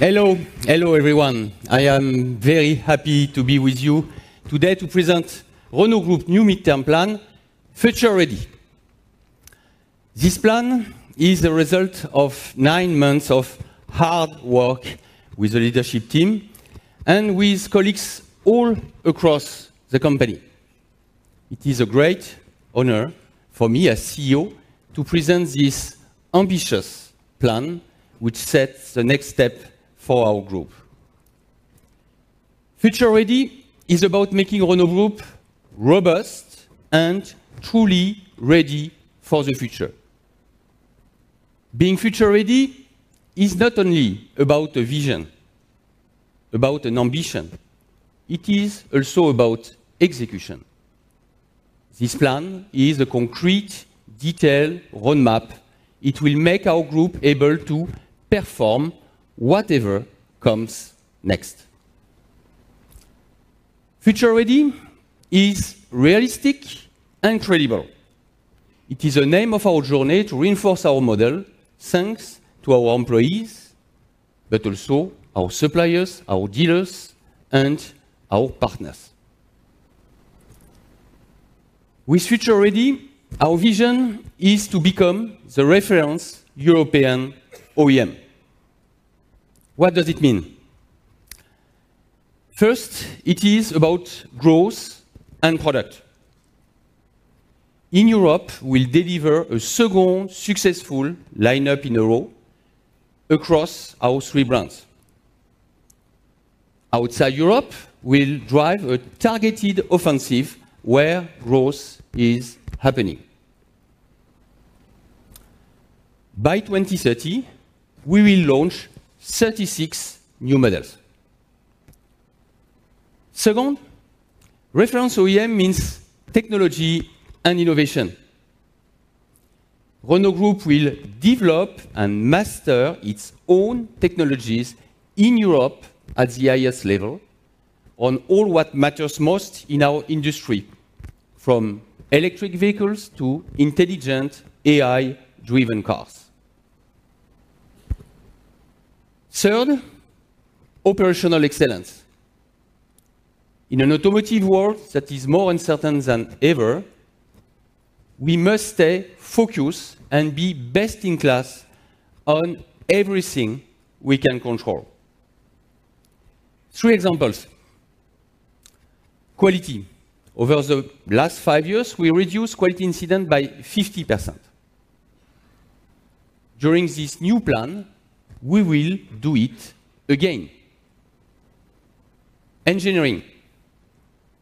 Hello. Hello, everyone. I am very happy to be with you today to present Renault Group new midterm plan, futuREady. This plan is a result of nine months of hard work with the leadership team and with colleagues all across the company. It is a great honor for me as CEO to present this ambitious plan, which sets the next step for our group. futuREady is about making Renault Group robust and truly ready for the future. Being future ready is not only about a vision, about an ambition, it is also about execution. This plan is a concrete detail roadmap. It will make our group able to perform whatever comes next. futuREady is realistic and credible. It is a name of our journey to reinforce our model thanks to our employees, but also our suppliers, our dealers, and our partners. With futuREady, our vision is to become the reference European OEM. What does it mean? First, it is about growth and product. In Europe, we'll deliver a second successful lineup in a row across our three brands. Outside Europe, we'll drive a targeted offensive where growth is happening. By 2030, we will launch 36 new models. Second, reference OEM means technology and innovation. Renault Group will develop and master its own technologies in Europe at the highest level on all that matters most in our industry, from electric vehicles to intelligent AI-driven cars. Third, operational excellence. In an automotive world that is more uncertain than ever, we must stay focused and be best in class on everything we can control. Three examples. Quality. Over the last five years, we reduced quality incident by 50%. During this new plan, we will do it again. Engineering.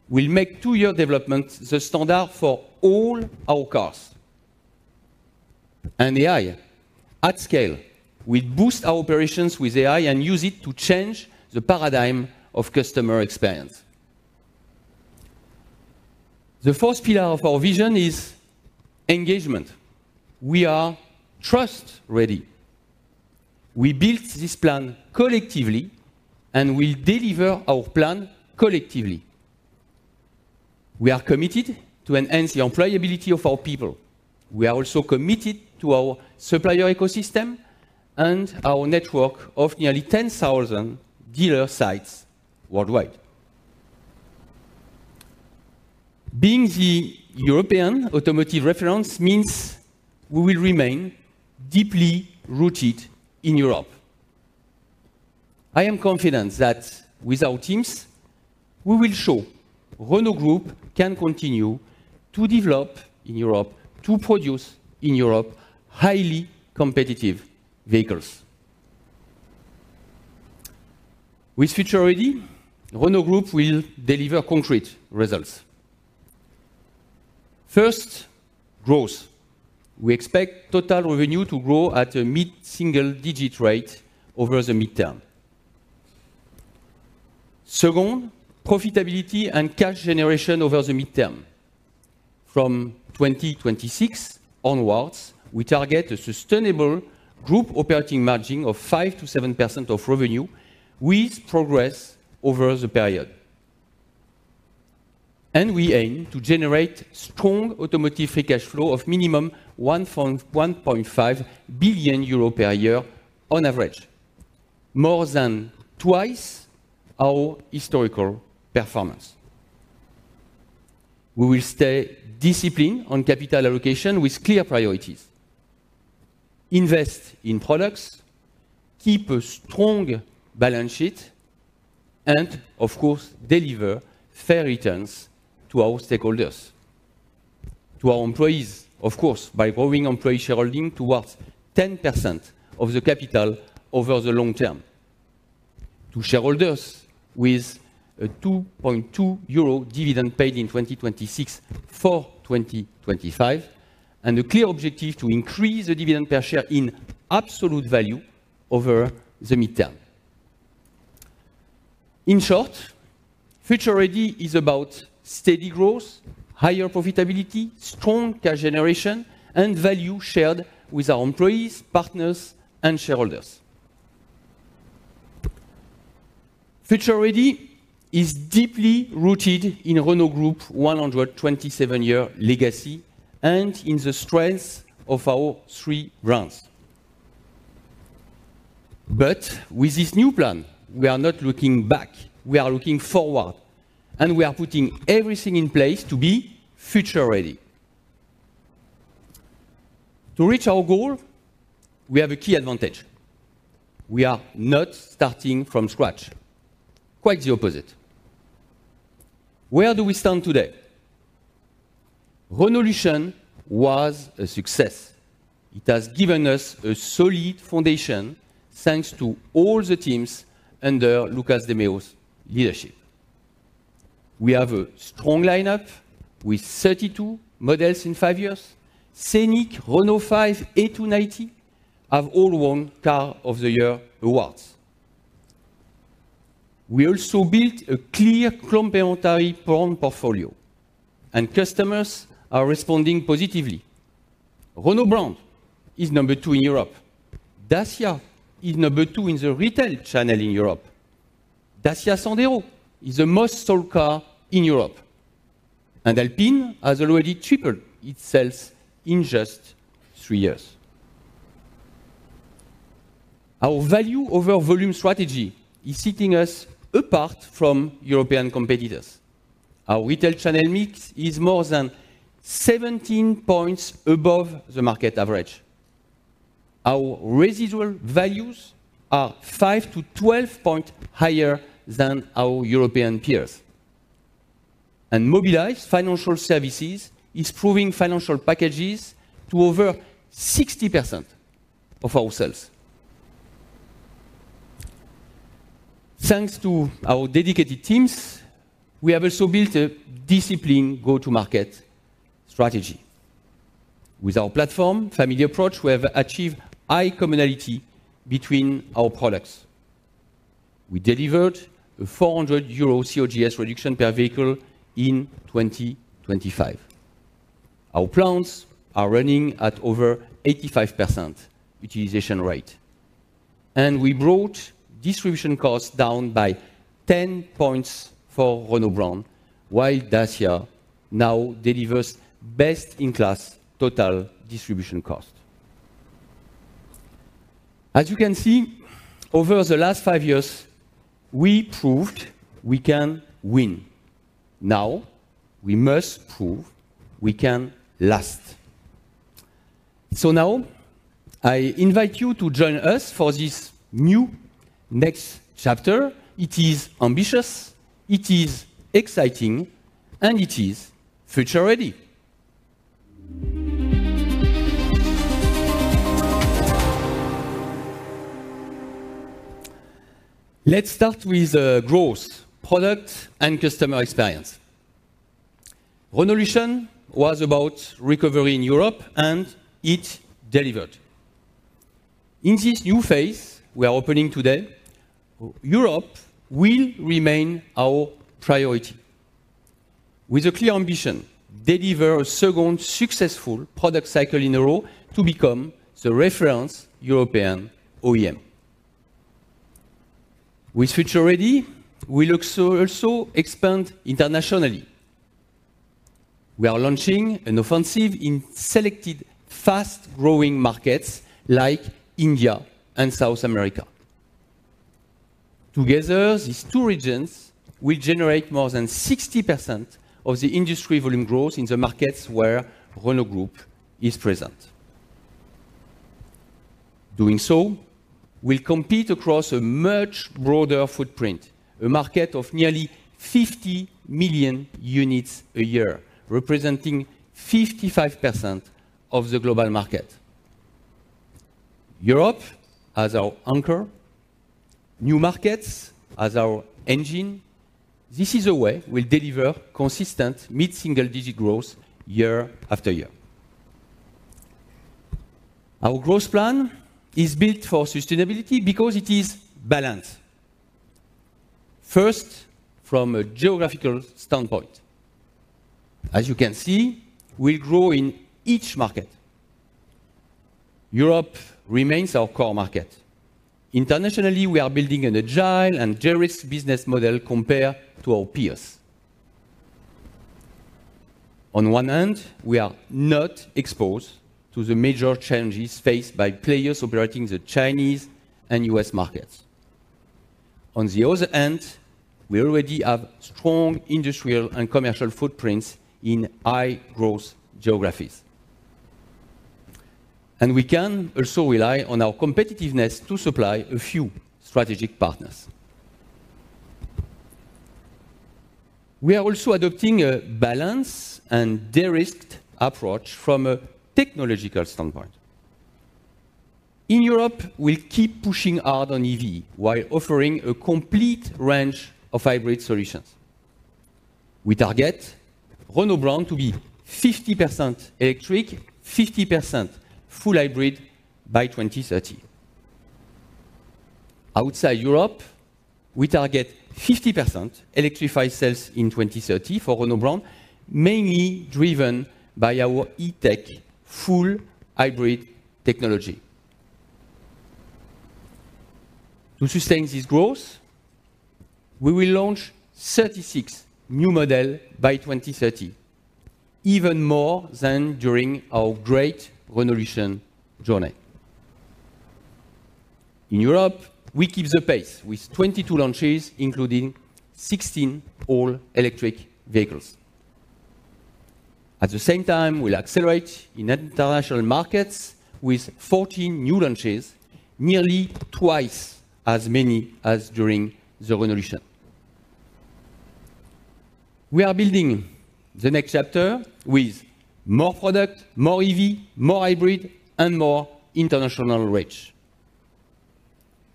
We'll make two-year development the standard for all our cars. AI. At scale, we boost our operations with AI and use it to change the paradigm of customer experience. The fourth pillar of our vision is engagement. We are trust ready. We built this plan collectively, and we'll deliver our plan collectively. We are committed to enhance the employability of our people. We are also committed to our supplier ecosystem and our network of nearly 10,000 dealer sites worldwide. Being the European automotive reference means we will remain deeply rooted in Europe. I am confident that with our teams, we will show Renault Group can continue to develop in Europe, to produce in Europe, highly competitive vehicles. With futuREady, Renault Group will deliver concrete results. First, growth. We expect total revenue to grow at a mid-single-digit rate over the midterm. Second, profitability and cash generation over the midterm. From 2026 onwards, we target a sustainable group operating margin of 5%-7% of revenue with progress over the period. We aim to generate strong automotive free cash flow of minimum 1.1 billion-1.5 billion euros per year on average, more than twice our historical performance. We will stay disciplined on capital allocation with clear priorities. Invest in products, keep a strong balance sheet, and of course, deliver fair returns to our stakeholders. To our employees, of course, by growing employee shareholding towards 10% of the capital over the long term. To shareholders with a 2.2 euro dividend paid in 2026 for 2025, and a clear objective to increase the dividend per share in absolute value over the midterm. In short, futuREady is about steady growth, higher profitability, strong cash generation, and value shared with our employees, partners, and shareholders. futuREady is deeply rooted in Renault Group 127-year legacy and in the strength of our three brands. With this new plan, we are not looking back, we are looking forward, and we are putting everything in place to be futuREady. To reach our goal, we have a key advantage. We are not starting from scratch. Quite the opposite. Where do we stand today? Renaulution was a success. It has given us a solid foundation thanks to all the teams under Luca de Meo's leadership. We have a strong lineup with 32 models in five years. Scenic, Renault 5, A290 have all won Car of the Year awards. We also built a clear complementary brand portfolio, and customers are responding positively. Renault brand is number two in Europe. Dacia is number two in the retail channel in Europe. Dacia Sandero is the most sold car in Europe, and Alpine has already tripled its sales in just three years. Our value over volume strategy is setting us apart from European competitors. Our retail channel mix is more than 17 points above the market average. Our residual values are five to 12 points higher than our European peers. Mobilize Financial Services is providing financial packages to over 60% of our sales. Thanks to our dedicated teams, we have also built a disciplined go-to-market strategy. With our platform family approach, we have achieved high commonality between our products. We delivered a 400 euro COGS reduction per vehicle in 2025. Our plants are running at over 85% utilization rate, and we brought distribution costs down by 10 points for Renault Brand, while Dacia now delivers best-in-class total distribution cost. As you can see, over the last five years, we proved we can win. Now, we must prove we can last. Now, I invite you to join us for this new next chapter. It is ambitious, it is exciting, and it is futuREady. Let's start with growth, product, and customer experience. Renaulution was about recovery in Europe, and it delivered. In this new phase we are opening today, Europe will remain our priority. With a clear ambition, deliver a second successful product cycle in a row to become the reference European OEM. With futuREady, we look also expand internationally. We are launching an offensive in selected fast-growing markets like India and South America. Together, these two regions will generate more than 60% of the industry volume growth in the markets where Renault Group is present. Doing so will compete across a much broader footprint, a market of nearly 50 million units a year, representing 55% of the global market. Europe as our anchor, new markets as our engine, this is a way we'll deliver consistent mid-single-digit growth year after year. Our growth plan is built for sustainability because it is balanced. First, from a geographical standpoint. As you can see, we grow in each market. Europe remains our core market. Internationally, we are building an agile and de-risked business model compared to our peers. On one hand, we are not exposed to the major challenges faced by players operating the Chinese and U.S. markets. On the other hand, we already have strong industrial and commercial footprints in high-growth geographies. We can also rely on our competitiveness to supply a few strategic partners. We are also adopting a balanced and de-risked approach from a technological standpoint. In Europe, we'll keep pushing hard on EV while offering a complete range of hybrid solutions. We target Renault Brand to be 50% electric, 50% full hybrid by 2030. Outside Europe, we target 50% electrified sales in 2030 for Renault Brand, mainly driven by our E-Tech full hybrid technology. To sustain this growth, we will launch 36 new model by 2030. Even more than during our great Renaulution journey. In Europe, we keep the pace with 22 launches, including 16 all-electric vehicles. At the same time, we'll accelerate in international markets with 14 new launches, nearly twice as many as during the Renaulution. We are building the next chapter with more product, more EV, more hybrid, and more international reach.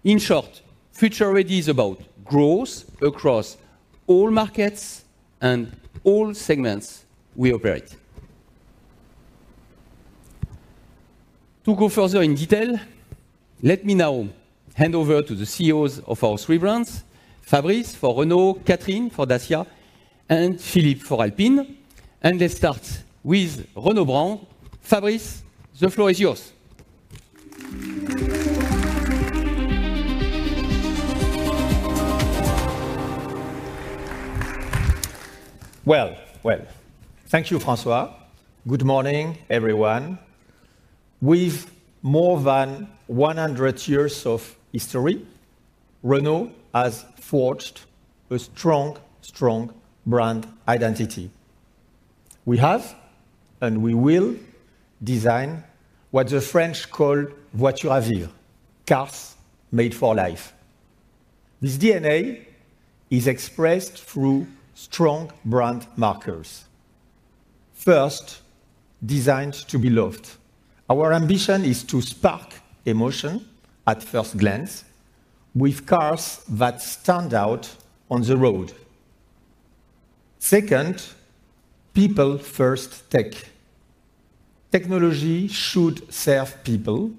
In short, futuREady is about growth across all markets and all segments we operate. To go further in detail, let me now hand over to the CEOs of our three brands, Fabrice for Renault, Katrin for Dacia, and Philippe for Alpine. Let's start with Renault Brand. Fabrice, the floor is yours. Well, well, thank you, François. Good morning, everyone. With more than 100 years of history, Renault has forged a strong brand identity. We have, and we will design what the French call, voiture à vie, cars made for life. This DNA is expressed through strong brand markers. First, designed to be loved. Our ambition is to spark emotion at first glance with cars that stand out on the road. Second, people first tech. Technology should serve people.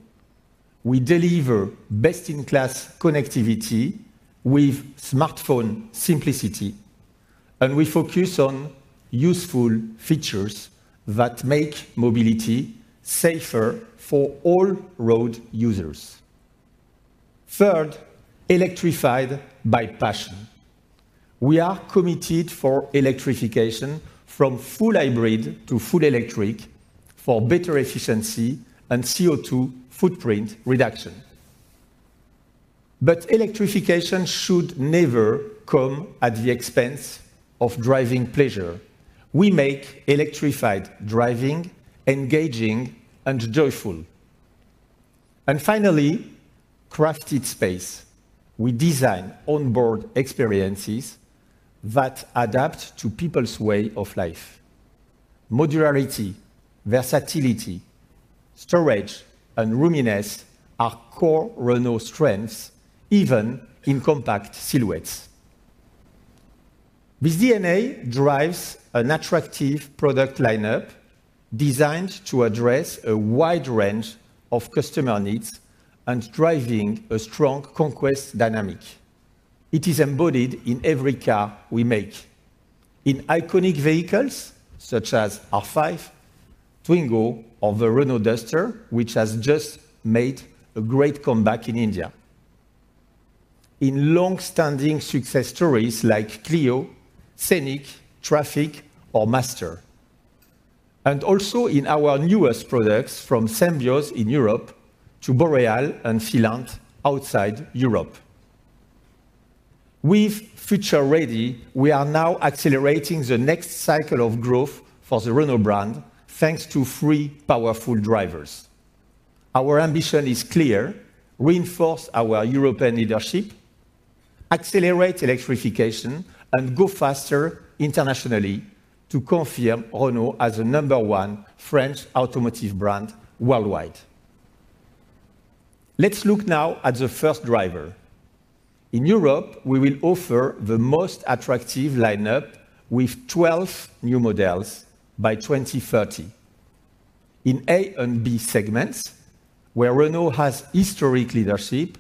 We deliver best-in-class connectivity with smartphone simplicity, and we focus on useful features that make mobility safer for all road users. Third, electrified by passion. We are committed for electrification from full hybrid to full electric for better efficiency and CO2 footprint reduction. Electrification should never come at the expense of driving pleasure. We make electrified driving engaging and joyful. Finally, crafted space. We design onboard experiences that adapt to people's way of life. Modularity, versatility, storage, and roominess are core Renault strengths, even in compact silhouettes. This DNA drives an attractive product lineup designed to address a wide range of customer needs and driving a strong conquest dynamic. It is embodied in every car we make. In iconic vehicles such as R5, Twingo, or the Renault Duster, which has just made a great comeback in India. In long-standing success stories like Clio, Scenic, Trafic, or Master, and also in our newest products from Symbioz in Europe to Boreal and Filante outside Europe. With futuREady, we are now accelerating the next cycle of growth for the Renault brand, thanks to three powerful drivers. Our ambition is clear. Reinforce our European leadership, accelerate electrification, and go faster internationally to confirm Renault as the number one French automotive brand worldwide. Let's look now at the first driver. In Europe, we will offer the most attractive lineup with 12 new models by 2030. In A and B segments where Renault has historic leadership,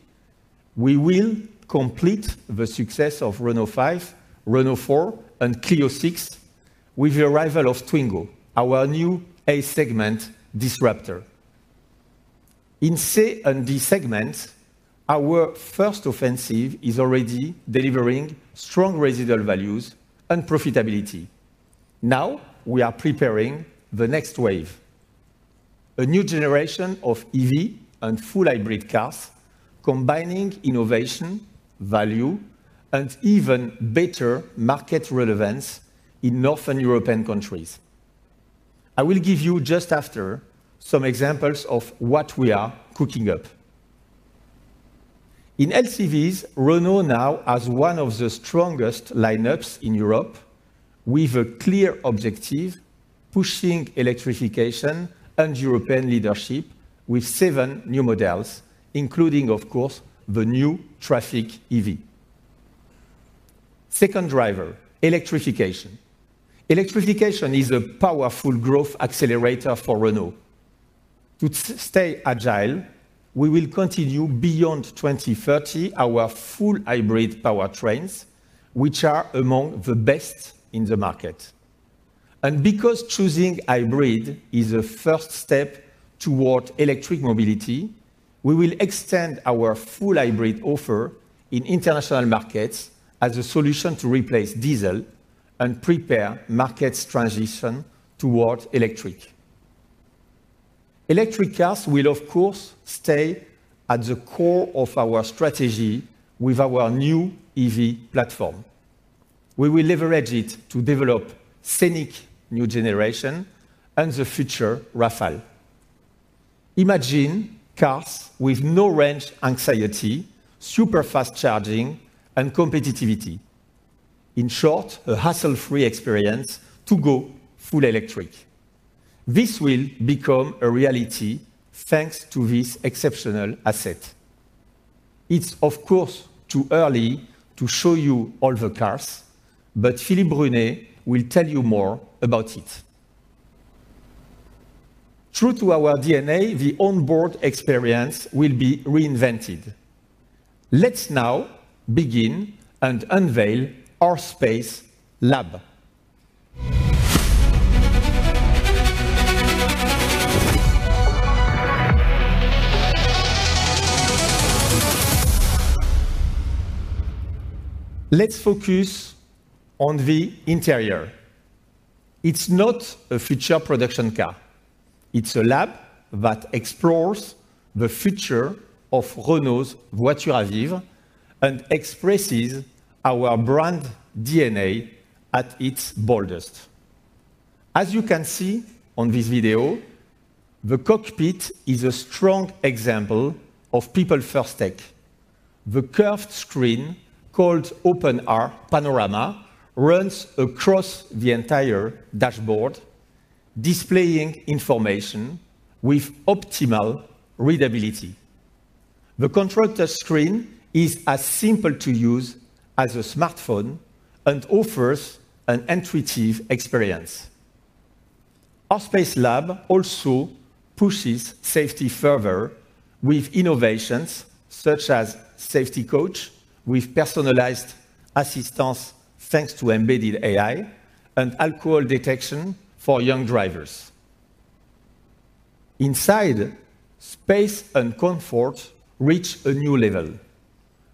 we will complete the success of Renault 5, Renault 4, and Clio 6 with the arrival of Twingo, our new A segment disruptor. In C and D segments, our first offensive is already delivering strong residual values and profitability. Now, we are preparing the next wave. A new generation of EV and full hybrid cars combining innovation, value, and even better market relevance in Northern European countries. I will give you just after some examples of what we are cooking up. In LCVs, Renault now has one of the strongest lineups in Europe with a clear objective, pushing electrification and European leadership with seven new models, including, of course, the new Trafic E-Tech. Second driver, electrification. Electrification is a powerful growth accelerator for Renault. To stay agile, we will continue beyond 2030 our full hybrid powertrains, which are among the best in the market. Because choosing hybrid is the first step toward electric mobility, we will extend our full hybrid offer in international markets as a solution to replace diesel and prepare markets transition towards electric. Electric cars will, of course, stay at the core of our strategy with our new EV platform. We will leverage it to develop Scenic new generation and the future Rafale. Imagine cars with no range anxiety, super-fast charging, and competitiveness. In short, a hassle-free experience to go full electric. This will become a reality thanks to this exceptional asset. It's of course, too early to show you all the cars, but Philippe Brunet will tell you more about it. True to our DNA, the onboard experience will be reinvented. Let's now begin and unveil our R-Space Lab. Let's focus on the interior. It's not a future production car. It's a lab that explores the future of Renault's voiture à vivre and expresses our brand DNA at its boldest. As you can see on this video, the cockpit is a strong example of people-first tech. The curved screen, called openR panorama, runs across the entire dashboard, displaying information with optimal readability. The controller screen is as simple to use as a smartphone and offers an intuitive experience. Our R-Space Lab also pushes safety further with innovations, such as Safety Coach with personalized assistance, thanks to embedded AI, and alcohol detection for young drivers. Inside, space and comfort reach a new level.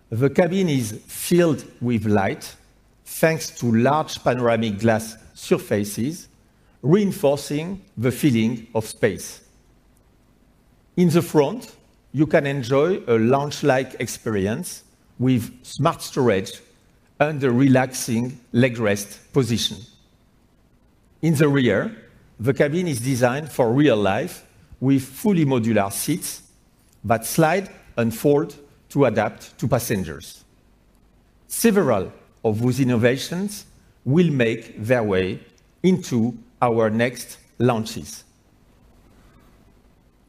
The cabin is filled with light, thanks to large panoramic glass surfaces, reinforcing the feeling of space. In the front, you can enjoy a lounge-like experience with smart storage and a relaxing leg rest position. In the rear, the cabin is designed for real life with fully modular seats that slide and fold to adapt to passengers. Several of those innovations will make their way into our next launches.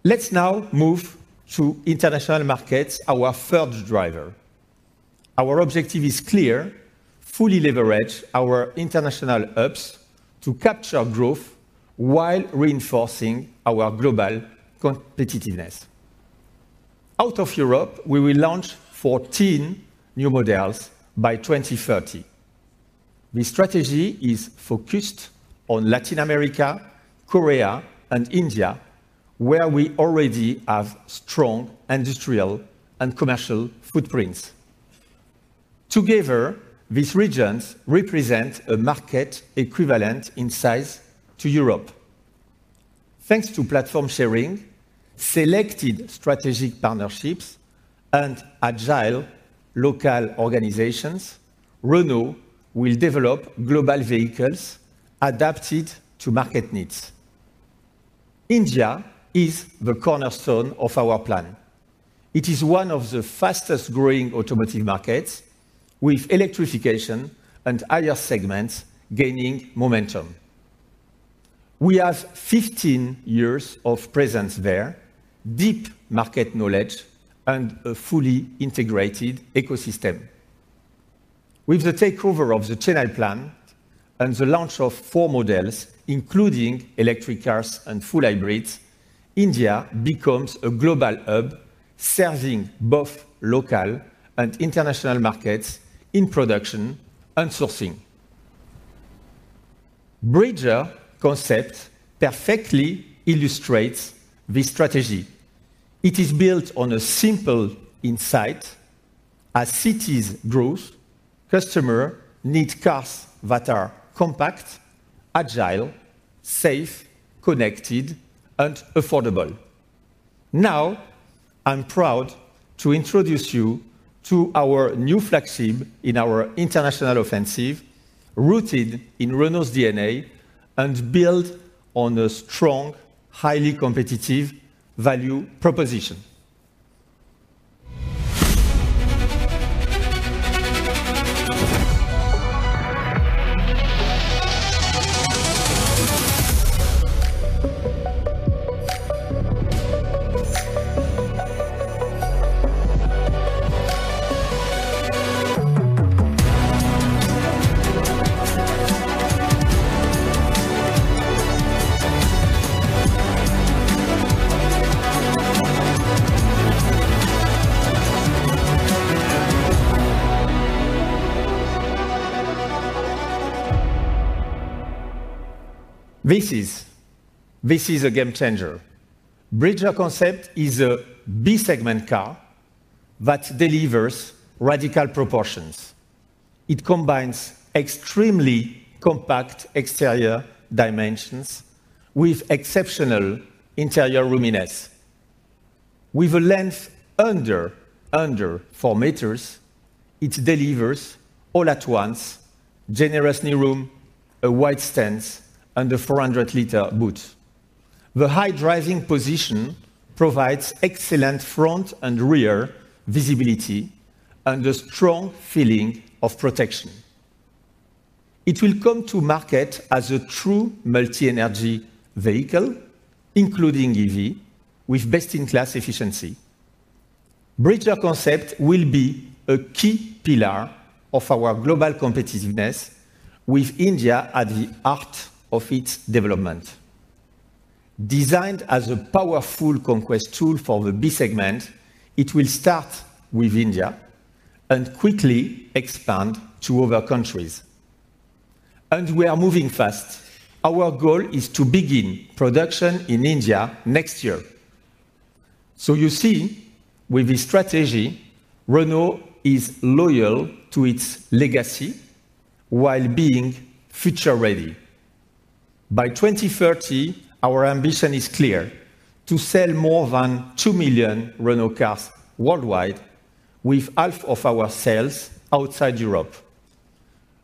Let's now move to international markets, our third driver. Our objective is clear, fully leverage our international hubs to capture growth while reinforcing our global competitiveness. Out of Europe, we will launch 14 new models by 2030. This strategy is focused on Latin America, Korea, and India, where we already have strong industrial and commercial footprints. Together, these regions represent a market equivalent in size to Europe. Thanks to platform sharing, selected strategic partnerships, and agile local organizations, Renault will develop global vehicles adapted to market needs. India is the cornerstone of our plan. It is one of the fastest-growing automotive markets with electrification and higher segments gaining momentum. We have 15 years of presence there, deep market knowledge, and a fully integrated ecosystem. With the takeover of the Chennai plant and the launch of four models, including electric cars and full hybrids, India becomes a global hub serving both local and international markets in production and sourcing. Bridger Concept perfectly illustrates this strategy. It is built on a simple insight. As cities grow, customers need cars that are compact, agile, safe, connected, and affordable. Now, I'm proud to introduce you to our new flagship in our international offensive, rooted in Renault's DNA and built on a strong, highly competitive value proposition. This is a game changer. Bridger Concept is a B-segment car that delivers radical proportions. It combines extremely compact exterior dimensions with exceptional interior roominess. With a length under 4 m, it delivers all at once generous knee room, a wide stance, and a 400 L boot. The high driving position provides excellent front and rear visibility and a strong feeling of protection. It will come to market as a true multi-energy vehicle, including EV, with best-in-class efficiency. Bridger Concept will be a key pillar of our global competitiveness with India at the heart of its development. Designed as a powerful conquest tool for the B-segment, it will start with India and quickly expand to other countries. We are moving fast. Our goal is to begin production in India next year. You see, with this strategy, Renault is loyal to its legacy while being future-ready. By 2030, our ambition is clear. To sell more than 2 million Renault cars worldwide with half of our sales outside Europe.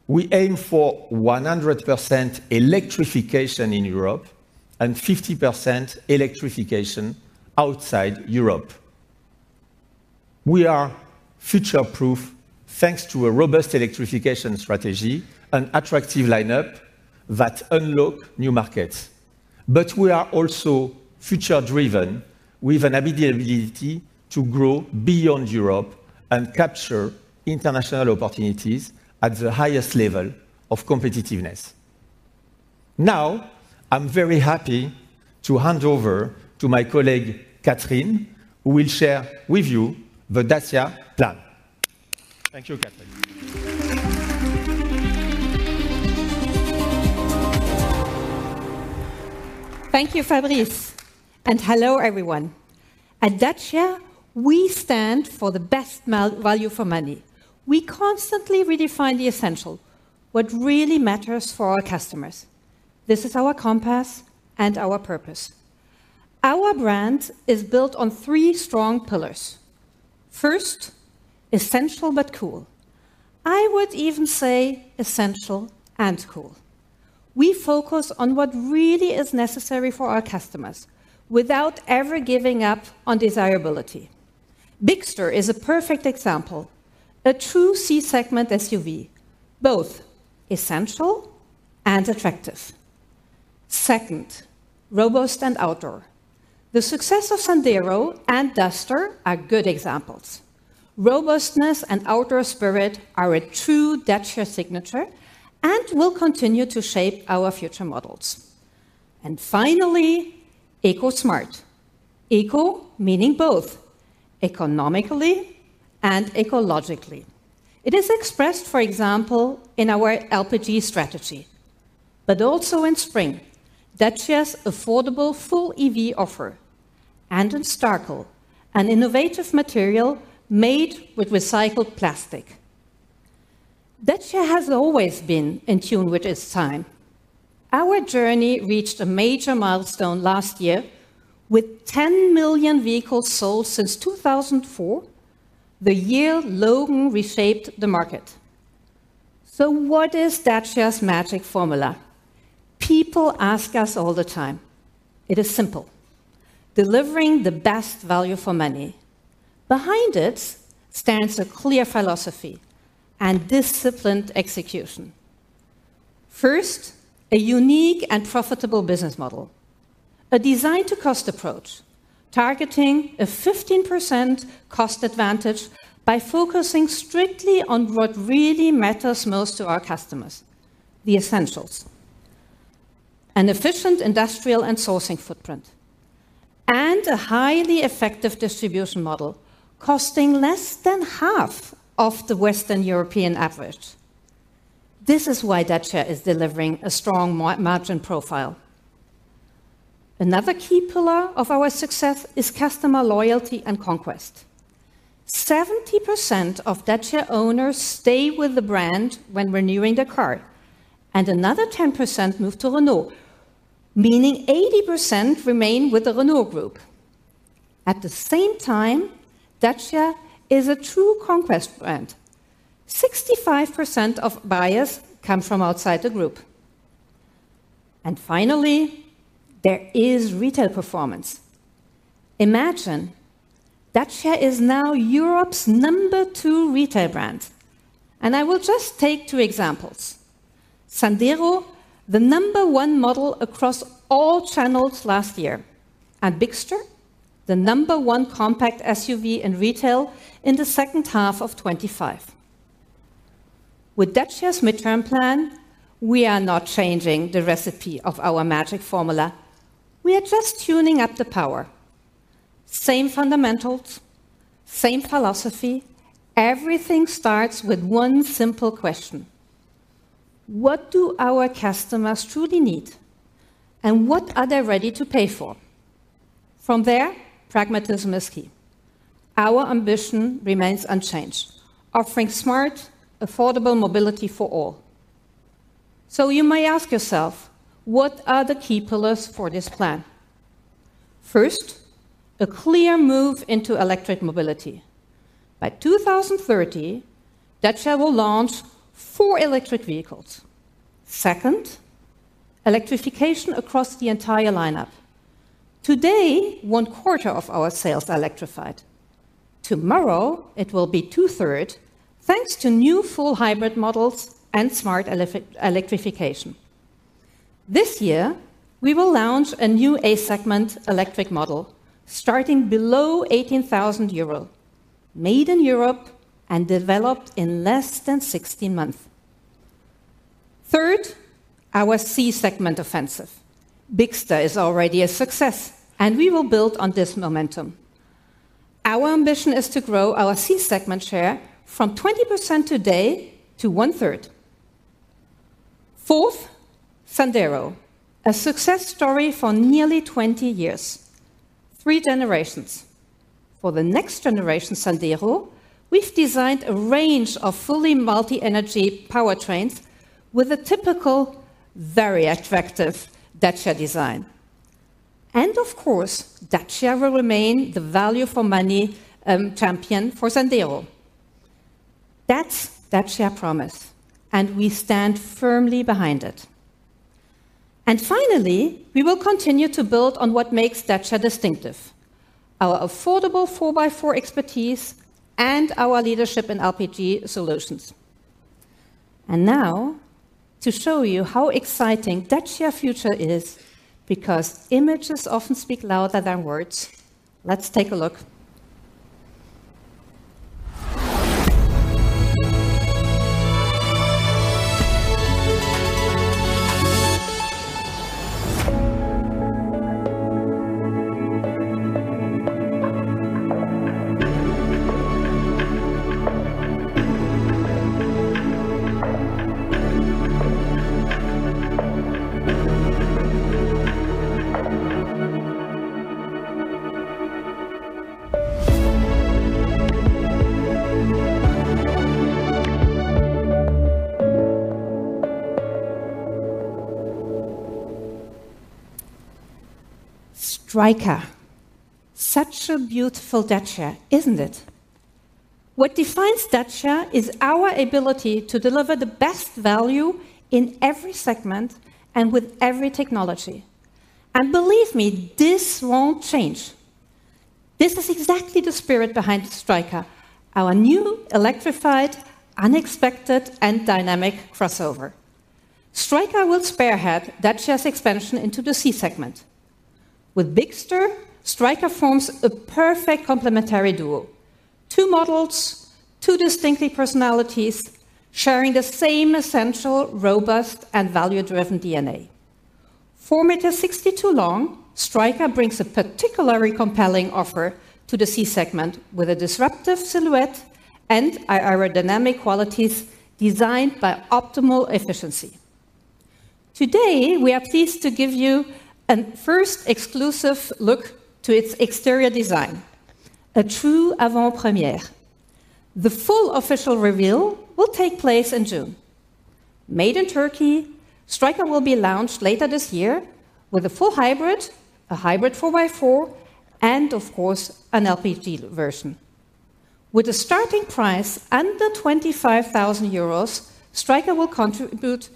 We aim for 100% electrification in Europe and 50% electrification outside Europe. We are future proof thanks to a robust electrification strategy and attractive lineup that unlock new markets. We are also future-driven with an ability to grow beyond Europe and capture international opportunities at the highest level of competitiveness. Now, I'm very happy to hand over to my colleague, Katrin, who will share with you the Dacia plan. Thank you, Katrin. Thank you, Fabrice, and hello, everyone. At Dacia, we stand for the best value for money. We constantly redefine the essential, what really matters for our customers. This is our compass and our purpose. Our brand is built on three strong pillars. First, essential but cool. I would even say essential and cool. We focus on what really is necessary for our customers without ever giving up on desirability. Bigster is a perfect example, a true C-segment SUV, both essential and attractive. Second, robust and outdoor. The success of Sandero and Duster are good examples. Robustness and outdoor spirit are a true Dacia signature and will continue to shape our future models. Finally, eco-smart. Eco meaning both economically and ecologically. It is expressed, for example, in our LPG strategy, but also in Spring, Dacia's affordable full EV offer and in Starkle, an innovative material made with recycled plastic. Dacia has always been in tune with its time. Our journey reached a major milestone last year with 10 million vehicles sold since 2004, the year Logan reshaped the market. What is Dacia's magic formula? People ask us all the time. It is simple, delivering the best value for money. Behind it stands a clear philosophy and disciplined execution. First, a unique and profitable business model, a design-to-cost approach, targeting a 15% cost advantage by focusing strictly on what really matters most to our customers, the essentials. An efficient industrial and sourcing footprint, and a highly effective distribution model costing less than half of the Western European average. This is why Dacia is delivering a strong margin profile. Another key pillar of our success is customer loyalty and conquest. 70% of Dacia owners stay with the brand when renewing their car, and another 10% move to Renault, meaning 80% remain with the Renault Group. At the same time, Dacia is a true conquest brand. 65% of buyers come from outside the group. Finally, there is retail performance. Imagine, Dacia is now Europe's number two retail brand. I will just take two examples. Sandero, the number one model across all channels last year, and Bigster, the number one compact SUV in retail in the second half of 2025. With Dacia's midterm plan, we are not changing the recipe of our magic formula. We are just tuning up the power. Same fundamentals, same philosophy. Everything starts with one simple question. What do our customers truly need and what are they ready to pay for? From there, pragmatim is key. Our ambition remains unchanged, offering smart, affordable mobility for all. You may ask yourself, what are the key pillars for this plan? First, a clear move into electric mobility. By 2030, Dacia will launch four electric vehicles. Second, electrification across the entire lineup. Today, 1/4 of our sales are electrified. Tomorrow it will be 2/3 thanks to new full hybrid models and smart electrification. This year, we will launch a new A-segment electric model starting below 18,000 euro, made in Europe and developed in less than 16 months. Third, our C-segment offensive. Bigster is already a success and we will build on this momentum. Our ambition is to grow our C-segment share from 20% today to 1/3. Fourth, Sandero, a success story for nearly 20 years. Three generations. For the next generation Sandero, we've designed a range of fully multi-energy powertrains with a typical, very attractive Dacia design. Of course, Dacia will remain the value for money champion for Sandero. That's Dacia promise, and we stand firmly behind it. Finally, we will continue to build on what makes Dacia distinctive, our affordable four by four expertise and our leadership in LPG solutions. Now to show you how exciting Dacia future is because images often speak louder than words. Let's take a look. Striker. Such a beautiful Dacia, isn't it? What defines Dacia is our ability to deliver the best value in every segment and with every technology. Believe me, this won't change. This is exactly the spirit behind Striker, our new electrified, unexpected, and dynamic crossover. Striker will spearhead Dacia's expansion into the C-segment. With Bigster, Striker forms a perfect complementary duo. Two models, two distinct personalities sharing the same essential, robust, and value-driven DNA. 4.62 meters long, Striker brings a particularly compelling offer to the C-segment with a disruptive silhouette and aerodynamic qualities designed for optimal efficiency. Today, we are pleased to give you a first exclusive look to its exterior design, a true avant-première. The full official reveal will take place in June. Made in Turkey, Striker will be launched later this year with a full hybrid, a hybrid 4x4, and of course, an LPG version. With a starting price under 25,000 euros, Striker will contribute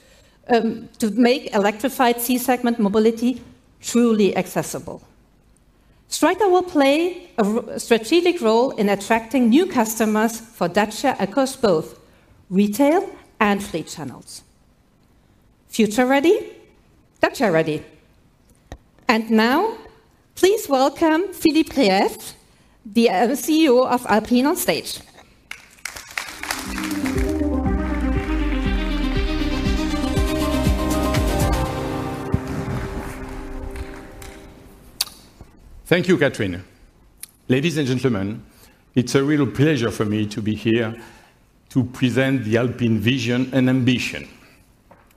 to make electrified C-segment mobility truly accessible. Striker will play a strategic role in attracting new customers for Dacia across both retail and fleet channels. Future ready? Dacia ready. Now please welcome Philippe Krief, CEO of Alpine, on stage. Thank you, Katrin. Ladies and gentlemen, it's a real pleasure for me to be here to present the Alpine vision and ambition.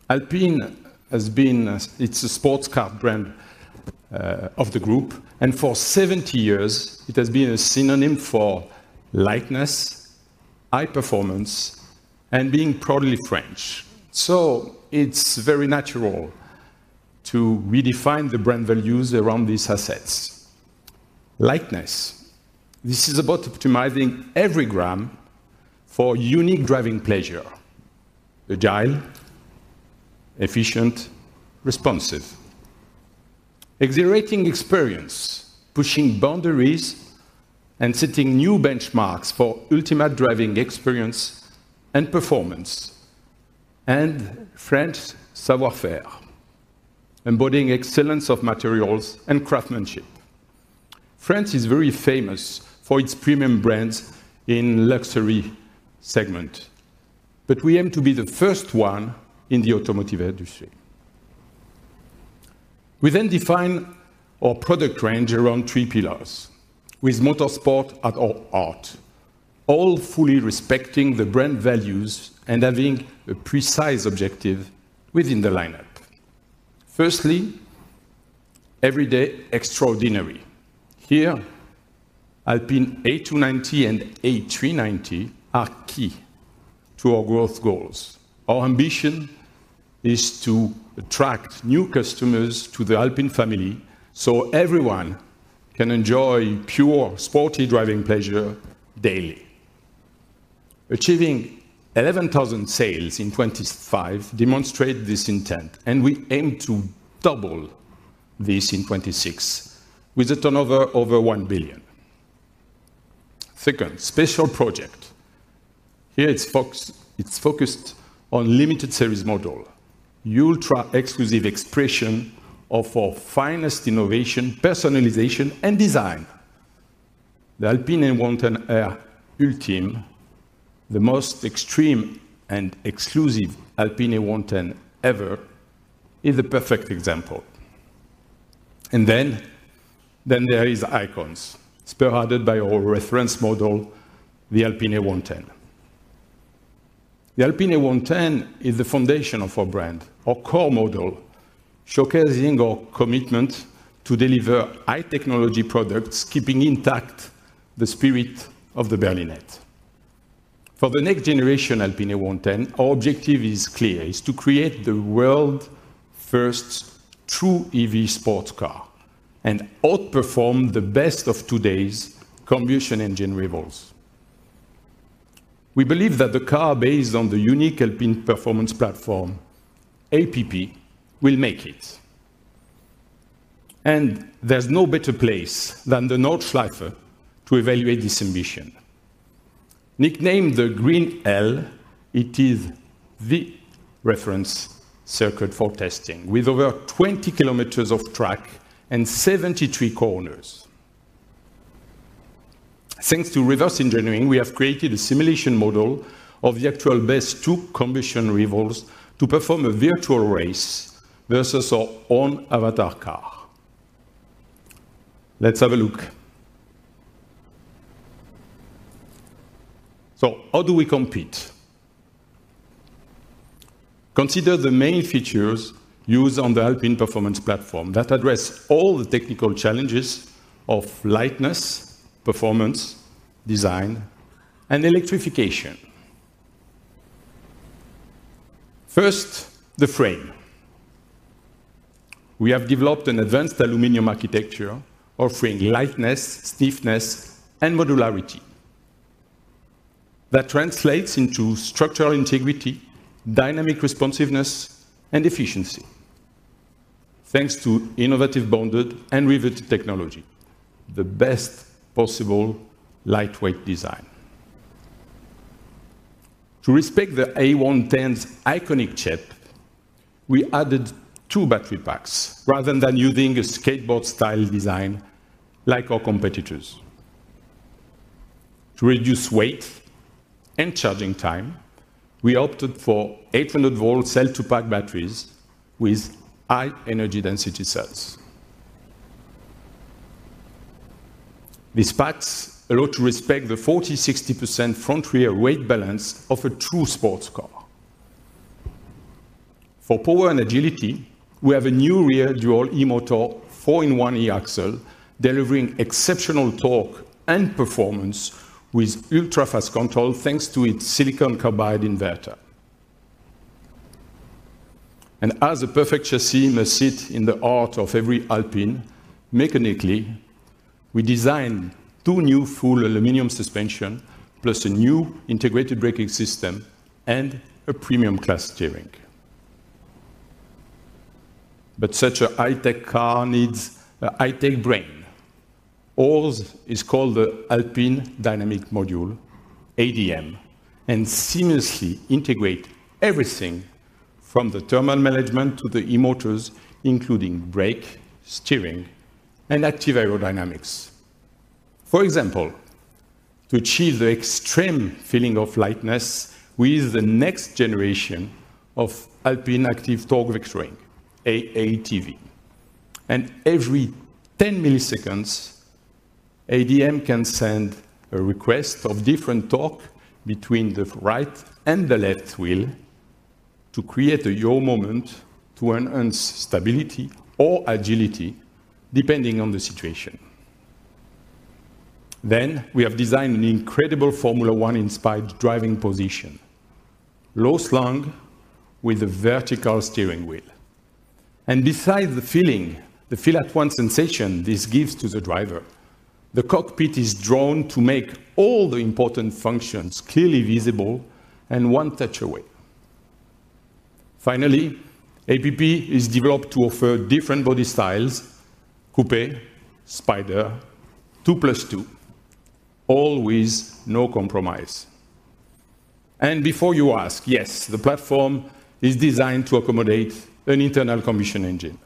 Alpine has been it's a sports car brand of the group, and for 70 years it has been a synonym for lightness, high performance, and being proudly French. It's very natural to redefine the brand values around these assets. Lightness. This is about optimizing every gram for unique driving pleasure, agile, efficient, responsive. Exhilarating experience, pushing boundaries and setting new benchmarks for ultimate driving experience and performance. French savoir-faire, embodying excellence of materials and craftsmanship. France is very famous for its premium brands in luxury segment, but we aim to be the first one in the automotive industry. We define our product range around three pillars with motorsport at our heart, all fully respecting the brand values and having a precise objective within the lineup. Firstly, everyday extraordinary. Here, Alpine A290 and A390 are key to our growth goals. Our ambition is to attract new customers to the Alpine family so everyone can enjoy pure sporty driving pleasure daily. Achieving 11,000 sales in 2025 demonstrate this intent, and we aim to double this in 2026 with a turnover over 1 billion. Second, special project. Here it's focused on limited series model. Ultra-exclusive expression of our finest innovation, personalization, and design. The Alpine A110 R Ultime, the most extreme and exclusive Alpine A110 ever, is the perfect example. There is icons, spearheaded by our reference model, the Alpine A110. The Alpine A110 is the foundation of our brand. Our core model showcasing our commitment to deliver high-technology products, keeping intact the spirit of the Berlinette. For the next generation Alpine A110, our objective is clear, to create the world's first true EV sports car and outperform the best of today's combustion engine rivals. We believe that the car based on the unique Alpine Performance Platform, APP, will make it. There's no better place than the Nordschleife to evaluate this ambition. Nicknamed the Green Hell, it is the reference circuit for testing with over 20 km of track and 73 corners. Thanks to reverse engineering, we have created a simulation model of the actual best two combustion rivals to perform a virtual race versus our own avatar car. Let's have a look. How do we compete? Consider the main features used on the Alpine Performance Platform that address all the technical challenges of lightness, performance, design, and electrification. First, the frame. We have developed an advanced aluminum architecture offering lightness, stiffness, and modularity. That translates into structural integrity, dynamic responsiveness, and efficiency. Thanks to innovative bonded and rivet technology, the best possible lightweight design. To respect the A110's iconic shape, we added two battery packs rather than using a skateboard-style design like our competitors. To reduce weight and charging time, we opted for 800 V cell-to-pack batteries with high energy density cells. These packs allow to respect the 40%-60% front-rear weight balance of a true sports car. For power and agility, we have a new rear dual e-motor four-in-one e-axle, delivering exceptional torque and performance with ultra-fast control thanks to its silicon carbide inverter. As a perfect chassis must sit in the heart of every Alpine, mechanically, we designed two new full aluminum suspension, plus a new integrated braking system and a premium class steering. Such a high-tech car needs a high-tech brain. Ours is called the Alpine Dynamic Module, ADM, and seamlessly integrate everything from the thermal management to the e-motors, including brake, steering, and active aerodynamics. For example, to achieve the extreme feeling of lightness with the next generation of Alpine Active Torque Vectoring, AATV. Every 10 ms, ADM can send a request of different torque between the right and the left wheel to create a yaw moment to enhance stability or agility, depending on the situation. We have designed an incredible Formula One-inspired driving position, low slung with a vertical steering wheel. Besides the feeling, the feel-at-one sensation this gives to the driver, the cockpit is drawn to make all the important functions clearly visible and one touch away. Finally, APP is developed to offer different body styles, coupe, spider, 2+2, all with no compromise. Before you ask, yes, the platform is designed to accommodate an internal combustion engine.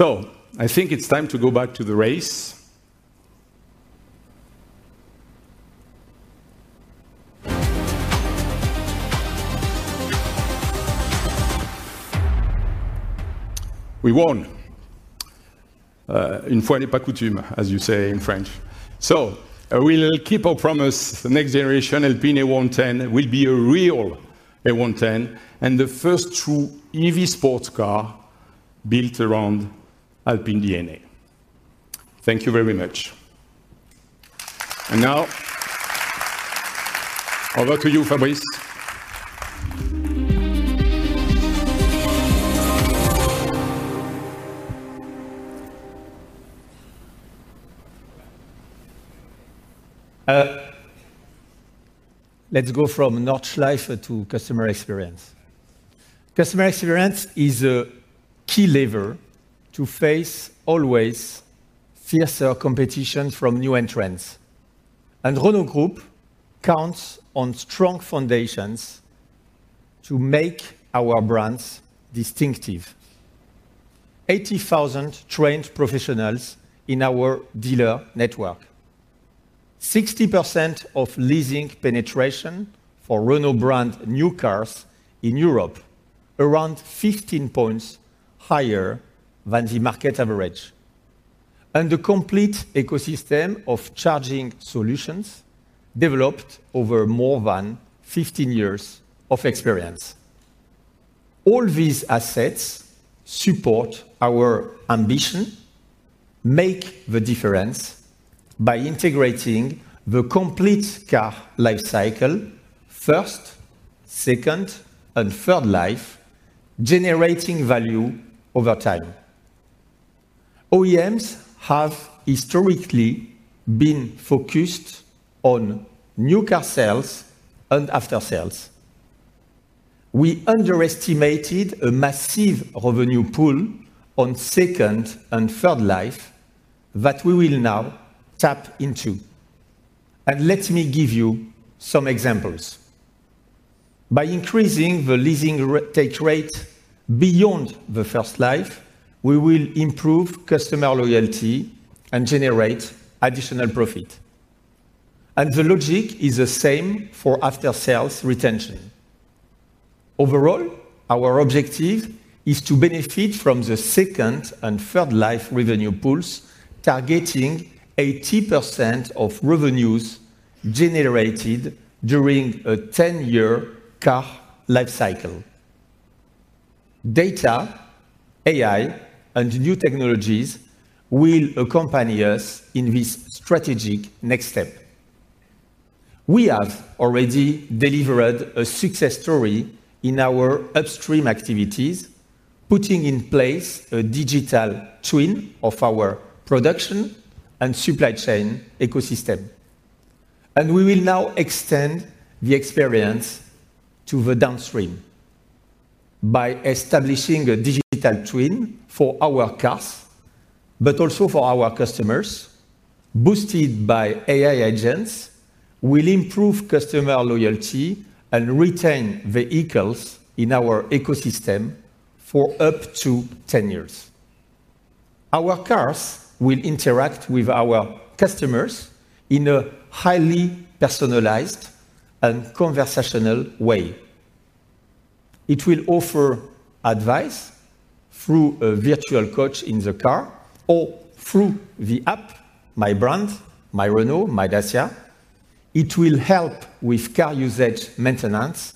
I think it's time to go back to the race. We won. Une fois n'est pas coutume, as you say in French. We'll keep our promise. The next generation Alpine A110 will be a real A110 and the first true EV sports car built around Alpine DNA. Thank you very much. Now, over to you, Fabrice. Let's go from Nordschleife to customer experience. Customer experience is a key lever to face always fiercer competition from new entrants. Renault Group counts on strong foundations to make our brands distinctive. 80,000 trained professionals in our dealer network, 60% of leasing penetration for Renault brand new cars in Europe, around 15 points higher than the market average, and a complete ecosystem of charging solutions developed over more than 15 years of experience. All these assets support our ambition, make the difference by integrating the complete car life cycle first, second, and third life, generating value over time. OEMs have historically been focused on new car sales and aftersales. We underestimated a massive revenue pool on second and third life that we will now tap into. Let me give you some examples. By increasing the leasing retake rate beyond the first life, we will improve customer loyalty and generate additional profit. The logic is the same for aftersales retention. Overall, our objective is to benefit from the second and third life revenue pools, targeting 80% of revenues generated during a 10-year car life cycle. Data, AI, and new technologies will accompany us in this strategic next step. We have already delivered a success story in our upstream activities, putting in place a digital twin of our production and supply chain ecosystem. We will now extend the experience to the downstream by establishing a digital twin for our cars, but also for our customers. Boosted by AI agents, we'll improve customer loyalty and retain vehicles in our ecosystem for up to 10 years. Our cars will interact with our customers in a highly personalized and conversational way. It will offer advice through a virtual coach in the car or through the app, My Brand, My Renault, My Dacia. It will help with car usage, maintenance,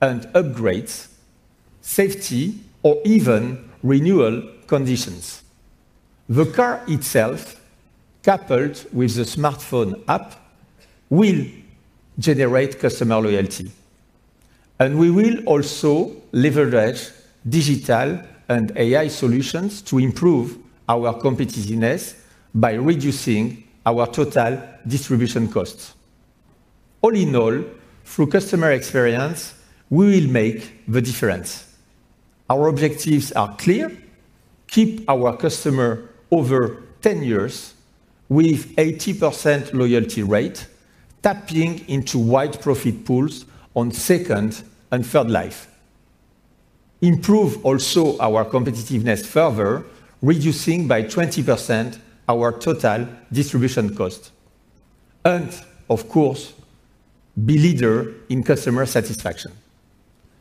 and upgrades, safety, or even renewal conditions. The car itself, coupled with the smartphone app, will generate customer loyalty. We will also leverage digital and AI solutions to improve our competitiveness by reducing our total distribution costs. All in all, through customer experience, we will make the difference. Our objectives are clear. Keep our customer over 10 years with 80% loyalty rate, tapping into wide profit pools on second and third life. Improve also our competitiveness further, reducing by 20% our total distribution cost and, of course, be leader in customer satisfaction.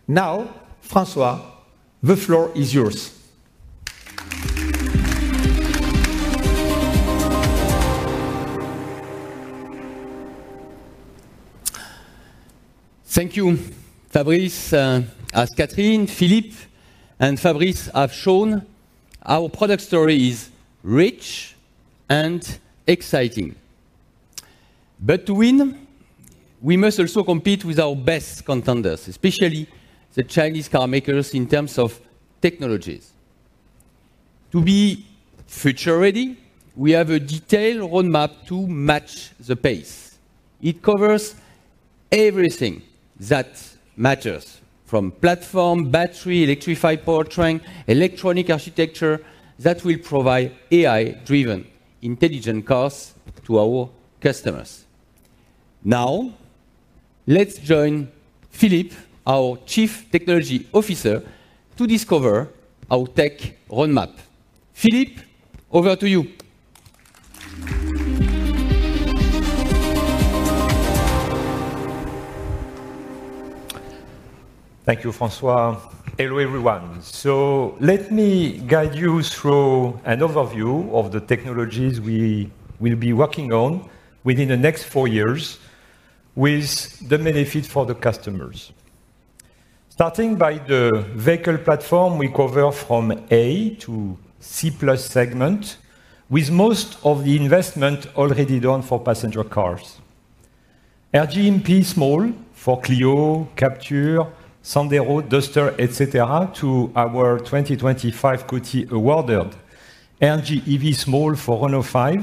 Now, François, the floor is yours. Thank you, Fabrice. As Katrin, Philippe, and Fabrice have shown, our product story is rich and exciting. To win, we must also compete with our best contenders, especially the Chinese car makers in terms of technologies. To be future ready, we have a detailed roadmap to match the pace. It covers everything that matters, from platform, battery, electrified powertrain, electronic architecture that will provide AI-driven intelligent cars to our customers. Now, let's join Philippe, our Chief Technology Officer, to discover our tech roadmap. Philippe, over to you. Thank you, François. Hello, everyone. Let me guide you through an overview of the technologies we will be working on within the next four years with the benefit for the customers. Starting by the vehicle platform, we cover from A to C+ segment, with most of the investment already done for passenger cars. CMF-B for Clio, Captur, Sandero, Duster, et cetera, to our 2025 goal toward. AmpR Small for R5,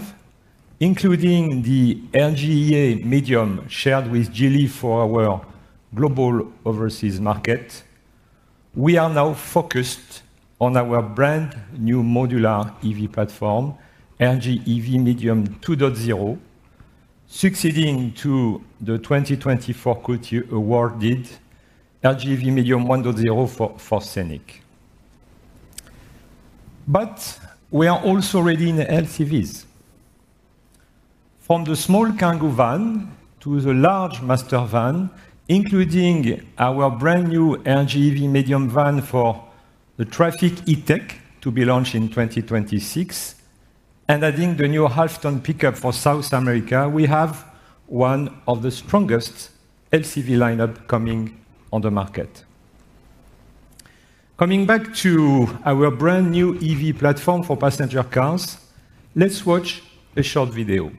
including the GEA Medium shared with Geely for our global overseas market. We are now focused on our brand new modular EV platform, RGEV Medium 2.0, succeeding to the 2024 Car of the Year RGEV Medium 1.0 for Scenic. We are also ready in LCVs. From the small Kangoo Van to the large Master Van, including our brand new LGEV Medium Van for the Trafic E-Tech to be launched in 2026, and adding the new half-ton pickup for South America, we have one of the strongest LCV lineup coming on the market. Coming back to our brand new EV platform for passenger cars, let's watch a short video.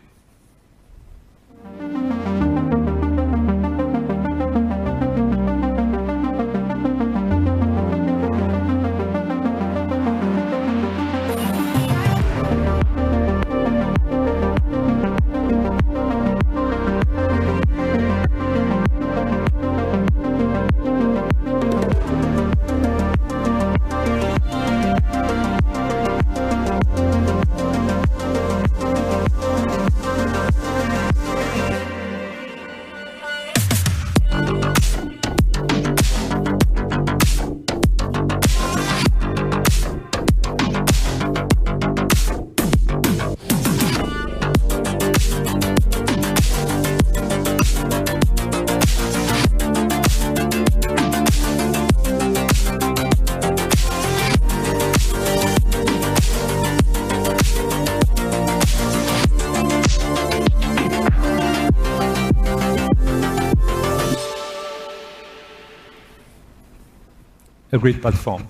A great platform.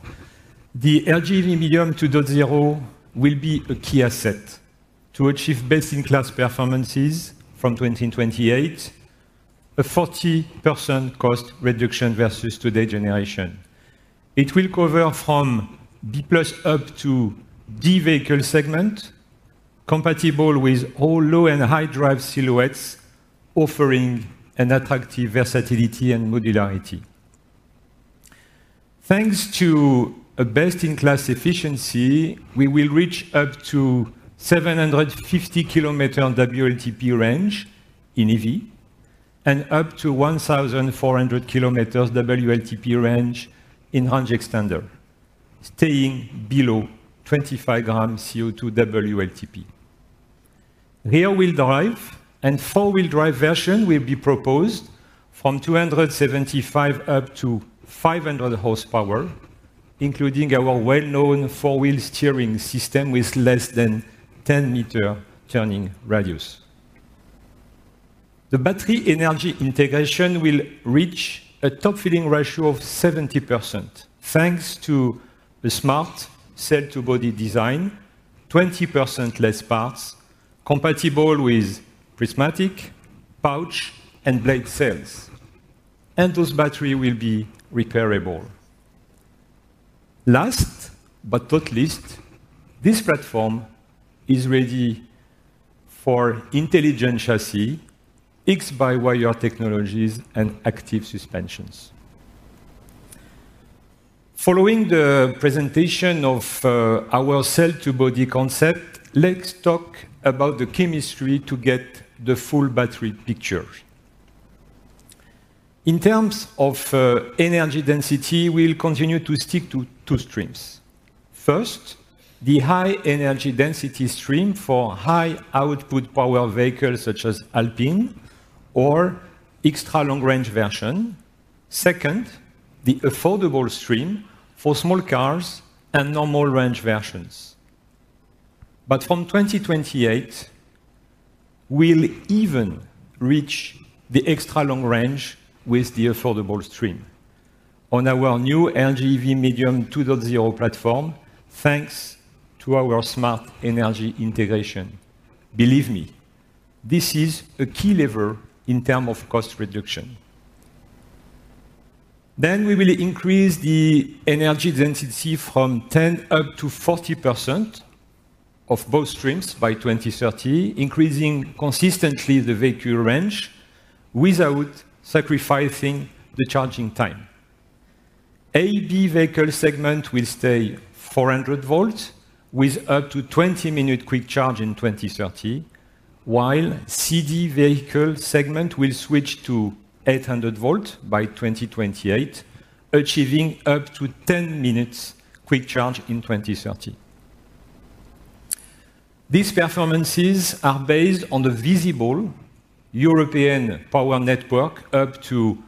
The RGEV Medium 2.0 will be a key asset to achieve best-in-class performances from 2028, a 40% cost reduction versus today generation. It will cover from B+ up to D vehicle segment, compatible with all low and high drive silhouettes, offering an attractive versatility and modularity. Thanks to a best-in-class efficiency, we will reach up to 750 km WLTP range in EV and up to 1,400 km WLTP range in range extender, staying below 25 g CO2 WLTP. Rear-wheel drive and four-wheel drive version will be proposed from 275 up to 500 horsepower, including our well-known four-wheel steering system with less than 10 m turning radius. The battery energy integration will reach a top filling ratio of 70% thanks to the smart cell-to-body design, 20% less parts, compatible with prismatic, pouch, and blade cells. Those batteries will be repairable. Last but not least, this platform is ready for intelligent chassis, X-by-wire technologies, and active suspensions. Following the presentation of our cell-to-body concept, let's talk about the chemistry to get the full battery picture. In terms of energy density, we'll continue to stick to two streams. First, the high-energy density stream for high-output power vehicles such as Alpine or extra long range version. Second, the affordable stream for small cars and normal range versions. From 2028, we'll even reach the extra long range with the affordable stream on our new RGEV Medium 2.0 platform, thanks to our smart energy integration. Believe me, this is a key lever in terms of cost reduction. We will increase the energy density from 10% up to 40% of both streams by 2030, increasing consistently the vehicle range without sacrificing the charging time. AB vehicle segment will stay 400 V with up to 20-minute quick charge in 2030, while CD vehicle segment will switch to 800 V by 2028, achieving up to 10-minute quick charge in 2030. These performances are based on the viable European power network up to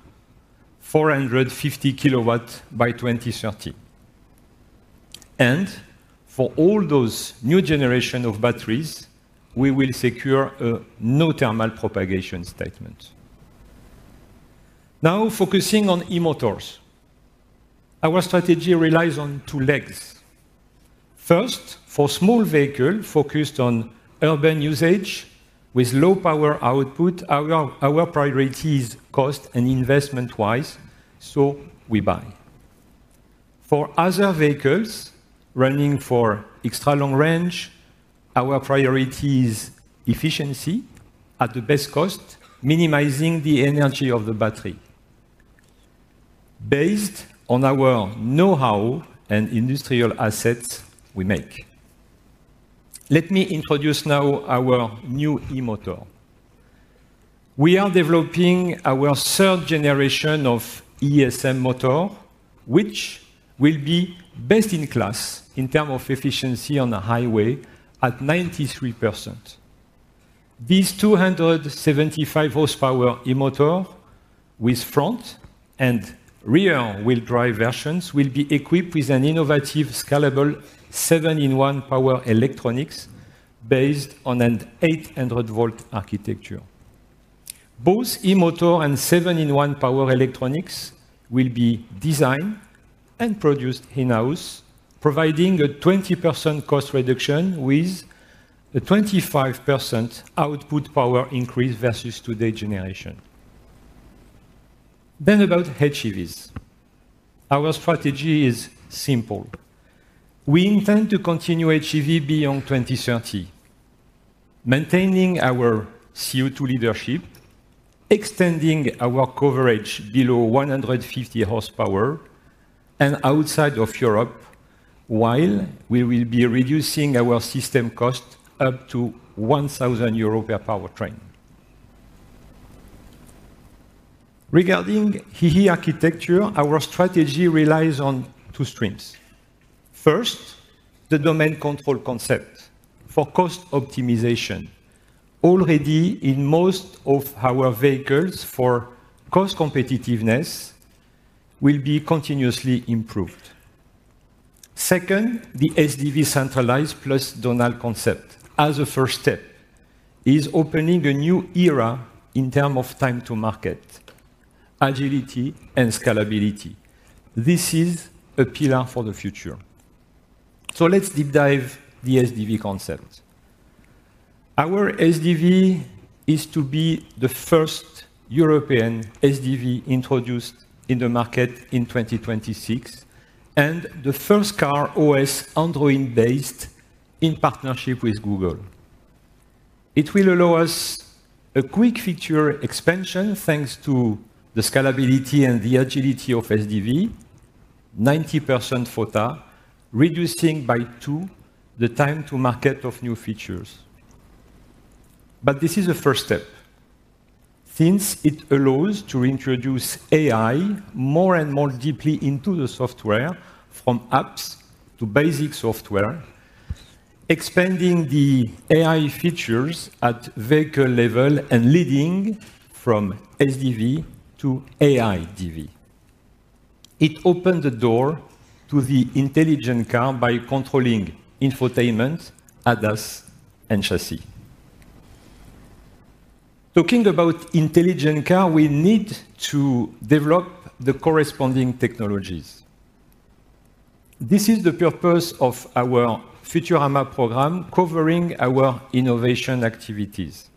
450 kW by 2030. For all those new generation of batteries, we will secure a no thermal propagation statement. Now focusing on e-motors. Our strategy relies on two legs. First, for small vehicle focused on urban usage with low power output, our priority is cost and investment-wise, so we buy. For other vehicles running for extra long range, our priority is efficiency at the best cost, minimizing the energy of the battery. Based on our know-how and industrial assets, we make. Let me introduce now our new e-motor. We are developing our third generation of EESM motor, which will be best in class in terms of efficiency on the highway at 93%. These 275-horsepower e-motor with front and rear wheel drive versions will be equipped with an innovative scalable seven-in-one power electronics based on an 800 V architecture. Both e-motor and seven-in-one power electronics will be designed and produced in-house, providing a 20% cost reduction with a 25% output power increase versus today's generation. About HEVs. Our strategy is simple. We intend to continue HEV beyond 2030, maintaining our CO2 leadership, extending our coverage below 150 horsepower and outside of Europe, while we will be reducing our system cost up to 1,000 euros per powertrain. Regarding E/E architecture, our strategy relies on two streams. First, the domain control concept for cost optimization already in most of our vehicles for cost competitiveness will be continuously improved. Second, the SDV centralized plus domain concept as a first step is opening a new era in terms of time to market, agility, and scalability. This is a pillar for the future. Let's deep dive the SDV concept. Our SDV is to be the first European SDV introduced in the market in 2026, and the first car OS Android-based in partnership with Google. It will allow us a quick feature expansion thanks to the scalability and the agility of SDV. 90% FOTA, reducing by two the time to market of new features. This is the first step, since it allows to introduce AI more and more deeply into the software from apps to basic software, expanding the AI features at vehicle level and leading from SDV to AIDV. It opened the door to the intelligent car by controlling infotainment, ADAS, and chassis. Talking about intelligent car, we need to develop the corresponding technologies. This is the purpose of our Futurama program covering our innovation activities.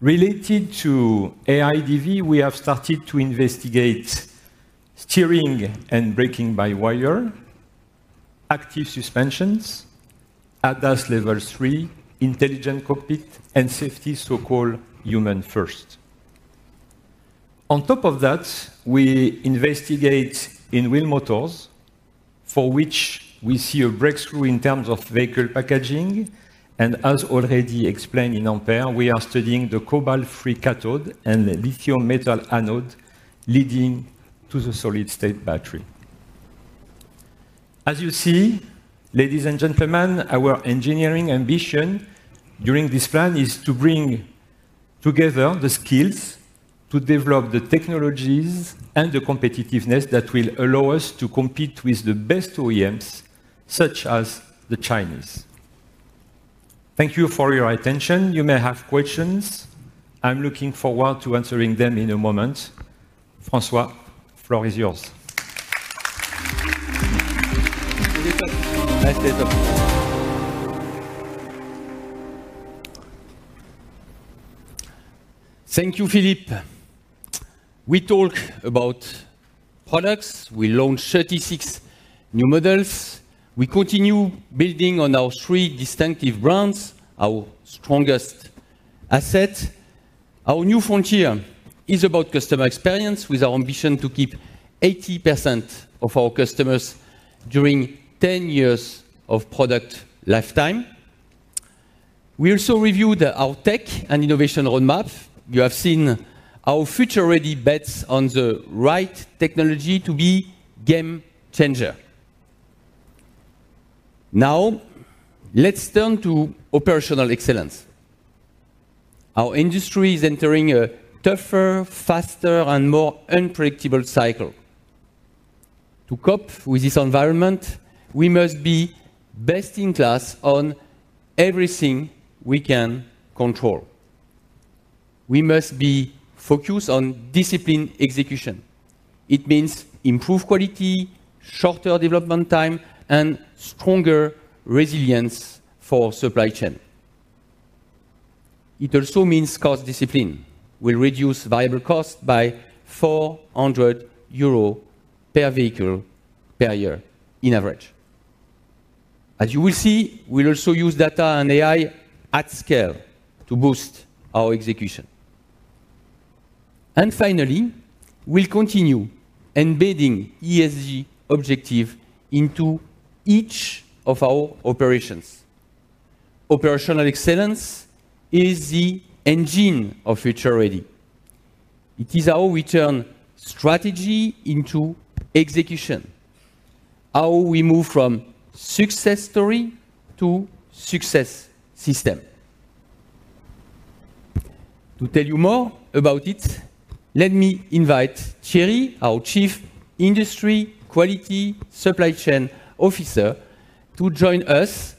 Related to AIDV, we have started to investigate steering and braking-by-wire, active suspensions, ADAS level three, intelligent cockpit, and safety, so-called human first. On top of that, we investigate in-wheel motors for which we see a breakthrough in terms of vehicle packaging, and as already explained in Ampere, we are studying the cobalt-free cathode and the lithium metal anode leading to the solid-state battery. As you see, ladies and gentlemen, our engineering ambition during this plan is to bring together the skills to develop the technologies and the competitiveness that will allow us to compete with the best OEMs, such as the Chinese. Thank you for your attention. You may have questions. I'm looking forward to answering them in a moment. François, floor is yours. Philippe, nice setup. Thank you, Philippe. We talk about products. We launch 36 new models. We continue building on our three distinctive brands, our strongest asset. Our new frontier is about customer experience with our ambition to keep 80% of our customers during 10 years of product lifetime. We also reviewed our tech and innovation roadmap. You have seen our future-ready bets on the right technology to be game changer. Now, let's turn to operational excellence. Our industry is entering a tougher, faster, and more unpredictable cycle. To cope with this environment, we must be best in class on everything we can control. We must be focused on disciplined execution. It means improved quality, shorter development time, and stronger resilience for supply chain. It also means cost discipline will reduce variable cost by 400 euros per vehicle per year on average. As you will see, we'll also use data and AI at scale to boost our execution. Finally, we'll continue embedding ESG objective into each of our operations. Operational excellence is the engine of futuREady. It is how we turn strategy into execution. How we move from success story to success system. To tell you more about it, let me invite Thierry, our Chief Industry, Quality and Supply Chain Officer to join us.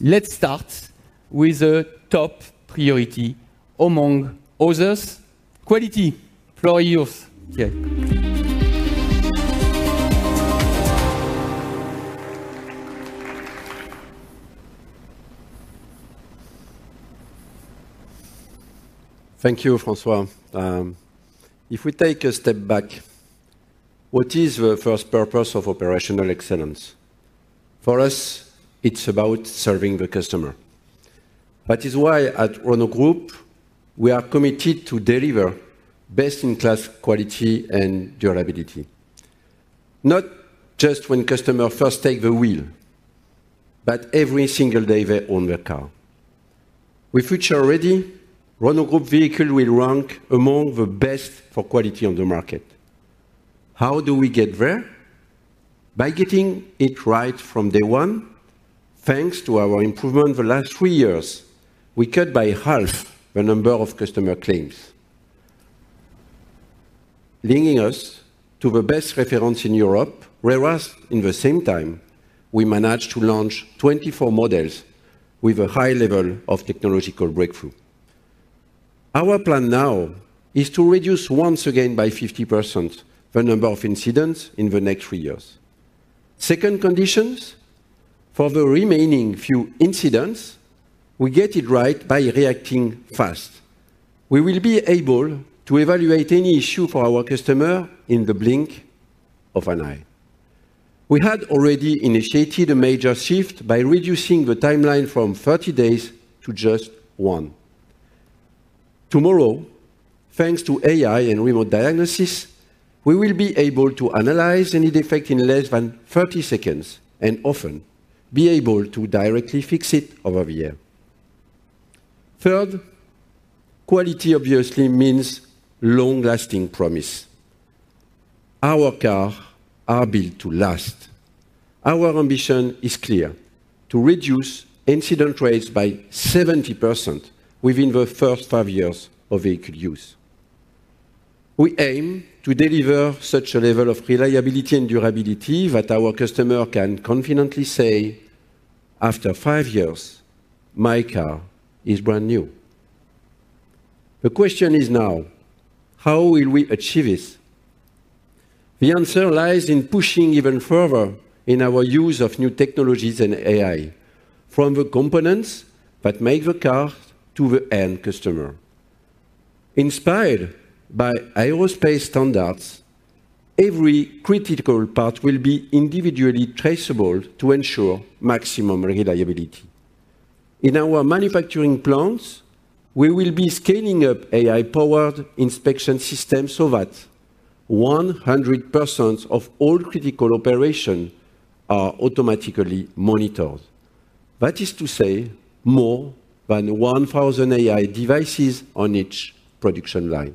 Let's start with the top priority among others, quality. Floor is yours, Thierry. Thank you, François. If we take a step back, what is the first purpose of operational excellence? For us, it's about serving the customer. That is why at Renault Group, we are committed to deliver best-in-class quality and durability. Not just when customers first take the wheel, but every single day they own their car. With futuREady, Renault Group vehicles will rank among the best for quality on the market. How do we get there? By getting it right from day one, thanks to our improvement the last three years, we cut by half the number of customer claims. Leading us to the best reference in Europe, whereas in the same time, we managed to launch 24 models with a high level of technological breakthrough. Our plan now is to reduce once again by 50% the number of incidents in the next three years. Second conditions for the remaining few incidents, we get it right by reacting fast. We will be able to evaluate any issue for our customer in the blink of an eye. We had already initiated a major shift by reducing the timeline from 30 days to just one. Tomorrow, thanks to AI and remote diagnosis, we will be able to analyze any defect in less than 30-seconds, and often be able to directly fix it over the air. Third, quality obviously means long-lasting promise. Our cars are built to last. Our ambition is clear to reduce incident rates by 70% within the first five years of vehicle use. We aim to deliver such a level of reliability and durability that our customer can confidently say, after five years, "My car is brand new." The question is now, how will we achieve this? The answer lies in pushing even further in our use of new technologies and AI from the components that make the car to the end customer. Inspired by aerospace standards, every critical part will be individually traceable to ensure maximum reliability. In our manufacturing plants, we will be scaling up AI-powered inspection systems so that 100% of all critical operations are automatically monitored. That is to say, more than 1,000 AI devices on each production line.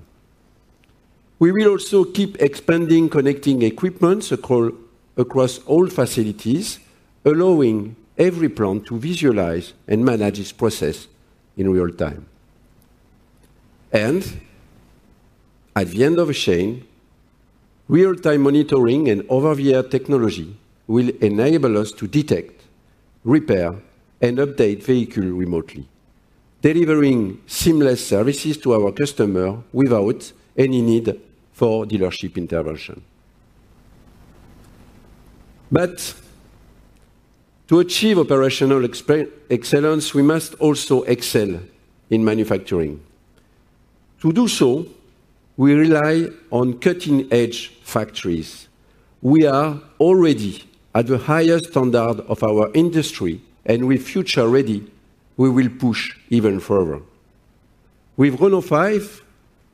We will also keep expanding connecting equipment across all facilities, allowing every plant to visualize and manage its process in real time. At the end of the chain, real-time monitoring and over-the-air technology will enable us to detect, repair, and update vehicles remotely. Delivering seamless services to our customers without any need for dealership intervention. To achieve operational excellence, we must also excel in manufacturing. To do so, we rely on cutting-edge factories. We are already at the highest standard of our industry, and with futuREady, we will push even further. With Renault 5,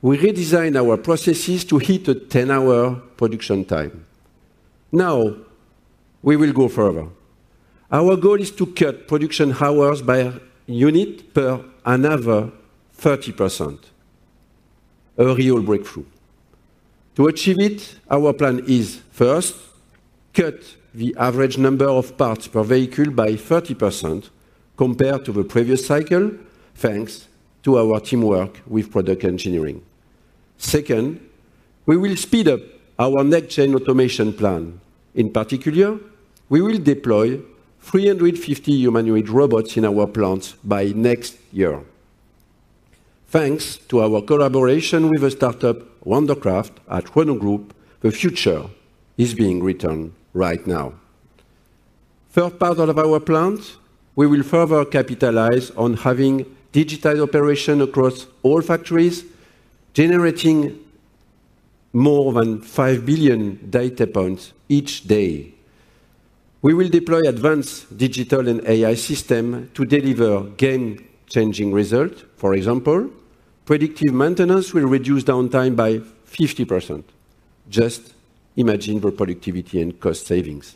we redesigned our processes to hit a 10-hour production time. Now we will go further. Our goal is to cut production hours per unit by another 30%. A real breakthrough. To achieve it, our plan is, first, cut the average number of parts per vehicle by 30% compared to the previous cycle, thanks to our teamwork with product engineering. Second, we will speed up our next-gen automation plan. In particular, we will deploy 350 humanoid robots in our plants by next year. Thanks to our collaboration with the startup Wandercraft, at Renault Group, the future is being written right now. Third part of our plan, we will further capitalize on having digital operation across all factories, generating more than 5 billion data points each day. We will deploy advanced digital and AI system to deliver game-changing result. For example, predictive maintenance will reduce downtime by 50%. Just imagine the productivity and cost savings.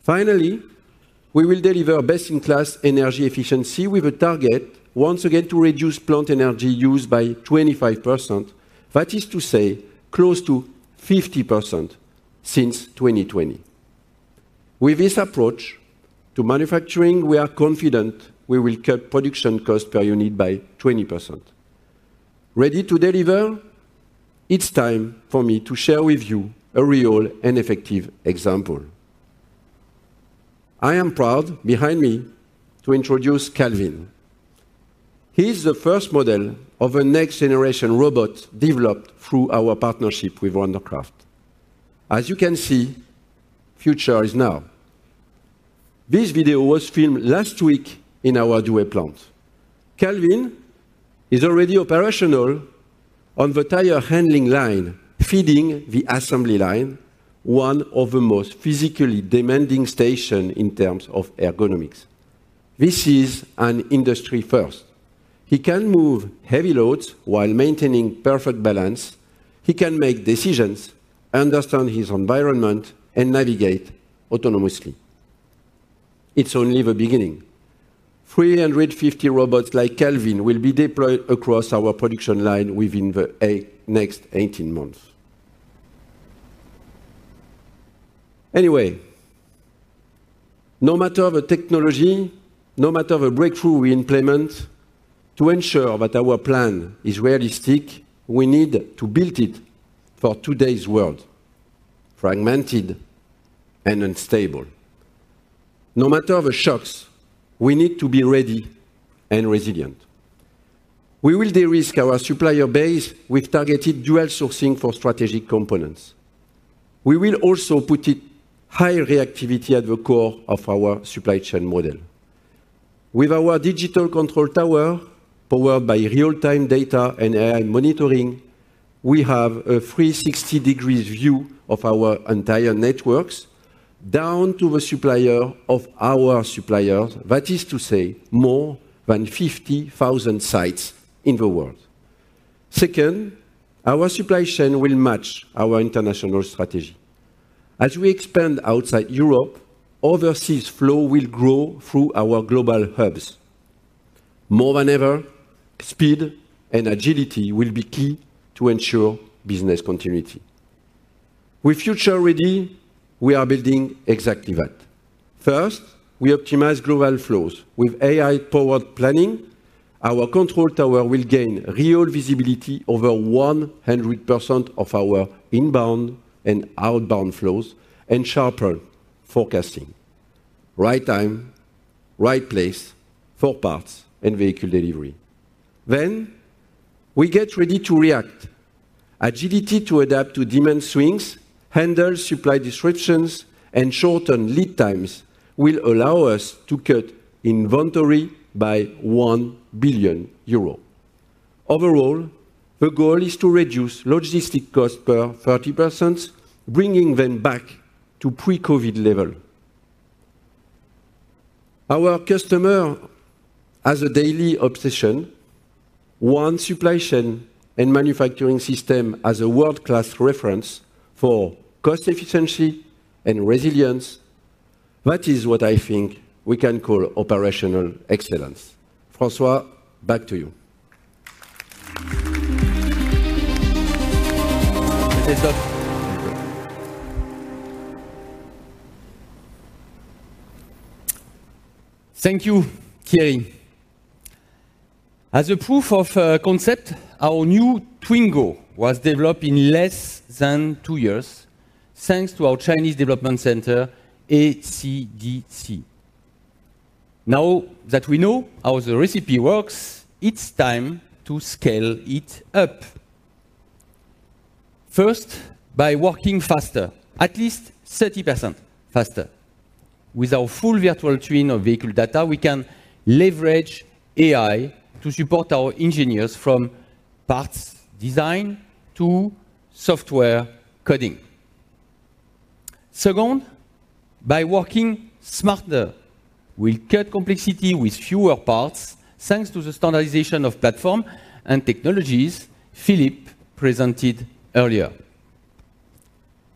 Finally, we will deliver best-in-class energy efficiency with a target once again to reduce plant energy use by 25%. That is to say, close to 50% since 2020. With this approach to manufacturing, we are confident we will cut production cost per unit by 20%. Ready to deliver? It's time for me to share with you a real and effective example. I am proud, behind me, to introduce Calvin. He's the first model of a next-generation robot developed through our partnership with Wandercraft. As you can see, future is now. This video was filmed last week in our Douai plant. Calvin is already operational on the tire handling line, feeding the assembly line, one of the most physically demanding station in terms of ergonomics. This is an industry first. He can move heavy loads while maintaining perfect balance. He can make decisions, understand his environment, and navigate autonomously. It's only the beginning. 350 robots like Calvin will be deployed across our production line within the next 18 months. Anyway, no matter the technology, no matter the breakthrough we implement, to ensure that our plan is realistic, we need to build it for today's world, fragmented and unstable. No matter the shocks, we need to be ready and resilient. We will de-risk our supplier base with targeted dual sourcing for strategic components. We will also put high reactivity at the core of our supply chain model. With our digital control tower, powered by real-time data and AI monitoring, we have a 360-degree view of our entire networks, down to the supplier of our suppliers. That is to say, more than 50,000 sites in the world. Second, our supply chain will match our international strategy. As we expand outside Europe, overseas flow will grow through our global hubs. More than ever, speed and agility will be key to ensure business continuity. With futuREady, we are building exactly that. First, we optimize global flows. With AI-powered planning, our control tower will gain real visibility over 100% of our inbound and outbound flows and sharper forecasting. Right time, right place for parts and vehicle delivery. We get ready to react. Agility to adapt to demand swings, handle supply disruptions, and shorten lead times will allow us to cut inventory by 1 billion euro. Overall, the goal is to reduce logistics costs by 30%, bringing them back to pre-COVID level. Our customers, as a daily obsession, want supply chain and manufacturing systems as a world-class reference for cost efficiency and resilience. That is what I think we can call operational excellence. François, back to you. Thank you. Thank you, Thierry. As a proof of concept, our new Twingo was developed in less than two years thanks to our Advanced China Development Centre, ACDC. Now that we know how the recipe works, it's time to scale it up. First, by working faster, at least 30% faster. With our full virtual twin of vehicle data, we can leverage AI to support our engineers from parts design to software coding. Second, by working smarter, we'll cut complexity with fewer parts thanks to the standardization of platform and technologies Philippe presented earlier.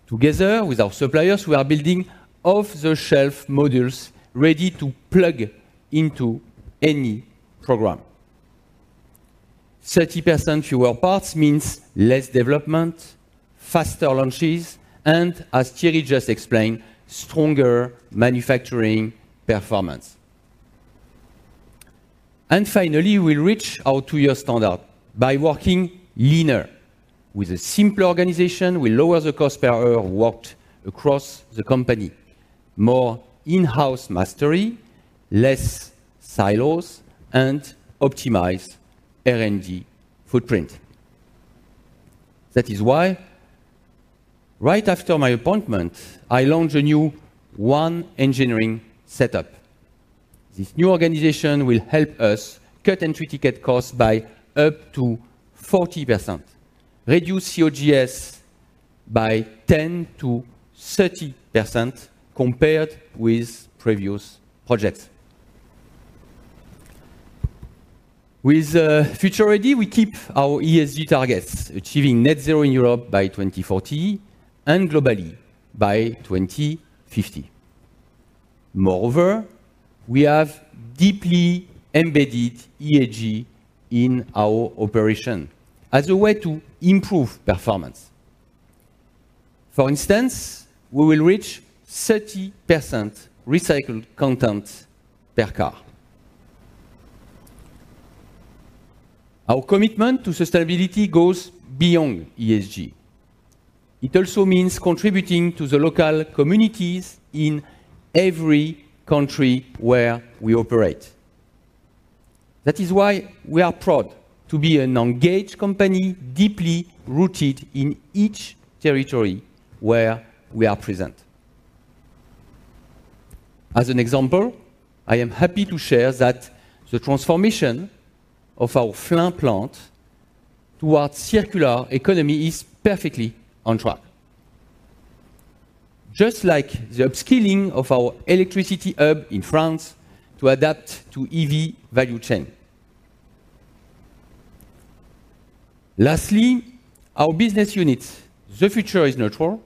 Together with our suppliers, we are building off-the-shelf modules ready to plug into any program. 30% fewer parts means less development, faster launches, and as Thierry just explained, stronger manufacturing performance. Finally, we'll reach our two-year standard by working leaner. With a simpler organization, we lower the cost per hour worked across the company. More in-house mastery, less silos, and optimize R&D footprint. That is why right after my appointment, I launched a new One Engineering setup. This new organization will help us cut entry ticket costs by up to 40%, reduce COGS by 10%-30% compared with previous projects. With futuREady, we keep our ESG targets, achieving net zero in Europe by 2040 and globally by 2050. Moreover, we have deeply embedded ESG in our operation as a way to improve performance. For instance, we will reach 30% recycled content per car. Our commitment to sustainability goes beyond ESG. It also means contributing to the local communities in every country where we operate. That is why we are proud to be an engaged company, deeply rooted in each territory where we are present. As an example, I am happy to share that the transformation of our Flins plant towards circular economy is perfectly on track. Just like the upskilling of our electricity hub in France to adapt to EV value chain. Lastly, our business unit, The Future Is NEUTRAL,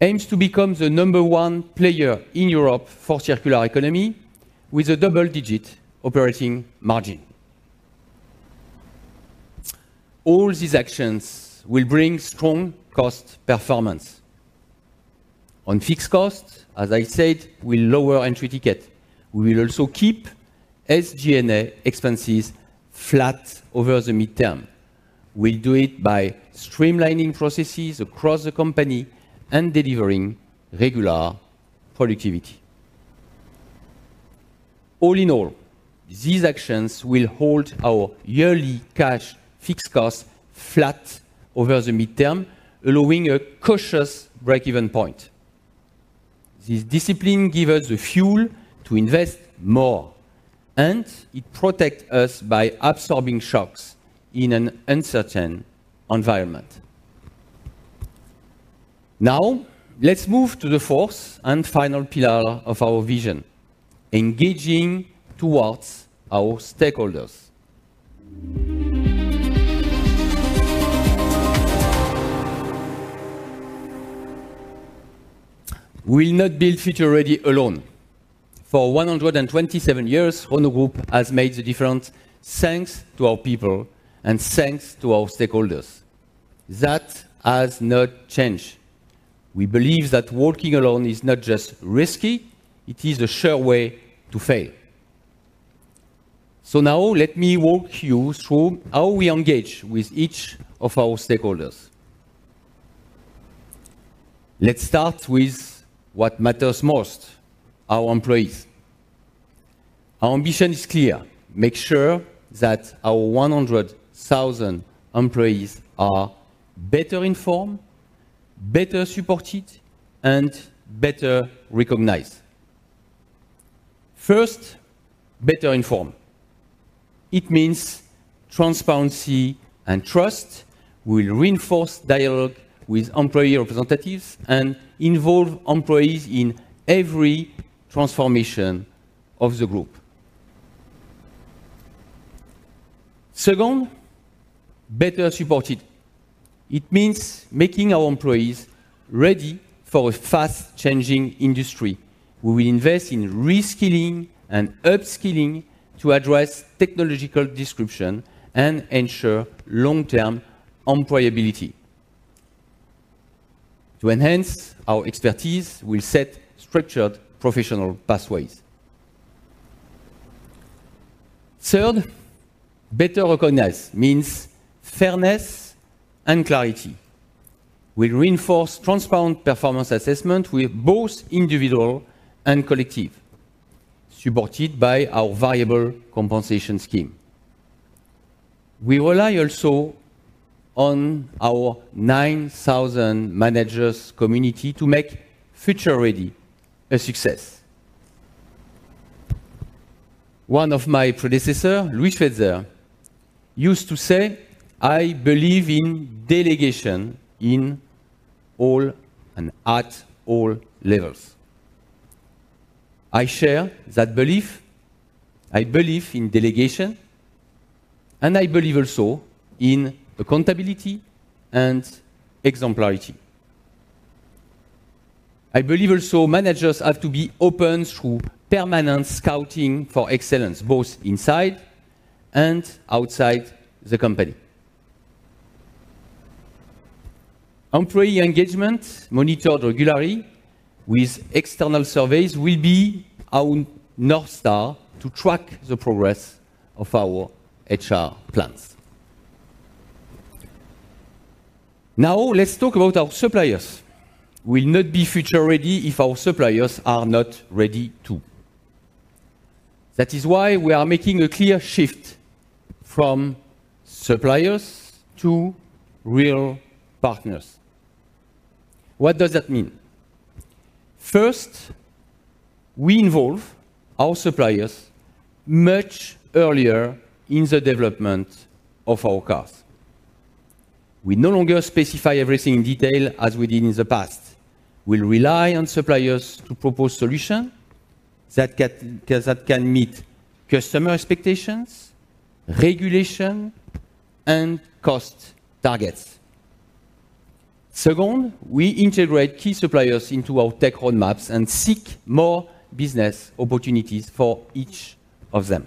aims to become the number one player in Europe for circular economy with a double-digit operating margin. All these actions will bring strong cost performance. On fixed costs, as I said, we'll lower entry ticket. We will also keep SG&A expenses flat over the midterm. We'll do it by streamlining processes across the company and delivering regular productivity. All in all, these actions will hold our yearly cash fixed costs flat over the midterm, allowing a cautious break-even point. This discipline give us the fuel to invest more, and it protect us by absorbing shocks in an uncertain environment. Now, let's move to the fourth and final pillar of our vision, engaging toward our stakeholders. We will not build futuREady alone. For 127 years, Renault Group has made the difference thanks to our people and thanks to our stakeholders. That has not changed. We believe that working alone is not just risky, it is a sure way to fail. Now let me walk you through how we engage with each of our stakeholders. Let's start with what matters most, our employees. Our ambition is clear. Make sure that our 100,000 employees are better informed, better supported, and better recognized. First, better informed. It means transparency and trust. We'll reinforce dialogue with employee representatives and involve employees in every transformation of the group. Second, better supported. It means making our employees ready for a fast-changing industry. We will invest in reskilling and upskilling to address technological disruption and ensure long-term employability. To enhance our expertise, we'll set structured professional pathways. Third, better recognized means fairness and clarity. We'll reinforce transparent performance assessment with both individual and collective, supported by our variable compensation scheme. We rely also on our 9,000 managers community to make futuREady a success. One of my predecessor, Louis Schweitzer, used to say, "I believe in delegation in all and at all levels." I share that belief. I believe in delegation, and I believe also in accountability and exemplarity. I believe also managers have to be open through permanent scouting for excellence, both inside and outside the company. Employee engagement monitored regularly with external surveys will be our North Star to track the progress of our HR plans. Now, let's talk about our suppliers. We'll not be future-ready if our suppliers are not ready, too. That is why we are making a clear shift from suppliers to real partners. What does that mean? First, we involve our suppliers much earlier in the development of our cars. We no longer specify everything in detail as we did in the past. We'll rely on suppliers to propose solution that can meet customer expectations, regulation, and cost targets. Second, we integrate key suppliers into our tech roadmaps and seek more business opportunities for each of them.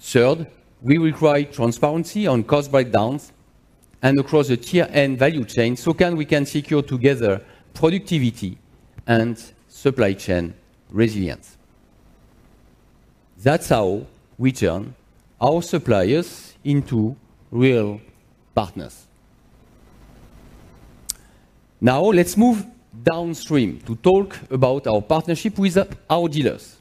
Third, we require transparency on cost breakdowns and across the tier and value chain, so we can secure together productivity and supply chain resilience. That's how we turn our suppliers into real partners. Now, let's move downstream to talk about our partnership with our dealers.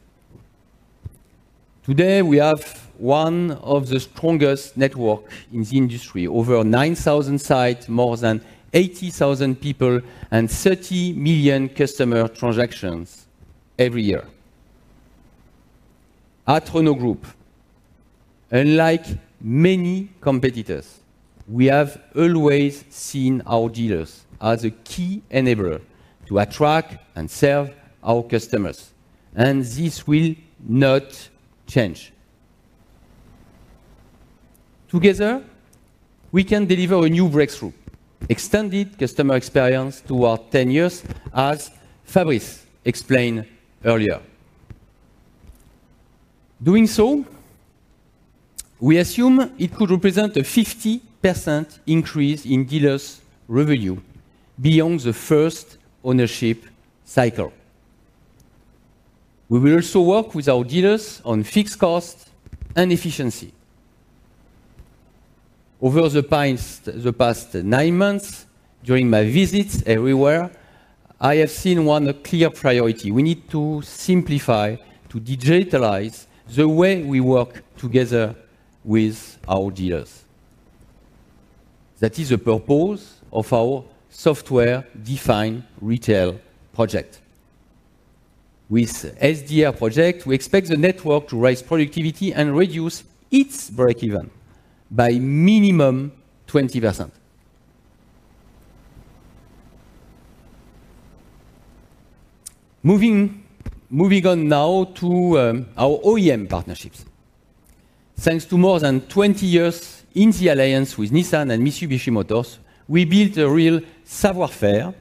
Today, we have one of the strongest network in the industry. Over 9,000 sites, more than 80,000 people, and 30 million customer transactions every year. At Renault Group, unlike many competitors, we have always seen our dealers as a key enabler to attract and serve our customers, and this will not change. Together, we can deliver a new breakthrough, extended customer experience toward 10 years, as Fabrice explained earlier. Doing so, we assume it could represent a 50% increase in dealers' revenue beyond the first ownership cycle. We will also work with our dealers on fixed cost and efficiency. Over the past nine months during my visits everywhere, I have seen one clear priority. We need to simplify, to digitalize the way we work together with our dealers. That is a purpose of our software‑defined retail project. With SDR project, we expect the network to raise productivity and reduce its breakeven by minimum 20%. Moving on now to our OEM partnerships. Thanks to more than 20 years in the alliance with Nissan and Mitsubishi Motors, we built a real savoir-faire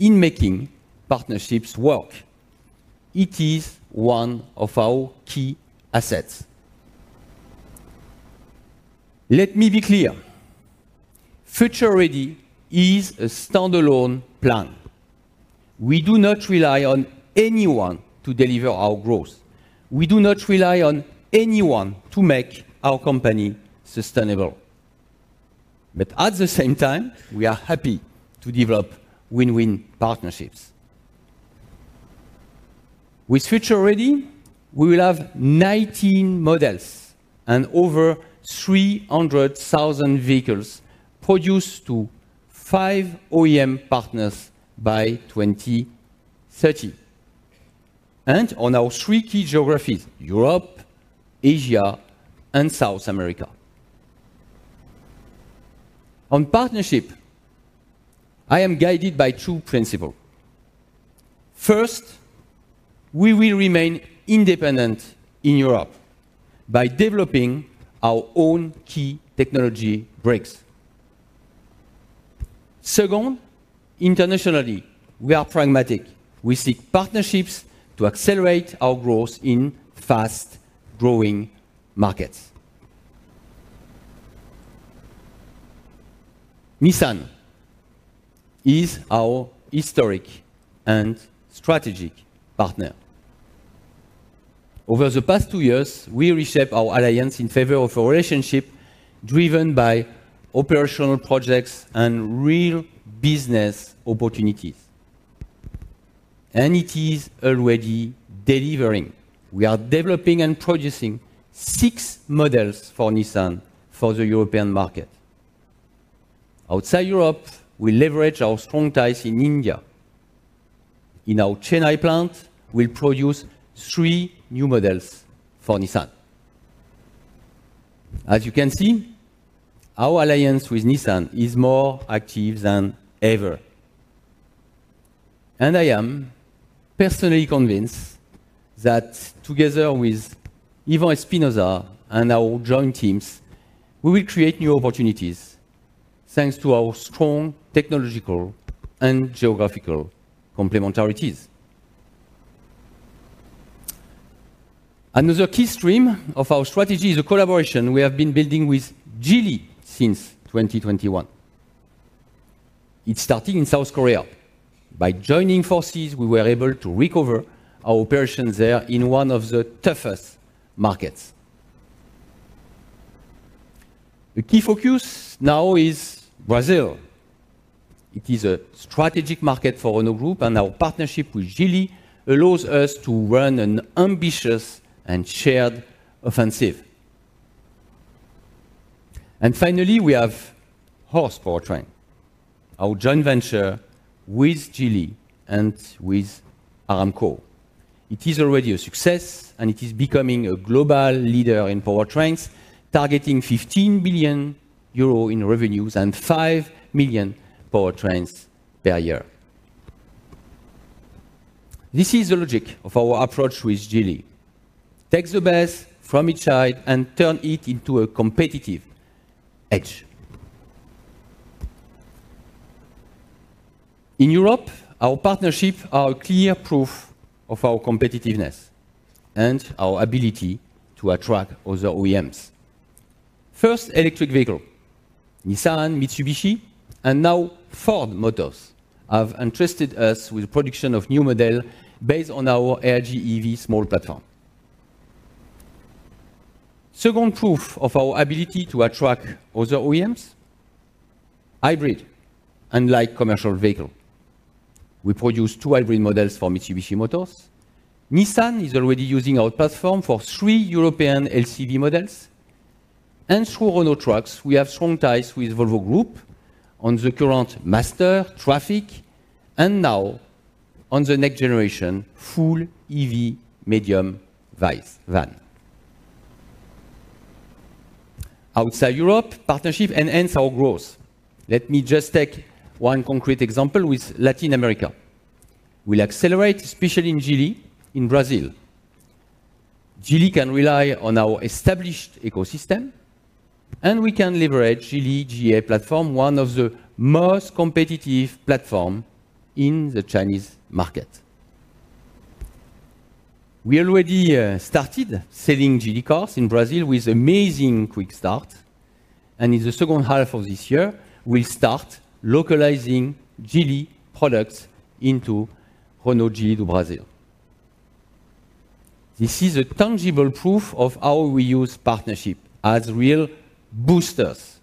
in making partnerships work. It is one of our key assets. Let me be clear. futuREady is a standalone plan. We do not rely on anyone to deliver our growth. We do not rely on anyone to make our company sustainable. At the same time, we are happy to develop win-win partnerships. With futuREady, we will have 19 models and over 300,000 vehicles produced to five OEM partners by 2030. On our three key geographies, Europe, Asia, and South America. On partnership, I am guided by two principles. First, we will remain independent in Europe by developing our own key technology breakthroughs. Second, internationally, we are pragmatic. We seek partnerships to accelerate our growth in fast-growing markets. Nissan is our historic and strategic partner. Over the past two years, we reshaped our alliance in favor of a relationship driven by operational projects and real business opportunities. It is already delivering. We are developing and producing six models for Nissan for the European market. Outside Europe, we leverage our strong ties in India. In our Chennai plant, we'll produce three new models for Nissan. As you can see, our alliance with Nissan is more active than ever. I am personally convinced that together with Ivan Espinosa and our joint teams, we will create new opportunities thanks to our strong technological and geographical complementarities. Another key stream of our strategy is a collaboration we have been building with Geely since 2021. It started in South Korea. By joining forces, we were able to recover our operations there in one of the toughest markets. The key focus now is Brazil. It is a strategic market for Renault Group, and our partnership with Geely allows us to run an ambitious and shared offensive. Finally, we HORSE Powertrain, our joint venture with Geely and with Aramco. It is already a success, and it is becoming a global leader in powertrains, targeting 15 billion euros in revenues and 5 million powertrains per year. This is the logic of our approach with Geely. Take the best from each side and turn it into a competitive edge. In Europe, our partnership are clear proof of our competitiveness and our ability to attract other OEMs. First, electric vehicle, Nissan, Mitsubishi Motors, and now Ford Motor Company have entrusted us with production of new model based on our AmpR Small platform. Second proof of our ability to attract other OEMs, hybrid and light commercial vehicle. We produce two hybrid models for Mitsubishi Motors. Nissan is already using our platform for three European LCV models. Through Renault Trucks, we have strong ties with Volvo Group on the current Master, Trafic, and now on the next-generation full EV medium van. Outside Europe, partnerships enhance our growth. Let me just take one concrete example with Latin America. We'll accelerate, especially in Geely in Brazil. Geely can rely on our established ecosystem, and we can leverage Geely GEA platform, one of the most competitive platform in the Chinese market. We already started selling Geely cars in Brazil with amazing quick start, and in the second half of this year, we'll start localizing Geely products into Renault Geely do Brasil. This is a tangible proof of how we use partnership as real boosters.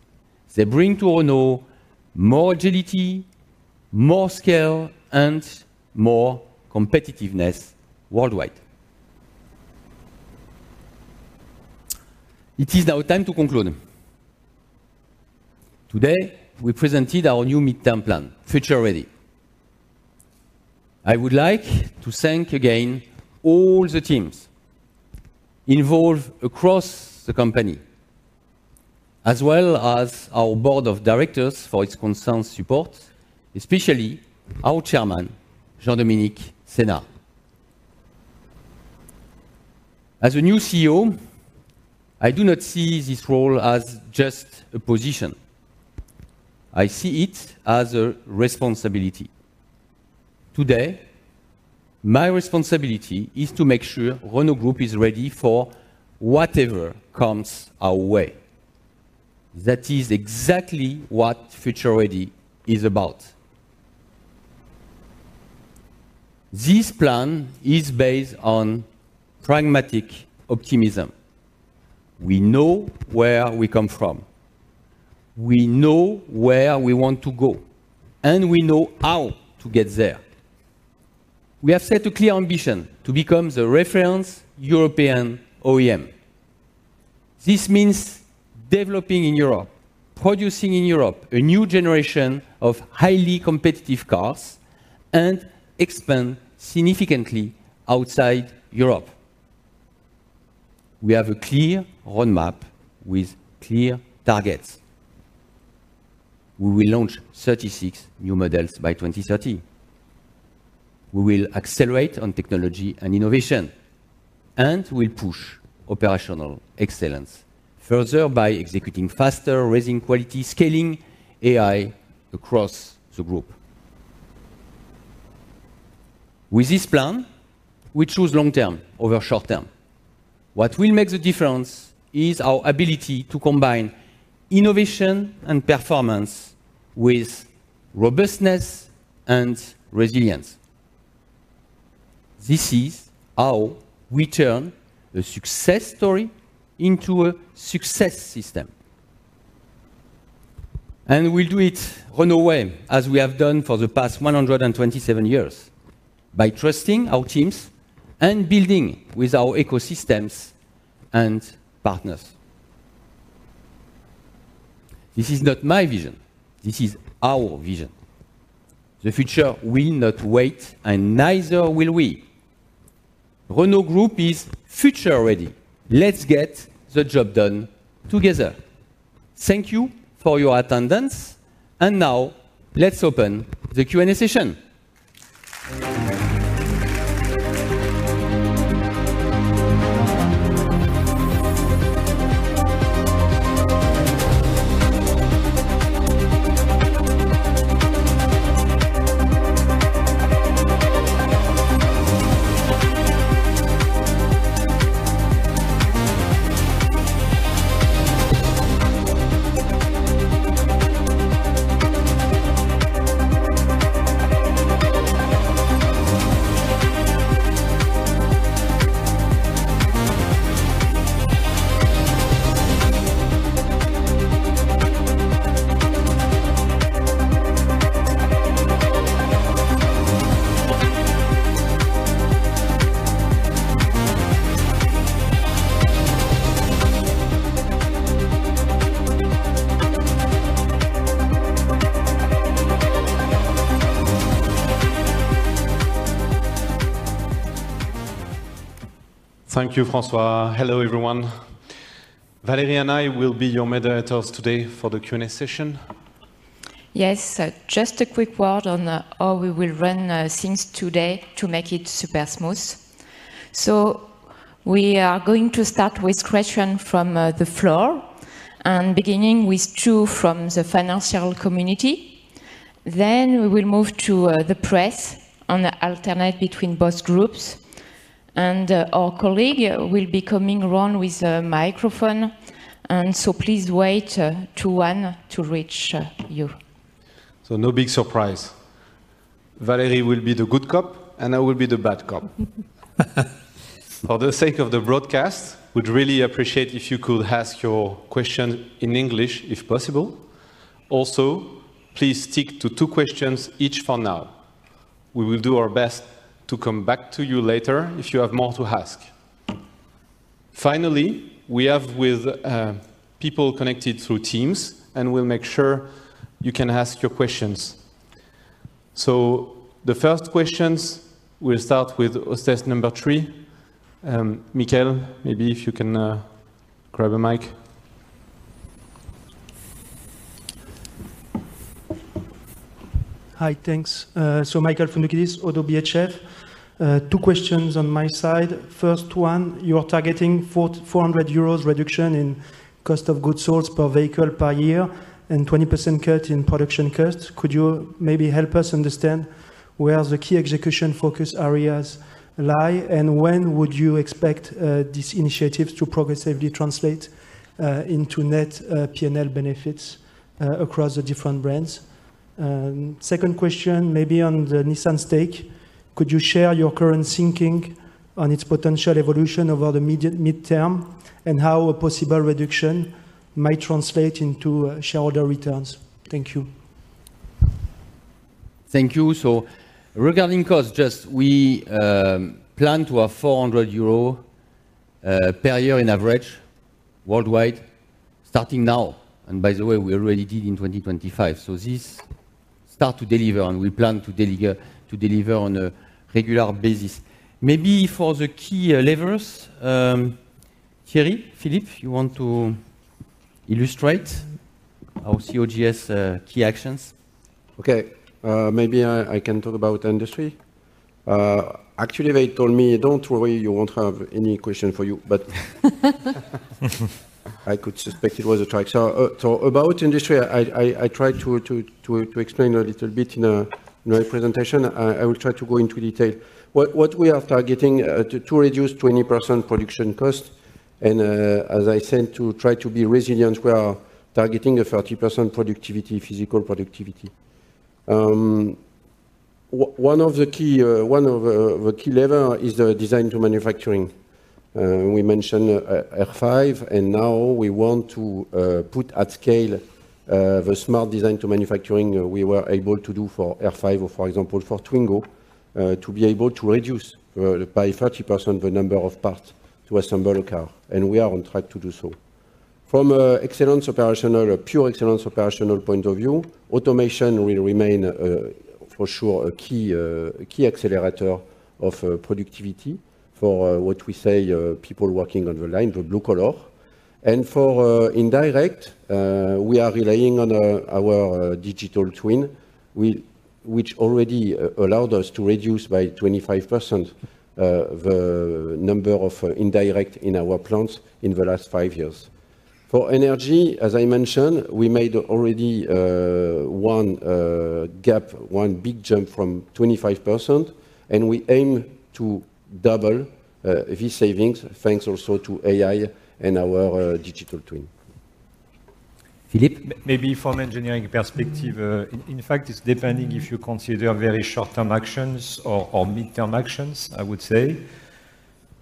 They bring to Renault more agility, more scale, and more competitiveness worldwide. It is now time to conclude. Today, we presented our new midterm plan, futuREady. I would like to thank again all the teams involved across the company, as well as our board of directors for its constant support, especially our Chairman, Jean-Dominique Senard. As a new CEO, I do not see this role as just a position. I see it as a responsibility. Today, my responsibility is to make sure Renault Group is ready for whatever comes our way. That is exactly what futuREady is about. This plan is based on pragmatic optimism. We know where we come from, we know where we want to go, and we know how to get there. We have set a clear ambition to become the reference European OEM. This means developing in Europe, producing in Europe a new generation of highly competitive cars and expand significantly outside Europe. We have a clear roadmap with clear targets. We will launch 36 new models by 2030. We will accelerate on technology and innovation, and we'll push operational excellence further by executing faster, raising quality, scaling AI across the group. With this plan, we choose long term over short term. What will make the difference is our ability to combine innovation and performance with robustness and resilience. This is how we turn a success story into a success system. We'll do it Renault way, as we have done for the past 127 years. By trusting our teams and building with our ecosystems and partners. This is not my vision, this is our vision. The future will not wait, and neither will we. Renault Group is futuREady. Let's get the job done together. Thank you for your attendance. Now let's open the Q&A session. Thank you, François. Hello, everyone. Valérie and I will be your moderators today for the Q&A session. Yes. Just a quick word on how we will run things today to make it super smooth. We are going to start with question from the floor and beginning with two from the financial community. We will move to the press and alternate between both groups. Our colleague will be coming around with a microphone. Please wait for one to reach you. No big surprise. Valérie will be the good cop, and I will be the bad cop. For the sake of the broadcast, would really appreciate if you could ask your question in English, if possible. Also, please stick to two questions each for now. We will do our best to come back to you later if you have more to ask. Finally, we have with people connected through Teams, and we'll make sure you can ask your questions. The first questions, we'll start with host number three. Michael, maybe if you can grab a mic. Hi. Thanks. So Michael Foundoukidis, ODDO BHF. Two questions on my side. First one, you are targeting 400 euros reduction in cost of goods sold per vehicle per year and 20% cut in production costs. Could you maybe help us understand where the key execution focus areas lie? When would you expect these initiatives to progressively translate into net P&L benefits across the different brands? Second question maybe on the Nissan stake. Could you share your current thinking on its potential evolution over the immediate midterm, and how a possible reduction might translate into shareholder returns? Thank you. Thank you. Regarding cost, just we plan to have 400 euros per year on average worldwide starting now. By the way, we already did in 2025. This start to deliver, and we plan to deliver on a regular basis. Maybe for the key levers, Thierry, Philippe, you want to illustrate our COGS key actions? Okay. Maybe I can talk about industry. Actually, they told me, "Don't worry, you won't have any questions for you." I could suspect it was a trap. About industry, I tried to explain a little bit in my presentation. I will try to go into detail. What we are targeting to reduce 20% production cost and, as I said, to try to be resilient, we are targeting a 30% productivity, physical productivity. One of the key lever is the design to manufacturing. We mentioned R5, and now we want to put at scale the smart design to manufacturing we were able to do for R5 or, for example, for Twingo, to be able to reduce by 30% the number of parts to assemble a car, and we are on track to do so. From operational excellence, a pure operational excellence point of view, automation will remain for sure a key accelerator of productivity for what we call people working on the line, the blue collar. For indirect, we are relying on our digital twin, which already allowed us to reduce by 25% the number of indirect in our plants in the last five years. For energy, as I mentioned, we made already one big jump from 25%, and we aim to double these savings, thanks also to AI and our digital twin. Philippe? Maybe from engineering perspective, in fact, it's depending if you consider very short-term actions or midterm actions, I would say.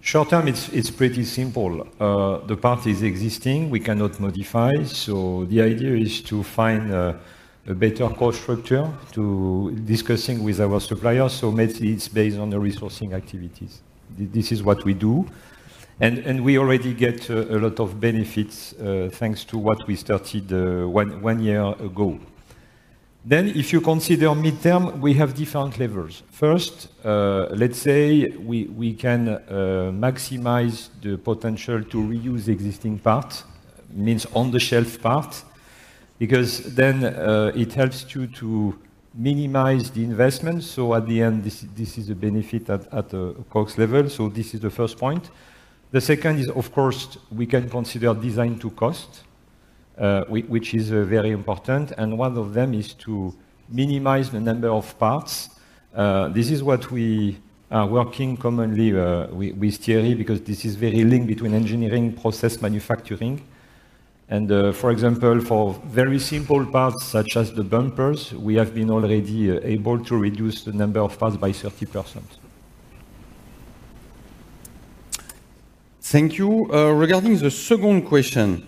Short term, it's pretty simple. The part is existing, we cannot modify. The idea is to find a better cost structure by discussing with our suppliers. Mainly it's based on the resourcing activities. This is what we do. We already get a lot of benefits thanks to what we started one year ago. If you consider midterm, we have different levers. First, let's say we can maximize the potential to reuse existing parts, meaning on the shelf parts. Because then it helps you to minimize the investment. At the end, this is a benefit at a cost level. This is the first point. The second is, of course, we can consider design to cost, which is very important, and one of them is to minimize the number of parts. This is what we are working commonly with Thierry, because this is very linked between engineering process manufacturing. For example, for very simple parts such as the bumpers, we have been already able to reduce the number of parts by 30%. Thank you. Regarding the second question.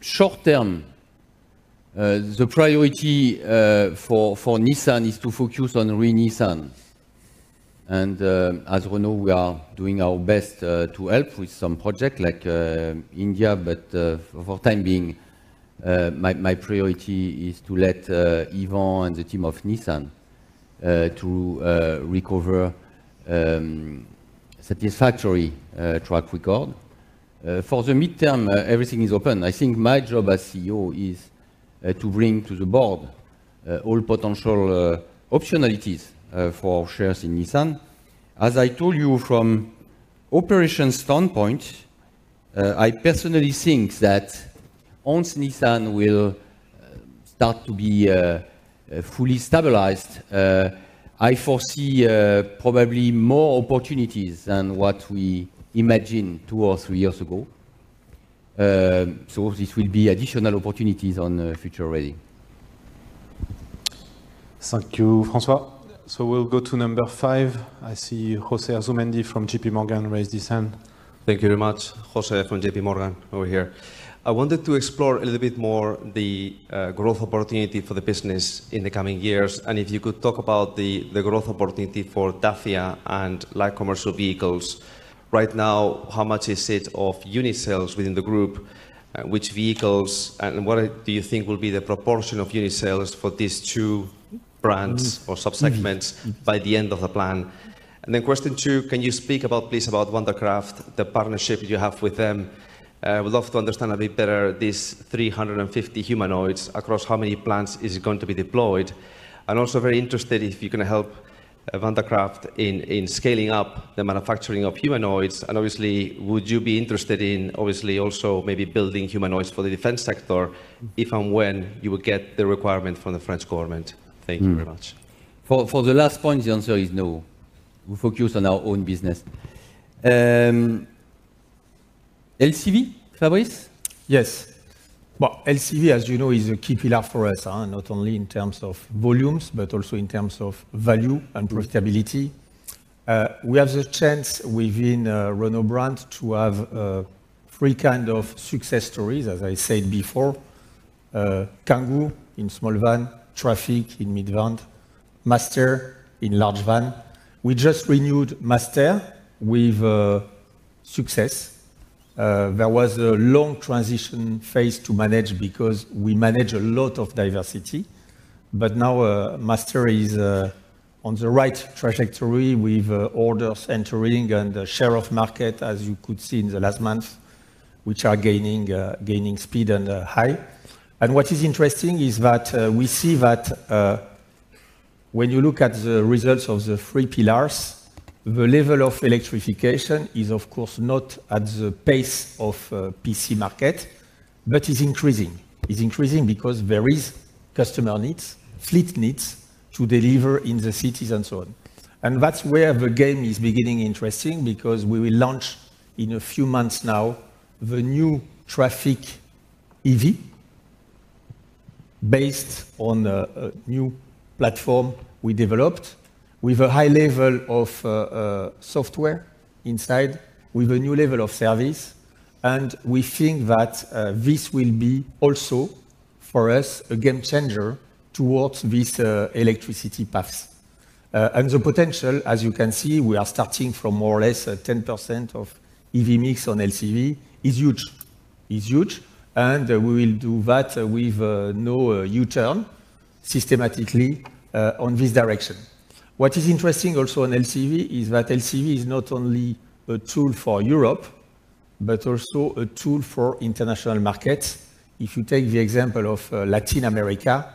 Short term, the priority for Nissan is to focus on re-Nissan. As Renault, we are doing our best to help with some project like India. For the time being, my priority is to let Ivan Espinosa and the team of Nissan to recover satisfactory track record. For the midterm, everything is open. I think my job as CEO is to bring to the board all potential optionalities for shares in Nissan. As I told you from an operational standpoint, I personally think that once Nissan will start to be fully stabilized, I foresee probably more opportunities than what we imagined two or three years ago. This will be additional opportunities on futuREady. Thank you, François. We'll go to number five. I see José Asumendi from JPMorgan raise his hand. Thank you very much. José from JPMorgan over here. I wanted to explore a little bit more the growth opportunity for the business in the coming years, and if you could talk about the growth opportunity for Dacia and light commercial vehicles. Right now, how much is it of unit sales within the group? Which vehicles and what do you think will be the proportion of unit sales for these two brands or subsegments by the end of the plan? Question two, can you speak about, please, about Wandercraft, the partnership you have with them? I would love to understand a bit better these 350 humanoids across how many plants is it going to be deployed. Also very interested if you can help Wandercraft in scaling up the manufacturing of humanoids. Obviously, would you be interested in, obviously, also maybe building humanoids for the defense sector if and when you will get the requirement from the French government? Thank you very much. For the last point, the answer is no. We focus on our own business. LCV, Fabrice? Yes. Well, LCV, as you know, is a key pillar for us, not only in terms of volumes, but also in terms of value and profitability. We have the chance within Renault Brand to have three kind of success stories, as I said before. Kangoo in small van, Trafic in mid van, Master in large van. We just renewed Master with success. There was a long transition phase to manage because we manage a lot of diversity. Now, Master is on the right trajectory with orders entering and share of market, as you could see in the last month, which are gaining speed and high. What is interesting is that, we see that, when you look at the results of the three pillars, the level of electrification is, of course, not at the pace of, PC market, but is increasing. Is increasing because there is customer needs, fleet needs to deliver in the cities and so on. That's where the game is beginning interesting because we will launch in a few months now the new Trafic EV based on a new platform we developed with a high level of, software inside, with a new level of service. We think that, this will be also for us, a game changer towards this, electricity paths. The potential, as you can see, we are starting from more or less 10% of EV mix on LCV is huge. We will do that with no U-turn systematically on this direction. What is also interesting on LCV is that LCV is not only a tool for Europe, but also a tool for international markets. If you take the example of Latin America,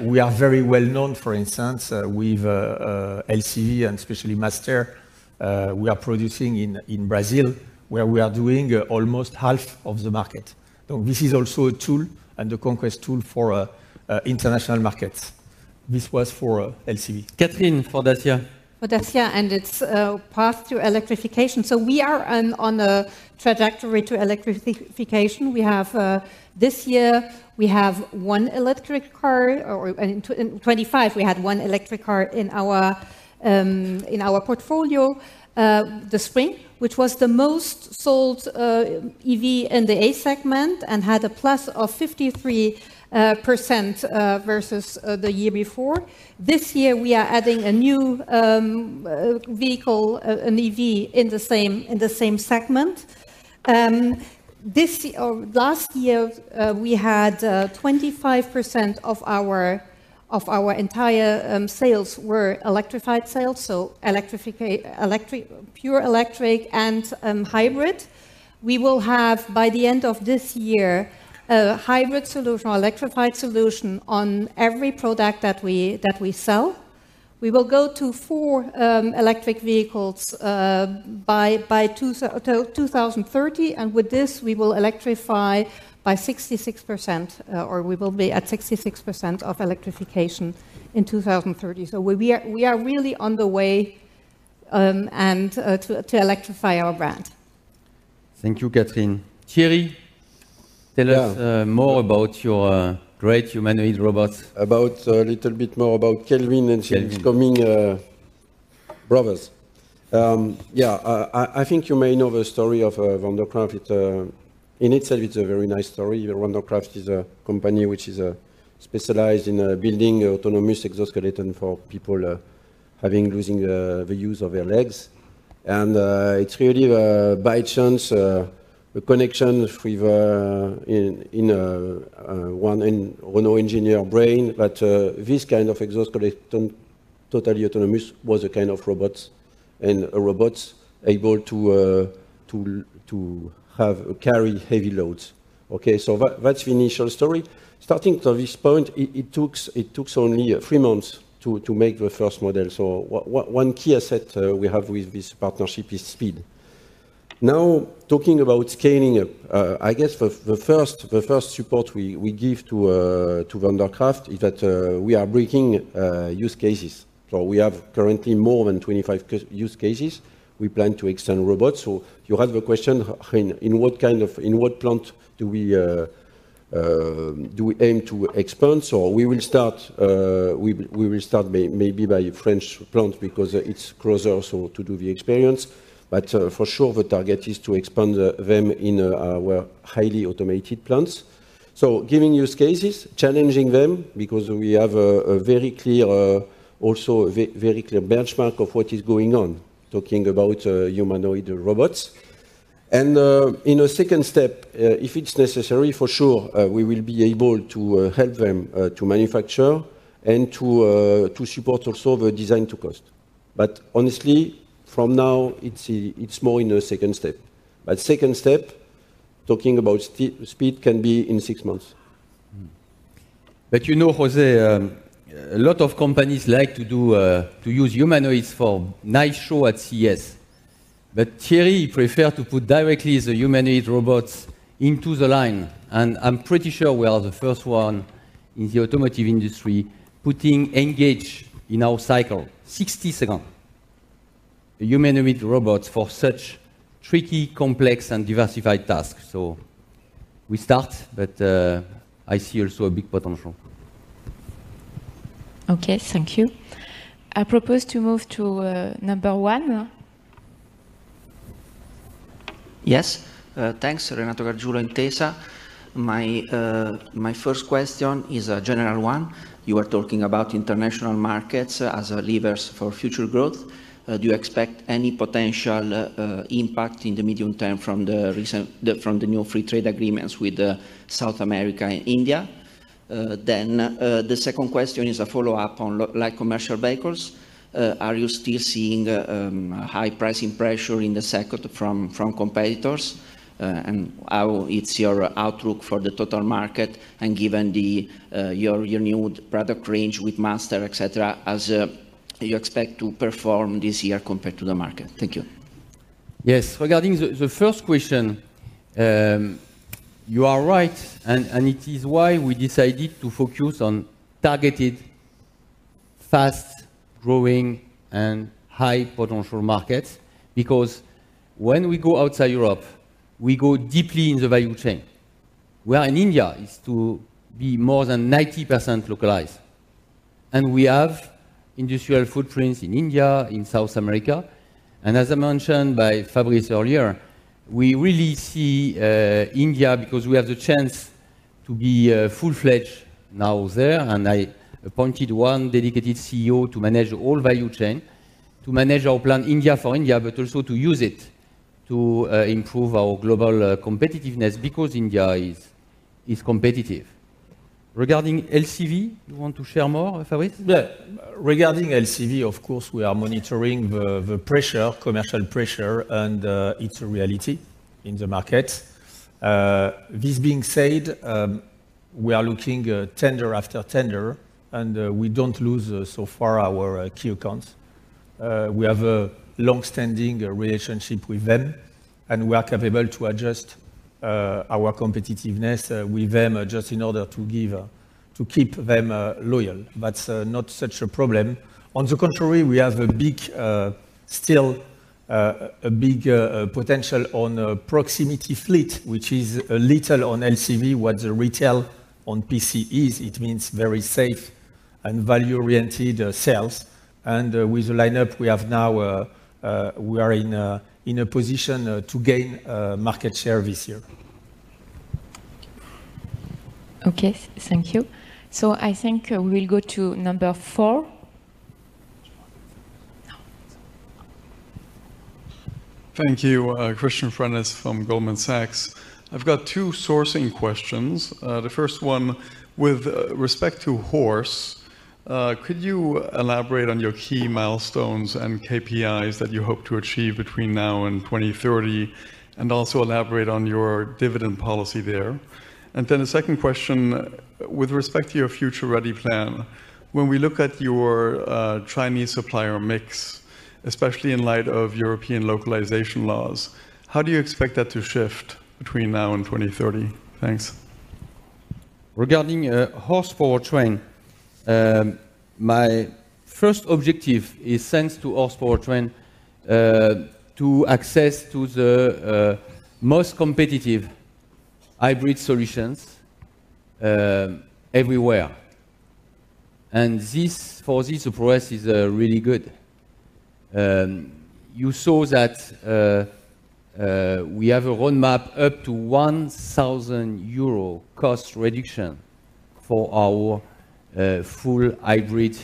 we are very well known, for instance, with LCV and especially Master. We are producing in Brazil, where we are doing almost half of the market. This is also a tool and a conquest tool for international markets. This was for LCV. Katrin, for Dacia. For Dacia and its path to electrification. We are on a trajectory to electrification. This year we have one electric car. In 2025, we had one electric car in our portfolio. The Spring, which was the most sold EV in the A-segment and had a plus of 53% versus the year before. This year we are adding a new vehicle, an EV in the same segment. Last year, we had 25% of our entire sales were electrified sales, electric, pure electric and hybrid. We will have, by the end of this year, a hybrid solution or electrified solution on every product that we sell. We will go to four electric vehicles by 2030, and with this we will electrify by 66%, or we will be at 66% of electrification in 2030. We are really on the way to electrify our brand. Thank you, Katrin. Thierry, tell us— Yeah. —more about your great humanoid robot. About little bit more about Kelvin and his— Kelvin. —coming brothers. Yeah, I think you may know the story of Wandercraft. It in itself, it's a very nice story. Wandercraft is a company which is specialized in building autonomous exoskeleton for people having losing the use of their legs. It's really by chance a connection with in one Renault engineer brain that this kind of exoskeleton, totally autonomous, was a kind of robot and a robot able to carry heavy loads. Okay, that's the initial story. Starting to this point, it took only three months to make the first model. One key asset we have with this partnership is speed. Now, talking about scaling up, I guess the first support we give to Wandercraft is that we are bringing use cases. We have currently more than 25 use cases. We plan to extend robots. You had the question, how in what plant do we aim to expand? We will start maybe by French plant because it's closer, so to do the experience. For sure the target is to expand them in our highly automated plants. Giving use cases, challenging them, because we have a very clear also very clear benchmark of what is going on, talking about humanoid robots. In a second step, if it's necessary, for sure, we will be able to help them to manufacture and to support also the design to cost. Honestly, from now, it's more in a second step. Second step, talking about speed, can be in six months. You know, José, a lot of companies like to use humanoids for nice show at CES. Thierry prefer to put directly the humanoid robots into the line, and I'm pretty sure we are the first one in the automotive industry putting Engage in our 60-second cycle. A humanoid robot for such tricky, complex, and diversified tasks. We start, but I see also a big potential. Okay, thank you. I propose to move to number one. Yes. Thanks. Renato Gargiulo, Intesa. My first question is a general one. You are talking about international markets as levers for future growth. Do you expect any potential impact in the medium term from the new free trade agreements with South America and India? The second question is a follow-up on light commercial vehicles. Are you still seeing high pricing pressure in the sector from competitors? How is your outlook for the total market, and given your new product range with Master, et cetera, how you expect to perform this year compared to the market? Thank you. Yes. Regarding the first question, you are right, and it is why we decided to focus on targeted fast-growing and high-potential markets. Because when we go outside Europe, we go deeply in the value chain. We are in India. It's to be more than 90% localized. We have industrial footprints in India, in South America. As I mentioned by Fabrice earlier, we really see India because we have the chance to be full-fledged now there, and I appointed one dedicated CEO to manage all value chain. To manage our plan India for India, but also to use it to improve our global competitiveness because India is competitive. Regarding LCV, you want to share more, Fabrice? Yeah. Regarding LCV, of course, we are monitoring the commercial pressure, and it's a reality in the market. This being said, we are looking tender after tender, and we don't lose so far our key accounts. We have a long-standing relationship with them, and we are capable to adjust our competitiveness with them just in order to keep them loyal. That's not such a problem. On the contrary, we have a big potential on proximity fleet, which is a little on LCV, what the retail on PC is. It means very safe and value-oriented sales. With the lineup we have now, we are in a position to gain market share this year. Okay, thank you. I think we'll go to number four. Thank you. George Galliers from Goldman Sachs. I've got two sourcing questions. The first one, with respect to HORSE, could you elaborate on your key milestones and KPIs that you hope to achieve between now and 2030, and also elaborate on your dividend policy there? The second question, with respect to your futuREady plan, when we look at your Chinese supplier mix, especially in light of European localization laws, how do you expect that to shift between now and 2030? Thanks. HORSE Powertrain, my first objective is, thanks HORSE Powertrain, to access to the most competitive hybrid solutions, everywhere. This progress is really good. You saw that we have a roadmap up to 1000 euro cost reduction for our full hybrid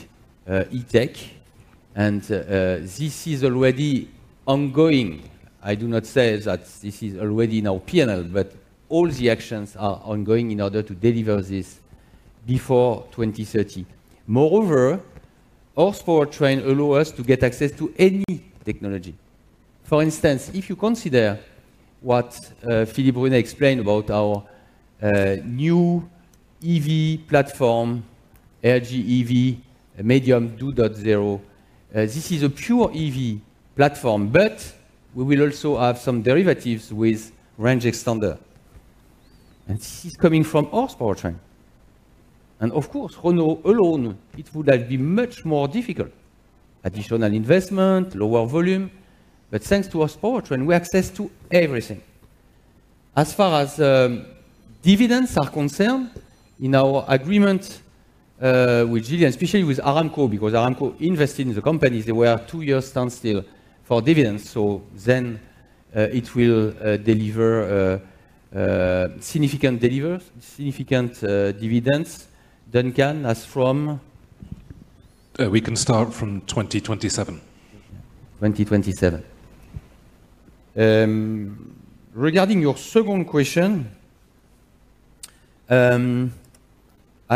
E-Tech. This is already ongoing. I do not say that this is already in our P&L, but all the actions are ongoing in order to deliver this before 2030. HORSE Powertrain allow us to get access to any technology. For instance, if you consider what Philippe Brunet explained about our new EV platform, RGEV Medium 2.0, this is a pure EV platform, but we will also have some derivatives with range extender. This is coming from HORSE Powertrain. Of course, Renault alone, it would have been much more difficult. Additional investment, lower volume. Thanks HORSE Powertrain, we access to everything. As far as dividends are concerned, in our agreement with Geely, especially with Aramco, because Aramco invested in the companies, there were two-year standstill for dividends. It will deliver significant dividends. Duncan, as from... We can start from 2027. 2027. Regarding your second question,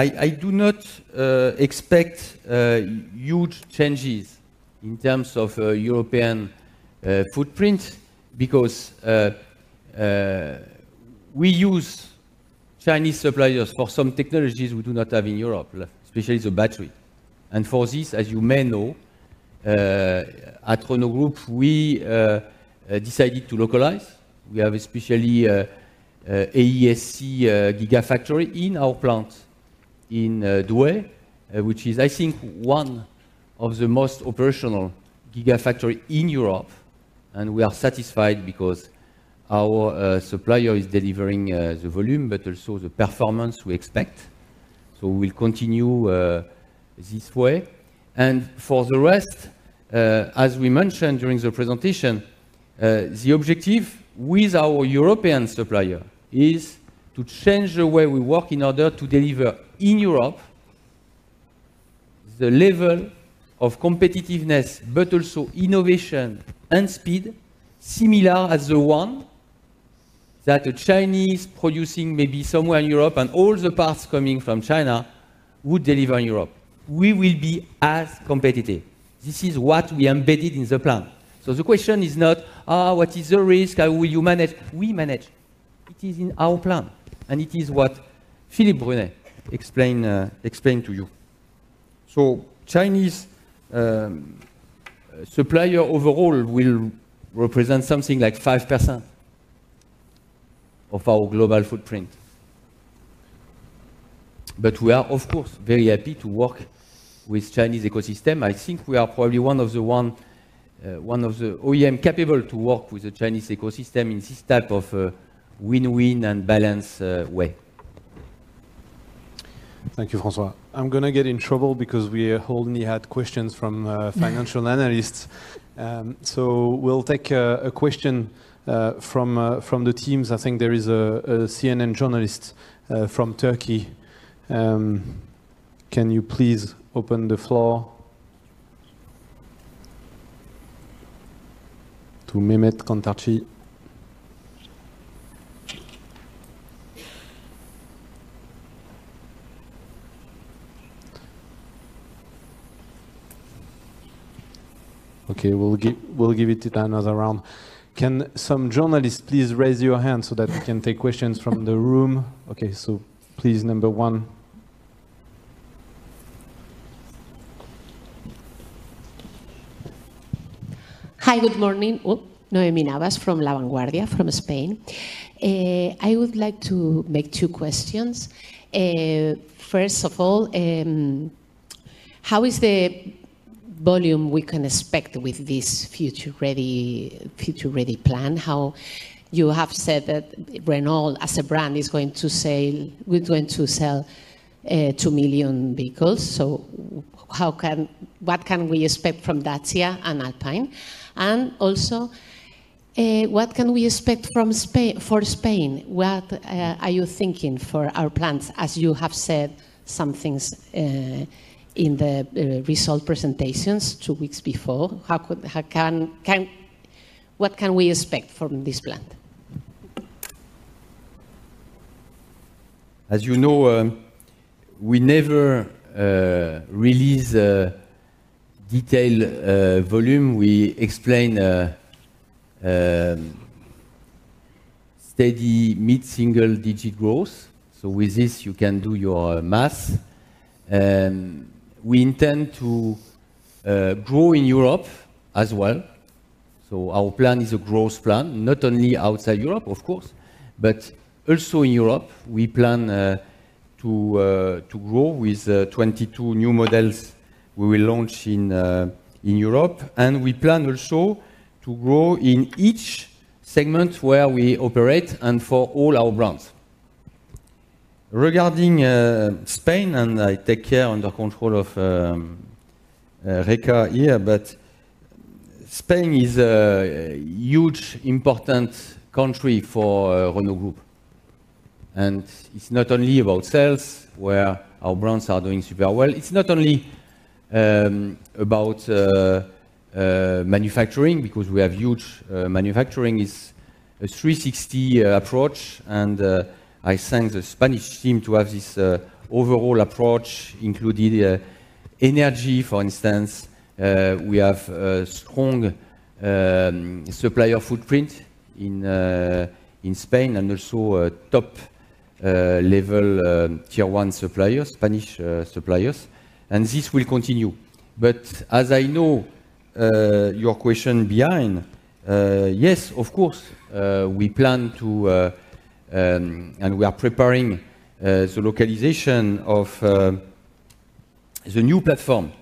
I do not expect huge changes in terms of European footprint because we use Chinese suppliers for some technologies we do not have in Europe, especially the battery. For this, as you may know, at Renault Group, we decided to localize. We have especially AESC Gigafactory in our plant in Douai, which is, I think, one of the most operational Gigafactory in Europe. We are satisfied because our supplier is delivering the volume, but also the performance we expect. We'll continue this way. For the rest, as we mentioned during the presentation, the objective with our European supplier is to change the way we work in order to deliver in Europe the level of competitiveness, but also innovation and speed similar as the one that a Chinese producing maybe somewhere in Europe and all the parts coming from China would deliver in Europe. We will be as competitive. This is what we embedded in the plan. The question is not, "what is the risk? How will you manage?" We manage. It is in our plan. And it is what Philippe Brunet explained to you. Chinese supplier overall will represent something like 5% of our global footprint. But we are, of course, very happy to work with Chinese ecosystem. I think we are probably one of the OEM capable to work with the Chinese ecosystem in this type of win-win and balanced way. Thank you, François. I'm gonna get in trouble because we only had questions from financial analysts. We'll take a question from the teams. I think there is a CNN journalist from Turkey. Can you please open the floor to Mehmet Kantarci? Okay, we'll give it another round. Can some journalists please raise your hand so that we can take questions from the room? Okay, please, number one. Hi, good morning. Noemi Navas from La Vanguardia from Spain. I would like to make two questions. First of all, how is the volume we can expect with this futuREady plan? How you have said that Renault as a brand is going to sell 2 million vehicles. What can we expect from Dacia and Alpine? And also, what can we expect from Spain? What are you thinking for our plans, as you have said some things in the results presentations two weeks before. What can we expect from this plan? As you know, we never release a detailed volume. We explain steady mid-single-digit growth. With this, you can do your math. We intend to grow in Europe as well. Our plan is a growth plan, not only outside Europe, of course, but also in Europe. We plan to grow with 22 new models we will launch in Europe, and we plan also to grow in each segment where we operate and for all our brands. Regarding Spain, and I take care under control of Rica here, but Spain is a hugely important country for Renault Group. It's not only about sales, where our brands are doing super well. It's not only about manufacturing because we have huge manufacturing. It's a 360 approach. I thank the Spanish team for having this overall approach, including energy, for instance. We have a strong supplier footprint in Spain and also a top level tier one suppliers, Spanish suppliers, and this will continue. But as I know your question behind, yes, of course. We plan to and we are preparing the localization of the new platform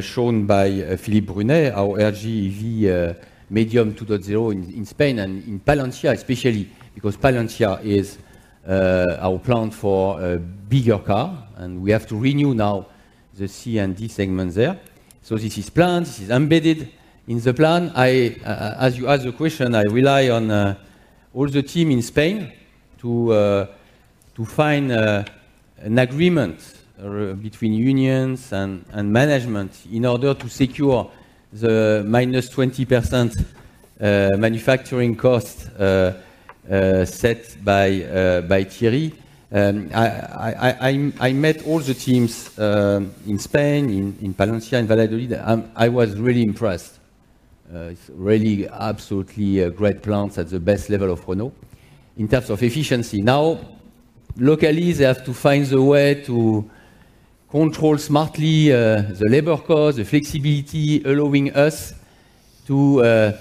shown by Philippe Brunet, our RGEV Medium 2.0 in Spain and in Valencia especially because Valencia is our plant for a bigger car, and we have to renew now the C and D segment there. This is planned. This is embedded in the plan. As you ask the question, I rely on all the team in Spain to find an agreement between unions and management in order to secure the minus 20% manufacturing cost set by Thierry. I met all the teams in Spain, in Valencia, in Valladolid. I was really impressed. It's really absolutely great plants at the best level of Renault in terms of efficiency. Now, locally, they have to find the way to control smartly the labor cost, the flexibility, allowing us to.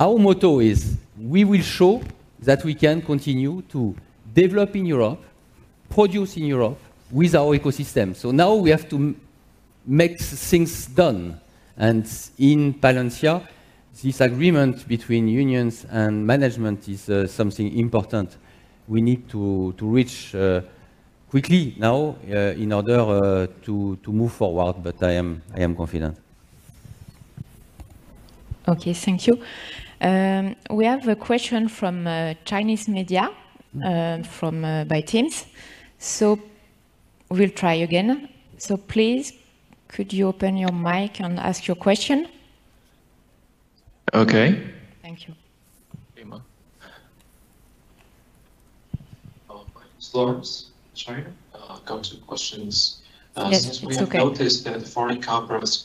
Our motto is, we will show that we can continue to develop in Europe, produce in Europe with our ecosystem. Now we have to make things done. In Valencia, this agreement between unions and management is something important. We need to reach quickly now in order to move forward, but I am confident. Okay, thank you. We have a question from Chinese media, from by Teams. We'll try again. Please, could you open your mic and ask your question? Okay. Thank you. Sorry. Couple two questions. Yes, it's okay. Since we have noticed that foreign car brands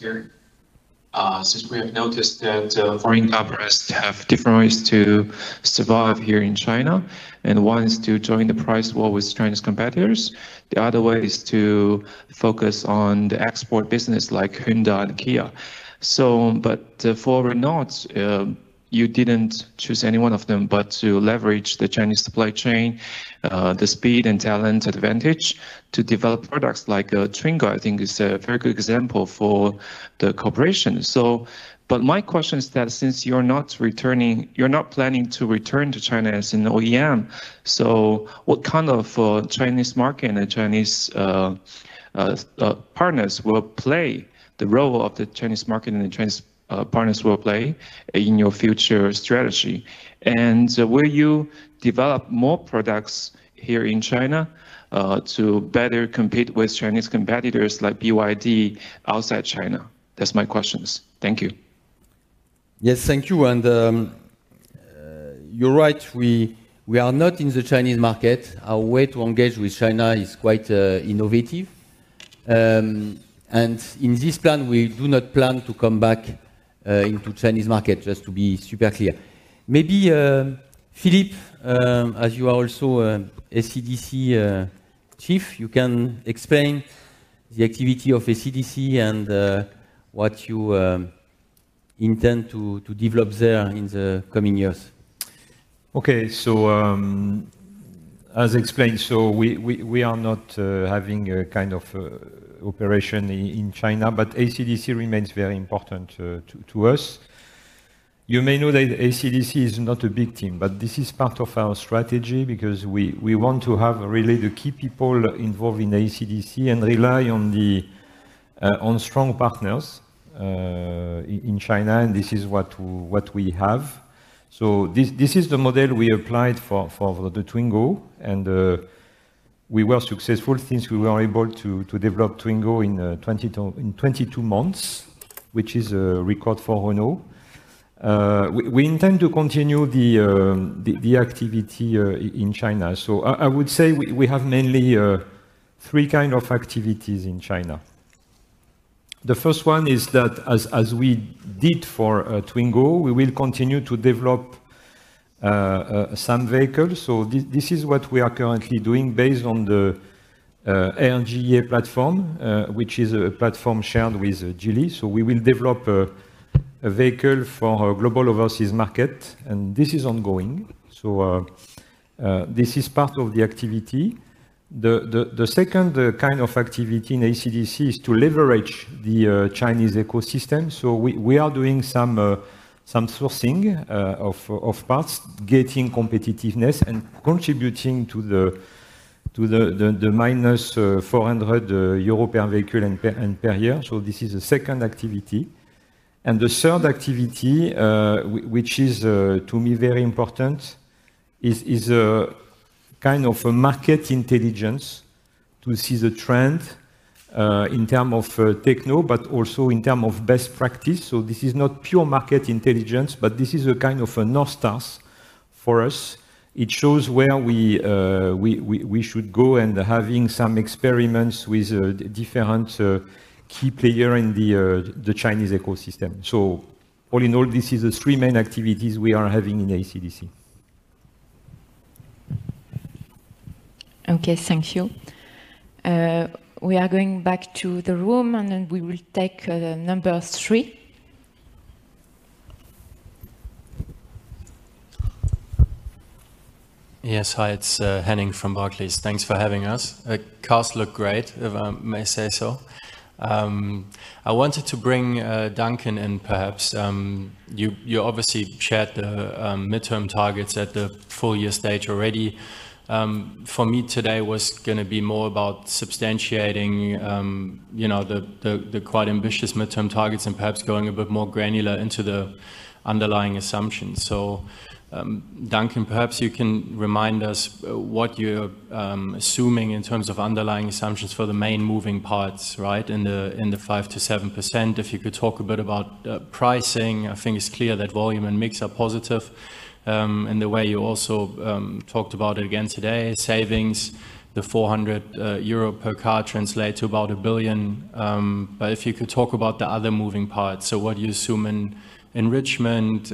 have different ways to survive here in China, and one is to join the price war with Chinese competitors. The other way is to focus on the export business like Hyundai and Kia. For Renault, you didn't choose any one of them, but to leverage the Chinese supply chain, the speed and talent advantage to develop products like Twingo, I think is a very good example for the cooperation. My question is that since you're not planning to return to China as an OEM, what kind of role the Chinese market and Chinese partners will play in your future strategy? Will you develop more products here in China, to better compete with Chinese competitors like BYD outside China? That's my questions. Thank you. Yes, thank you. You're right, we are not in the Chinese market. Our way to engage with China is quite innovative. In this plan, we do not plan to come back into Chinese market, just to be super clear. Maybe, Philippe, as you are also ACDC Chief, you can explain the activity of ACDC and what you intend to develop there in the coming years. As explained, we are not having a kind of operation in China, but ACDC remains very important to us. You may know that ACDC is not a big team, but this is part of our strategy because we want to have really the key people involved in ACDC and rely on strong partners in China, and this is what we have. This is the model we applied for the Twingo, and we were successful since we were able to develop Twingo in 22 months, which is a record for Renault. We intend to continue the activity in China. I would say we have mainly three kind of activities in China. The first one is that as we did for Twingo, we will continue to develop some vehicles. This is what we are currently doing based on the RGEV platform, which is a platform shared with Geely. We will develop a vehicle for our global overseas market, and this is ongoing. This is part of the activity. The second kind of activity in ACDC is to leverage the Chinese ecosystem. We are doing some sourcing of parts, getting competitiveness, and contributing to the minus 400 euro per vehicle and per year. This is the second activity. The third activity, which is, to me, very important, is kind of a market intelligence to see the trend in terms of techno, but also in terms of best practice. This is not pure market intelligence, but this is a kind of a north stars for us. It shows where we should go and having some experiments with different key player in the Chinese ecosystem. All in all, this is the three main activities we are having in ACDC. Okay. Thank you. We are going back to the room, and then we will take number three. Yes. Hi, it's Henning from Barclays. Thanks for having us. Cars look great, if I may say so. I wanted to bring Duncan in perhaps. You obviously shared the midterm targets at the full year stage already. For me today was gonna be more about substantiating you know, the quite ambitious midterm targets and perhaps going a bit more granular into the underlying assumptions. Duncan, perhaps you can remind us what you're assuming in terms of underlying assumptions for the main moving parts, right, in the 5%-7%. If you could talk a bit about pricing. I think it's clear that volume and mix are positive, and the way you also talked about it again today, savings, the 400 euro per car translate to about 1 billion. If you could talk about the other moving parts. What you assume in enrichment,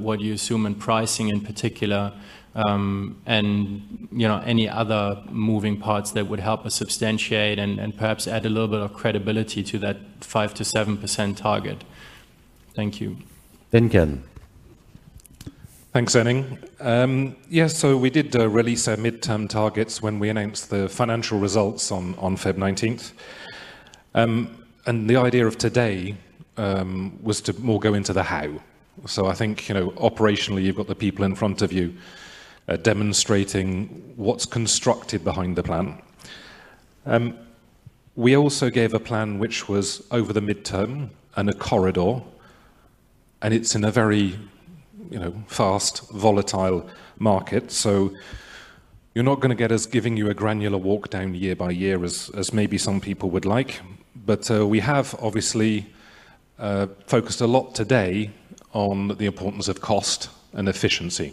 what you assume in pricing in particular, and, you know, any other moving parts that would help us substantiate and perhaps add a little bit of credibility to that 5%-7% target. Thank you. Duncan. Thanks, Henning. Yes, we did release our midterm targets when we announced the financial results on February 19th. The idea of today was to go more into the how. I think, you know, operationally, you've got the people in front of you demonstrating what's constructed behind the plan. We also gave a plan which was over the midterm and a corridor, and it's in a very, you know, fast, volatile market. You're not gonna get us giving you a granular walk down year by year as maybe some people would like. We have obviously focused a lot today on the importance of cost and efficiency.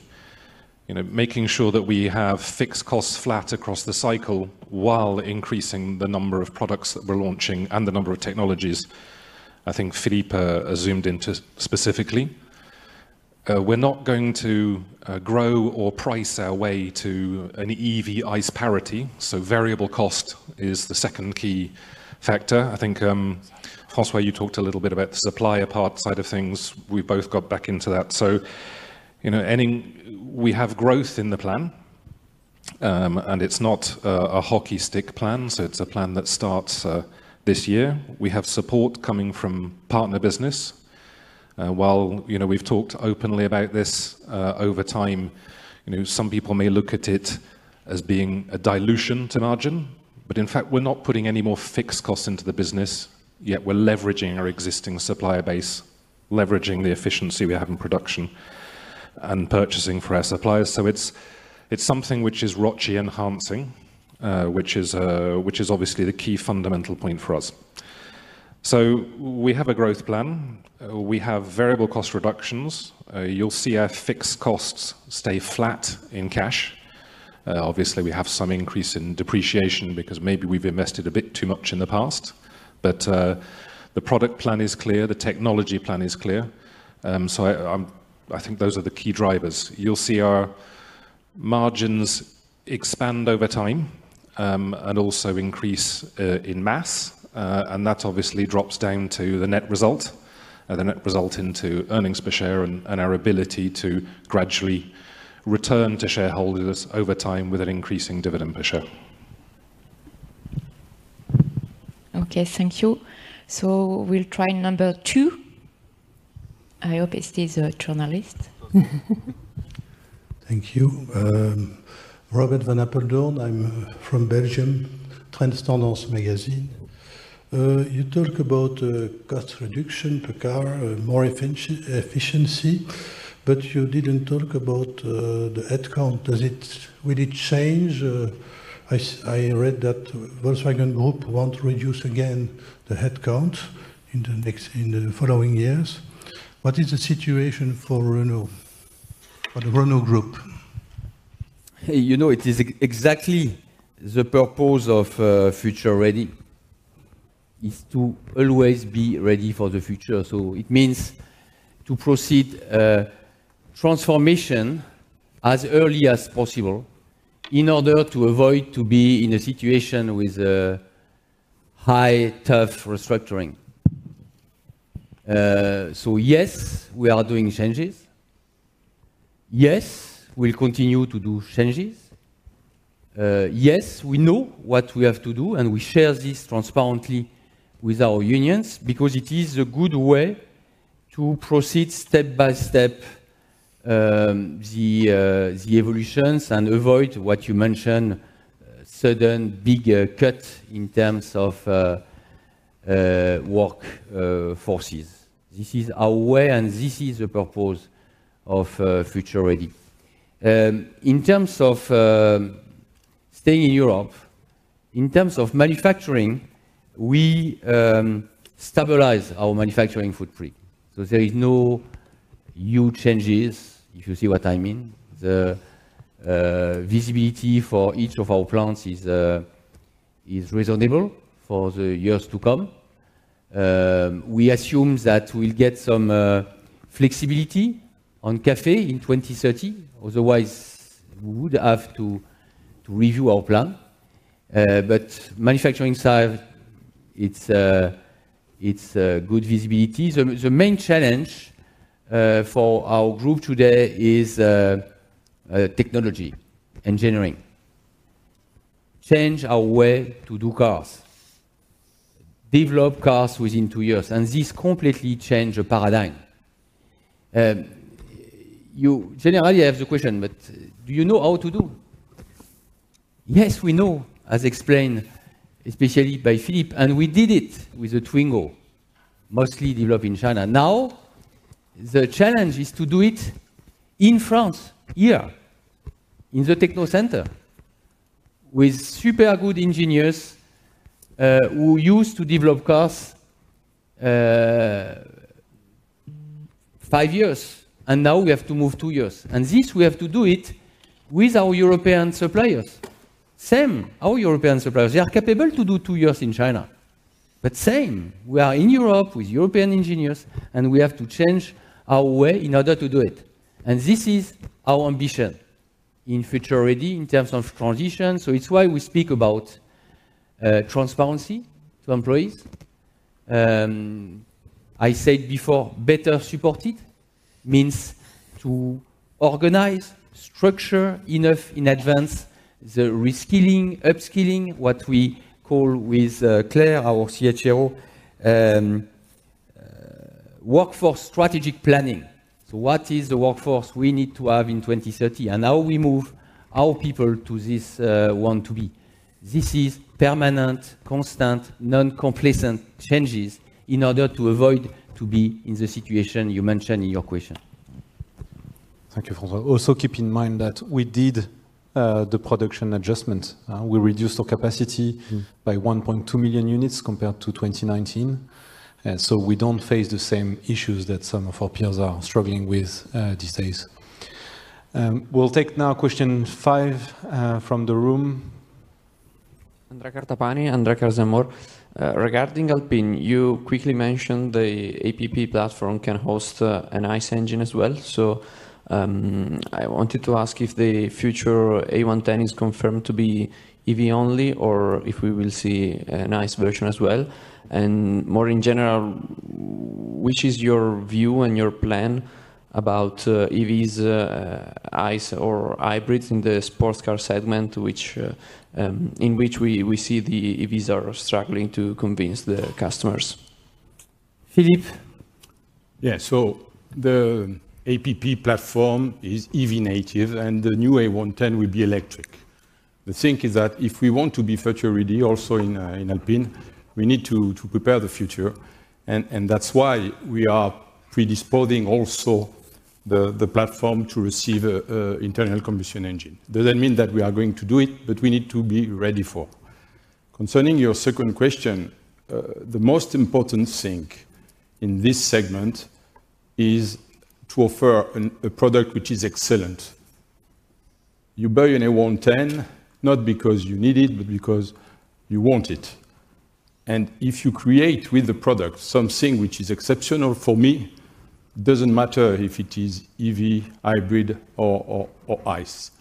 You know, making sure that we have fixed costs flat across the cycle while increasing the number of products that we're launching and the number of technologies I think Philippe zoomed into specifically. We're not going to grow or price our way to an EV ICE parity, so variable cost is the second key factor. I think, François, you talked a little bit about the supplier part side of things. We both got back into that. You know, Henning, we have growth in the plan, and it's not a hockey stick plan, so it's a plan that starts this year. We have support coming from partner business. While you know, we've talked openly about this over time, you know, some people may look at it as being a dilution to margin, but in fact, we're not putting any more fixed costs into the business, yet we're leveraging our existing supplier base, leveraging the efficiency we have in production and purchasing for our suppliers. It's something which is ROCE enhancing, which is obviously the key fundamental point for us. We have a growth plan. We have variable cost reductions. You'll see our fixed costs stay flat in cash. Obviously, we have some increase in depreciation because maybe we've invested a bit too much in the past. The product plan is clear, the technology plan is clear. I think those are the key drivers. You'll see our margins expand over time, and also increase in mass. That obviously drops down to the net result into earnings per share and our ability to gradually return to shareholders over time with an increasing dividend per share. Okay, thank you. We'll try number two. I hope it is a journalist. Thank you. Robert van Apeldoorn. I'm from Belgium, Trends-Tendances magazine. You talk about cost reduction per car, more efficiency, but you didn't talk about the headcount. Does it? Will it change? I read that Volkswagen Group want to reduce again the headcount in the next, in the following years. What is the situation for Renault, for the Renault Group? You know, it is exactly the purpose of futuREady, is to always be ready for the future. It means to proceed transformation as early as possible in order to avoid to be in a situation with high tough restructuring. Yes, we are doing changes. Yes, we'll continue to do changes. Yes, we know what we have to do, and we share this transparently with our unions because it is a good way to proceed step by step the evolutions and avoid what you mentioned, sudden bigger cut in terms of work forces. This is our way, and this is the purpose of futuREady. In terms of staying in Europe, in terms of manufacturing, we stabilize our manufacturing footprint. There is no huge changes, if you see what I mean. The visibility for each of our plants is reasonable for the years to come. We assume that we'll get some flexibility on CAFE in 2030. Otherwise, we would have to review our plan. Manufacturing side, it's good visibility. The main challenge for our group today is technology, engineering. Change our way to do cars. Develop cars within two years, and this completely change the paradigm. You generally have the question, but do you know how to do? Yes, we know, as explained especially by Philippe, and we did it with the Twingo, mostly developed in China. Now, the challenge is to do it in France, here, in the Technocentre, with super good engineers who used to develop cars five years, and now we have to move two years. This, we have to do it with our European suppliers. Same, our European suppliers, they are capable to do two years in China. Same, we are in Europe with European engineers, and we have to change our way in order to do it. This is our ambition in Future Ready in terms of transition. It's why we speak about transparency to employees. I said before, better supported means to organize, structure enough in advance the reskilling, upskilling, what we call with Claire, our CHRO, workforce strategic planning. What is the workforce we need to have in 2030, and how we move our people to this what we want to be. This is permanent, constant, non-complacent changes in order to avoid to be in the situation you mentioned in your question. Thank you, François. Also keep in mind that we did the production adjustment. We reduced our capacity by 1.2 million units compared to 2019. We don't face the same issues that some of our peers are struggling with these days. We'll take now question five from the room. Andrea Cartapanis. Regarding Alpine, you quickly mentioned the APP platform can host an ICE engine as well. I wanted to ask if the future A110 is confirmed to be EV only, or if we will see an ICE version as well. More in general, which is your view and your plan about EVs, ICE or hybrids in the sports car segment, in which we see the EVs are struggling to convince the customers. Philippe? Yeah. The APP platform is EV native, and the new A110 will be electric. The thing is that if we want to be futuREady also in Alpine, we need to prepare the future. That's why we are positioning also. The platform to receive an internal combustion engine. Doesn't mean that we are going to do it, but we need to be ready for. Concerning your second question, the most important thing in this segment is to offer a product which is excellent. You buy an A110 not because you need it, but because you want it. If you create with the product something which is exceptional for me, it doesn't matter if it is EV, hybrid or ICE.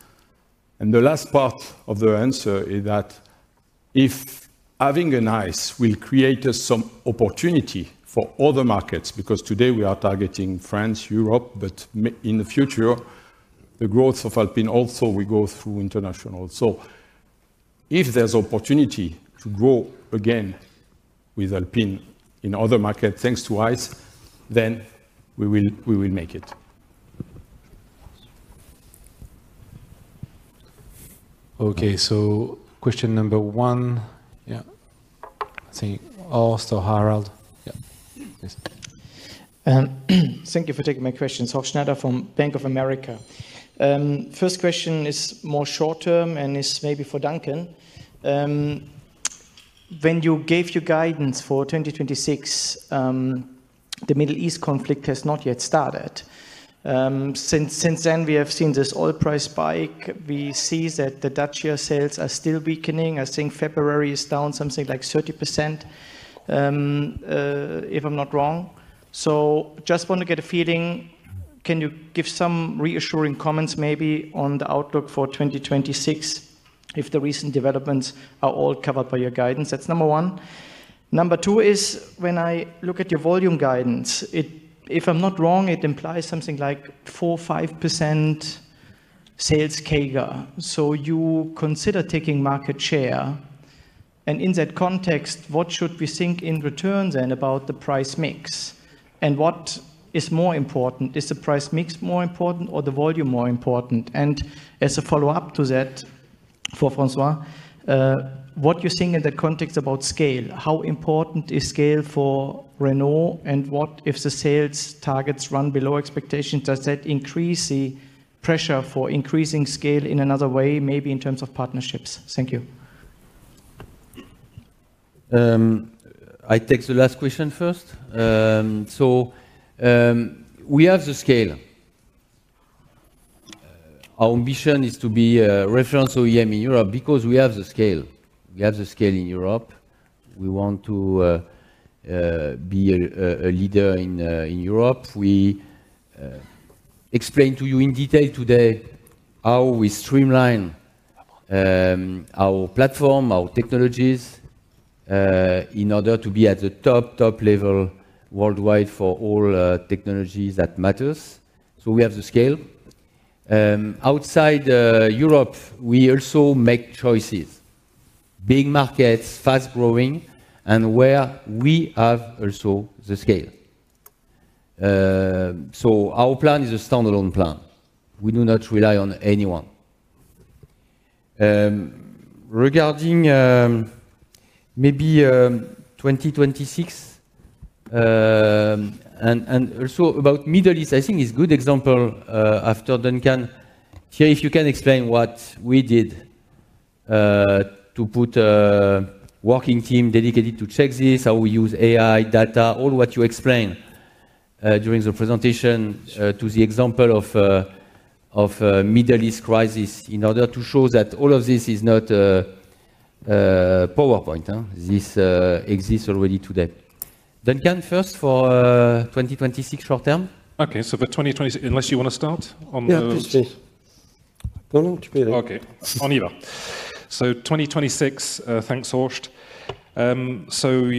The last part of the answer is that if having an ICE will create us some opportunity for other markets, because today we are targeting France, Europe, but in the future, the growth of Alpine also will go through international. If there's opportunity to grow again with Alpine in other markets thanks to ICE, then we will make it. Okay. Question number one. Yeah. I think also Harald. Thank you for taking my question. Horst Schneider from Bank of America. First question is more short-term and is maybe for Duncan. When you gave your guidance for 2026, the Middle East conflict has not yet started. Since then, we have seen this oil price spike. We see that the Dacia sales are still weakening. I think February is down something like 30%, if I'm not wrong. Just want to get a feeling, can you give some reassuring comments maybe on the outlook for 2026 if the recent developments are all covered by your guidance? That's number one. Number two is when I look at your volume guidance, it, if I'm not wrong, it implies something like 4-5% sales CAGR. You consider taking market share. In that context, what should we think in return then about the price mix? What is more important? Is the price mix more important or the volume more important? As a follow-up to that, for François, what you're seeing in that context about scale, how important is scale for Renault? What if the sales targets run below expectations? Does that increase the pressure for increasing scale in another way, maybe in terms of partnerships? Thank you. I take the last question first. We have the scale. Our ambition is to be a reference OEM in Europe because we have the scale. We have the scale in Europe. We want to be a leader in Europe. We explain to you in detail today how we streamline our platform, our technologies, in order to be at the top level worldwide for all technologies that matters. We have the scale. Outside Europe, we also make choices. Big markets, fast-growing, and where we have also the scale. Our plan is a standalone plan. We do not rely on anyone. Regarding maybe 2026, and also about Middle East, I think it's good example after Duncan. Thierry, if you can explain what we did to put a working team dedicated to check this, how we use AI, data, all what you explained during the presentation to the example of Middle East crisis in order to show that all of this is not a PowerPoint, huh? This exists already today. Duncan, first for 2026 short term. For 2026, unless you want to start on those. Yeah, please. Don't want to be late. Okay. On EV. 2026, thanks, Horst. You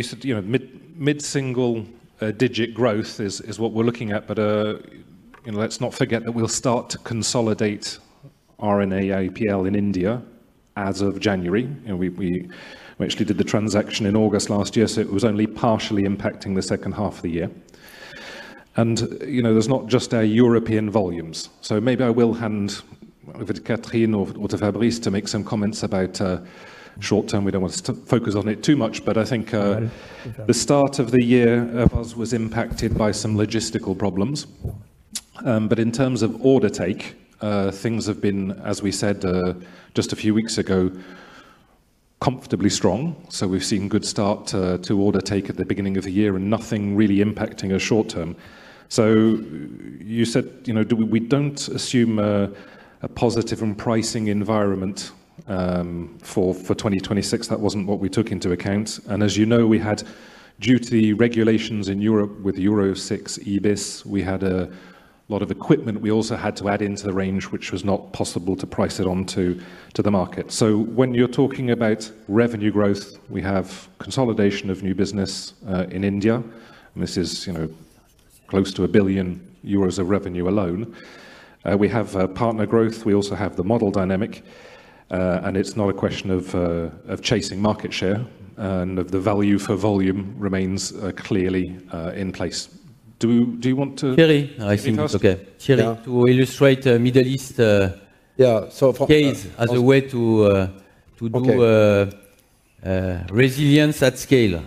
said, you know, mid-single-digit growth is what we're looking at. You know, let's not forget that we'll start to consolidate RNAIPL in India as of January. You know, we actually did the transaction in August last year, so it was only partially impacting the second half of the year. You know, there's not just our European volumes. Maybe I will hand over to Katrin or to Fabrice to make some comments about short term. We don't want to focus on it too much. I think the start of the year was impacted by some logistical problems. In terms of order intake, things have been, as we said, just a few weeks ago, comfortably strong. We've seen good start to order intake at the beginning of the year and nothing really impacting us short term. You said, you know, we don't assume a positive in pricing environment for 2026. That wasn't what we took into account. As you know, we had tighter regulations in Europe with Euro 6e-bis. We had a lot of equipment we also had to add into the range, which was not possible to price it onto the market. When you're talking about revenue growth, we have consolidation of new business in India. This is, you know, close to 1 billion euros of revenue alone. We have partner growth. We also have the model dynamics. It's not a question of chasing market share. The value for volume remains clearly in place. Do you want to— Thierry. I think it's okay. Because- Thierry, to illustrate, Middle East. Yeah. Case as a way to do resilience at scale.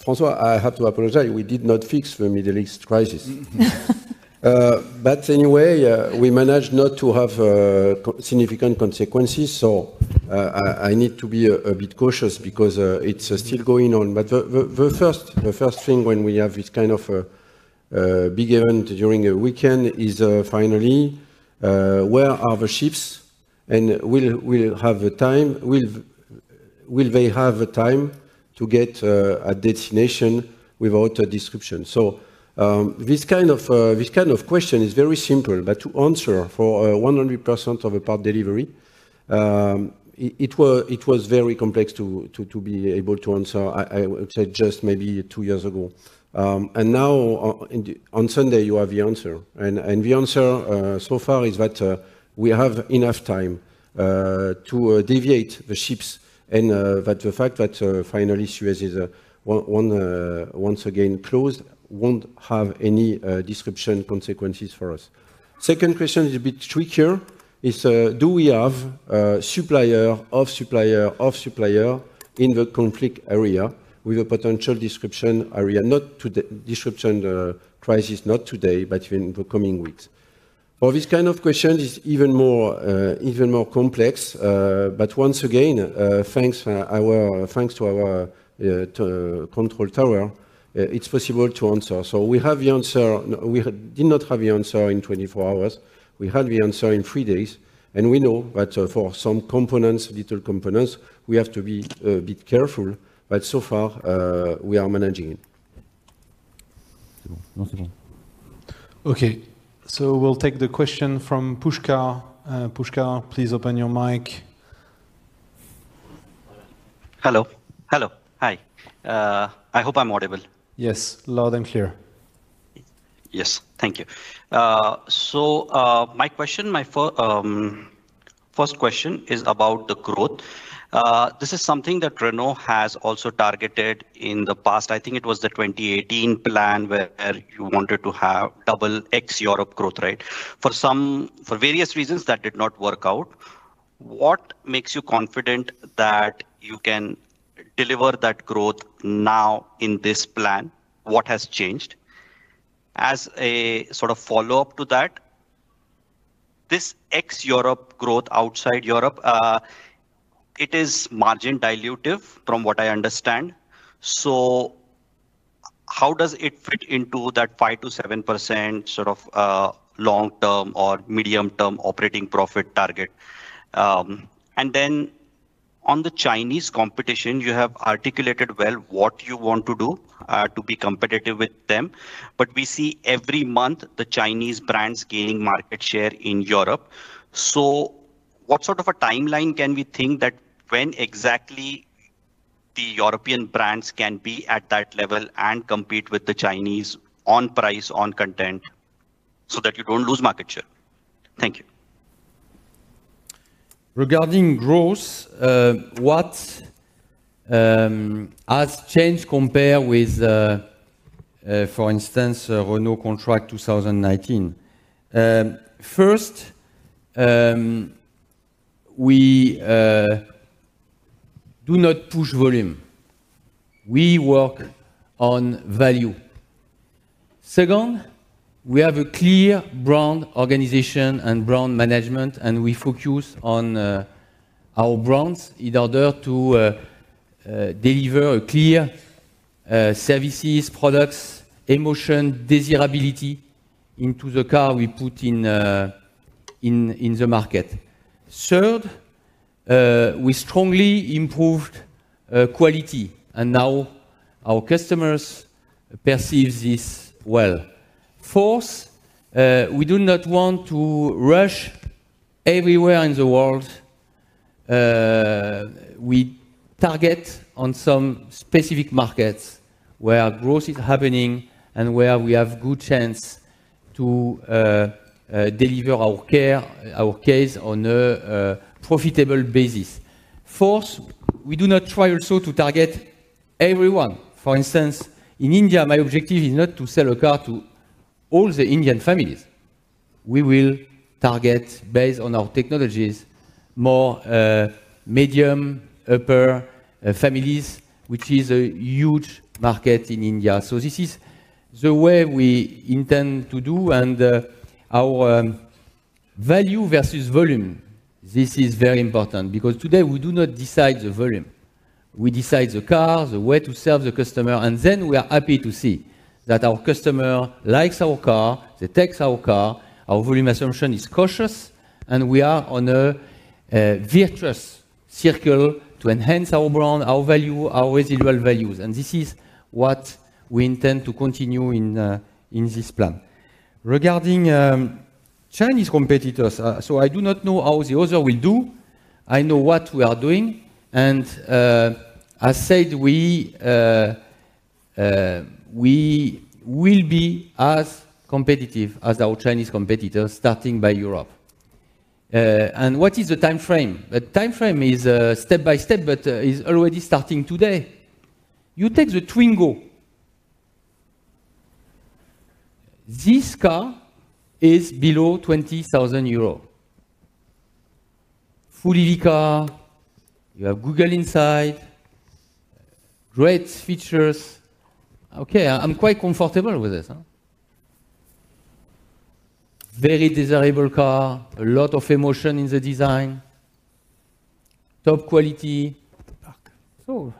François, I have to apologize. We did not fix the Middle East crisis. But anyway, we managed not to have significant consequences, I need to be a bit cautious because it's still going on. The first thing when we have this kind of big event during a weekend is finally where are the ships, and will they have the time to get a destination without a disruption? This kind of question is very simple, but to answer for 100% of a part delivery, it was very complex to be able to answer, I would say just maybe two years ago. Now, on Sunday, you have the answer. The answer so far is that we have enough time to deviate the ships and that the fact that the Suez Canal is once again closed won't have any disruption consequences for us. Second question is a bit trickier, do we have supplier of supplier of supplier in the conflict area with a potential disruption area? Not today. Disruption from the crisis, not today, but in the coming weeks. For this kind of question is even more complex. Once again, thanks to our control tower, it's possible to answer. We have the answer. We did not have the answer in 24 hours. We had the answer in three days, and we know that for some components, little components, we have to be a bit careful. So far, we are managing it. Okay. We'll take the question from Pushkar. Pushkar, please open your mic. Hello. Hello. Hi. I hope I'm audible. Yes, loud and clear. Yes. Thank you. So, my question, my first question is about the growth. This is something that Renault has also targeted in the past. I think it was the 2018 plan where you wanted to have double ex-Europe growth rate. For various reasons, that did not work out. What makes you confident that you can deliver that growth now in this plan? What has changed? As a sort of follow-up to that, this ex-Europe growth outside Europe, it is margin dilutive from what I understand. So how does it fit into that 5%-7% sort of, long-term or medium-term operating profit target? And then on the Chinese competition, you have articulated well what you want to do, to be competitive with them. We see every month the Chinese brands gaining market share in Europe. What sort of a timeline can we think that when exactly the European brands can be at that level and compete with the Chinese on price, on content, so that you don't lose market share? Thank you. Regarding growth, what has changed compared with, for instance, Renault contract 2019. First, we do not push volume. We work on value. Second, we have a clear brand organization and brand management, and we focus on our brands in order to deliver a clear services, products, emotion, desirability into the car we put in the market. Third, we strongly improved quality, and now our customers perceive this well. Fourth, we do not want to rush everywhere in the world. We target on some specific markets where growth is happening and where we have good chance to deliver our cars on a profitable basis. Fourth, we do not try also to target everyone. For instance, in India, my objective is not to sell a car to all the Indian families. We will target based on our technologies, more medium upper families, which is a huge market in India. This is the way we intend to do and our value versus volume. This is very important because today we do not decide the volume. We decide the car, the way to serve the customer, and then we are happy to see that our customer likes our car, they take our car, our volume assumption is cautious, and we are on a virtuous circle to enhance our brand, our value, our residual values. This is what we intend to continue in this plan. Regarding Chinese competitors, I do not know how the other will do. I know what we are doing. I said we will be as competitive as our Chinese competitors, starting by Europe. What is the timeframe? The timeframe is step by step, but is already starting today. You take the Twingo. This car is below 20,000 euros. Full car, you have Google inside, great features. Okay, I'm quite comfortable with this, huh. Very desirable car. A lot of emotion in the design. Top quality.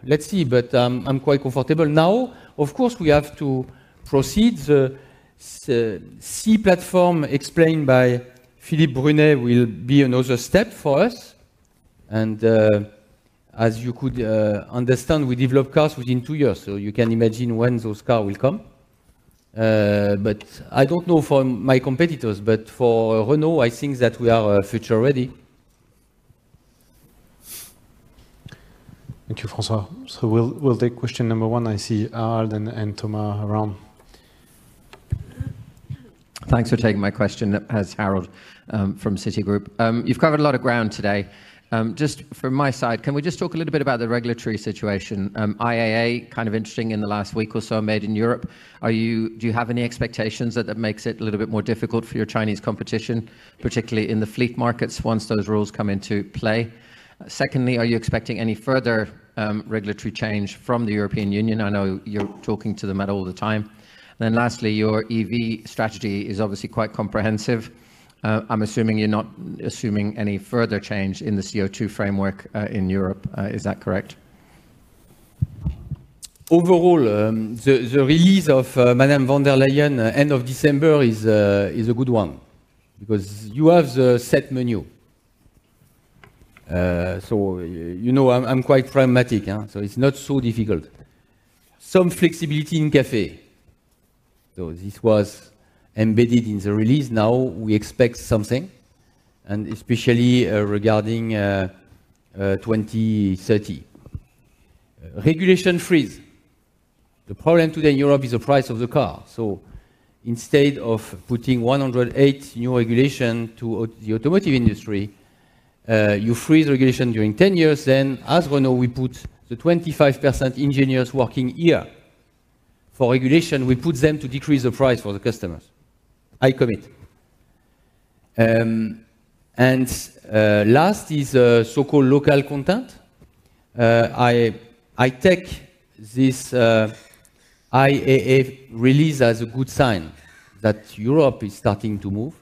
Let's see. I'm quite comfortable now. Of course, we have to proceed. The C platform explained by Philippe Brunet will be another step for us. As you could understand, we develop cars within two years, so you can imagine when those car will come. I don't know for my competitors, but for Renault, I think that we are futuREady. Thank you, François. We'll take question number one. I see Harald and Thomas around. Thanks for taking my question. It's Harald from Citigroup. You've covered a lot of ground today. Just from my side, can we just talk a little bit about the regulatory situation? IAA kind of interesting in the last week or so made in Europe. Do you have any expectations that that makes it a little bit more difficult for your Chinese competition, particularly in the fleet markets, once those rules come into play? Secondly, are you expecting any further regulatory change from the European Union? I know you're talking to them all the time. Then lastly, your EV strategy is obviously quite comprehensive. I'm assuming you're not assuming any further change in the CO2 framework in Europe. Is that correct? Overall, the release of Madame von der Leyen end of December is a good one because you have the set menu. You know, I'm quite pragmatic, so it's not so difficult. Some flexibility in CAFE. This was embedded in the release. Now we expect something, and especially, regarding 2030. Regulation freeze. The problem today in Europe is the price of the car. Instead of putting 108 new regulation to the automotive industry, you freeze regulation during 10 years. Then as Renault, we put the 25% engineers working here. For regulation, we put them to decrease the price for the customers. I commit. So-called local content. I take this IAA release as a good sign that Europe is starting to move.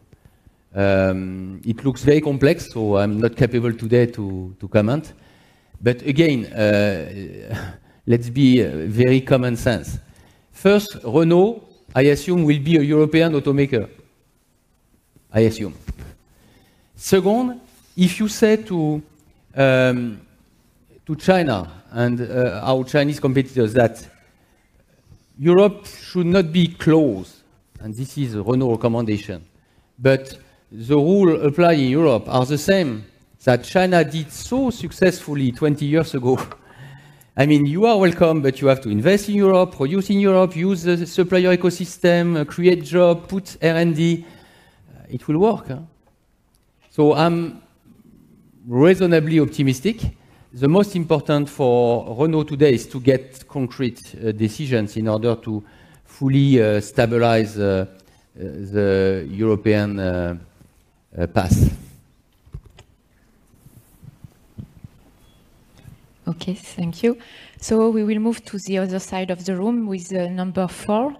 It looks very complex, so I'm not capable today to comment. Again, let's be very common sense. First, Renault, I assume, will be a European automaker. I assume. Second, if you say to China and our Chinese competitors that Europe should not be closed, and this is Renault recommendation, but the rules apply in Europe are the same that China did so successfully 20 years ago. I mean, you are welcome, but you have to invest in Europe, produce in Europe, use the supplier ecosystem, create jobs, put R&D. It will work. I'm reasonably optimistic. The most important for Renault today is to get concrete decisions in order to fully stabilize the European path. Okay. Thank you. We will move to the other side of the room with number four.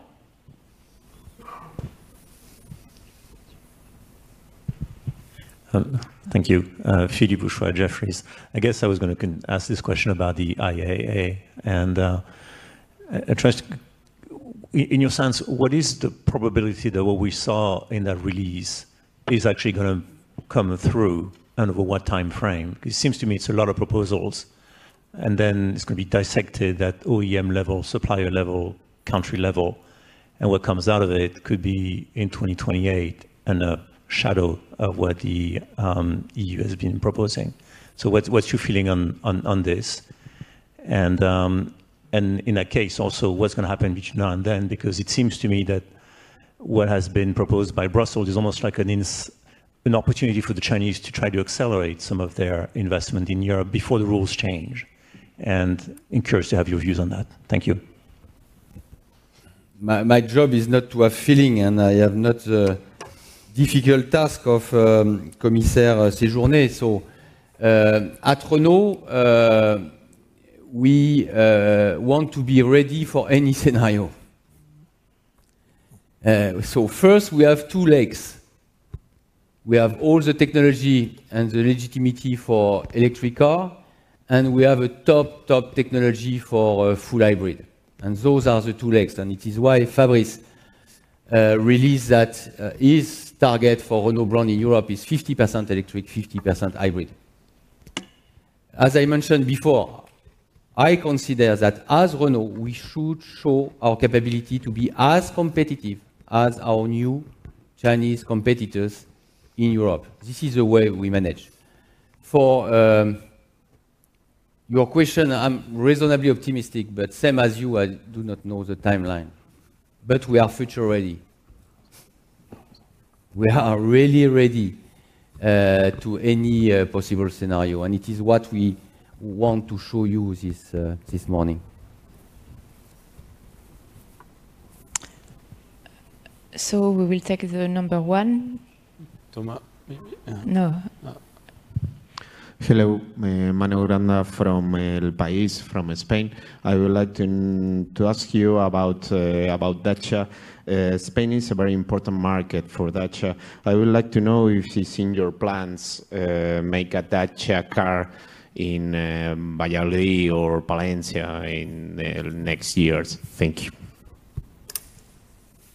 Thank you. Philippe Houchois, Jefferies. I guess I was gonna ask this question about the IAA, and I trust in your sense, what is the probability that what we saw in that release is actually gonna come through and over what timeframe? Because it seems to me it's a lot of proposals, and then it's going to be dissected at OEM level, supplier level, country level, and what comes out of it could be in 2028 and a shadow of what the EU has been proposing. What's your feeling on this? In that case also, what's gonna happen between now and then? Because it seems to me that what has been proposed by Brussels is almost like an opportunity for the Chinese to try to accelerate some of their investment in Europe before the rules change, and encouraged to have your views on that. Thank you. My job is not to have feeling, and I have not the difficult task of Commissaire Séjourné. At Renault, we want to be ready for any scenario. First we have two legs. We have all the technology and the legitimacy for electric car, and we have a top technology for full hybrid. Those are the two legs. It is why Fabrice released that his target for Renault brand in Europe is 50% electric, 50% hybrid. As I mentioned before, I consider that as Renault, we should show our capability to be as competitive as our new Chinese competitors in Europe. This is the way we manage. For your question, I'm reasonably optimistic, but same as you, I do not know the timeline, but we are futuREady. We are really ready to any possible scenario, and it is what we want to show you this morning. We will take the number one. Thomas, maybe. No. Hello. Manuel Florentín from El País from Spain. I would like to ask you about Dacia. Spain is a very important market for Dacia. I would like to know if it's in your plans make a Dacia car in Valladolid or Valencia in the next years. Thank you.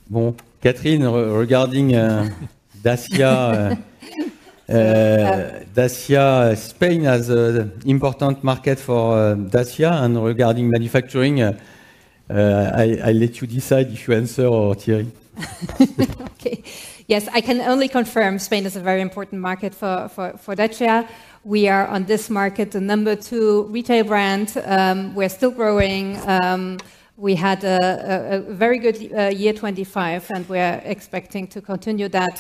Well, Katrin, regarding Dacia, Spain as a important market for Dacia and regarding manufacturing, I let you decide if you answer or Thierry. Okay. Yes, I can only confirm Spain is a very important market for Dacia. We are on this market the number two retail brand. We are still growing. We had a very good year 2025, and we are expecting to continue that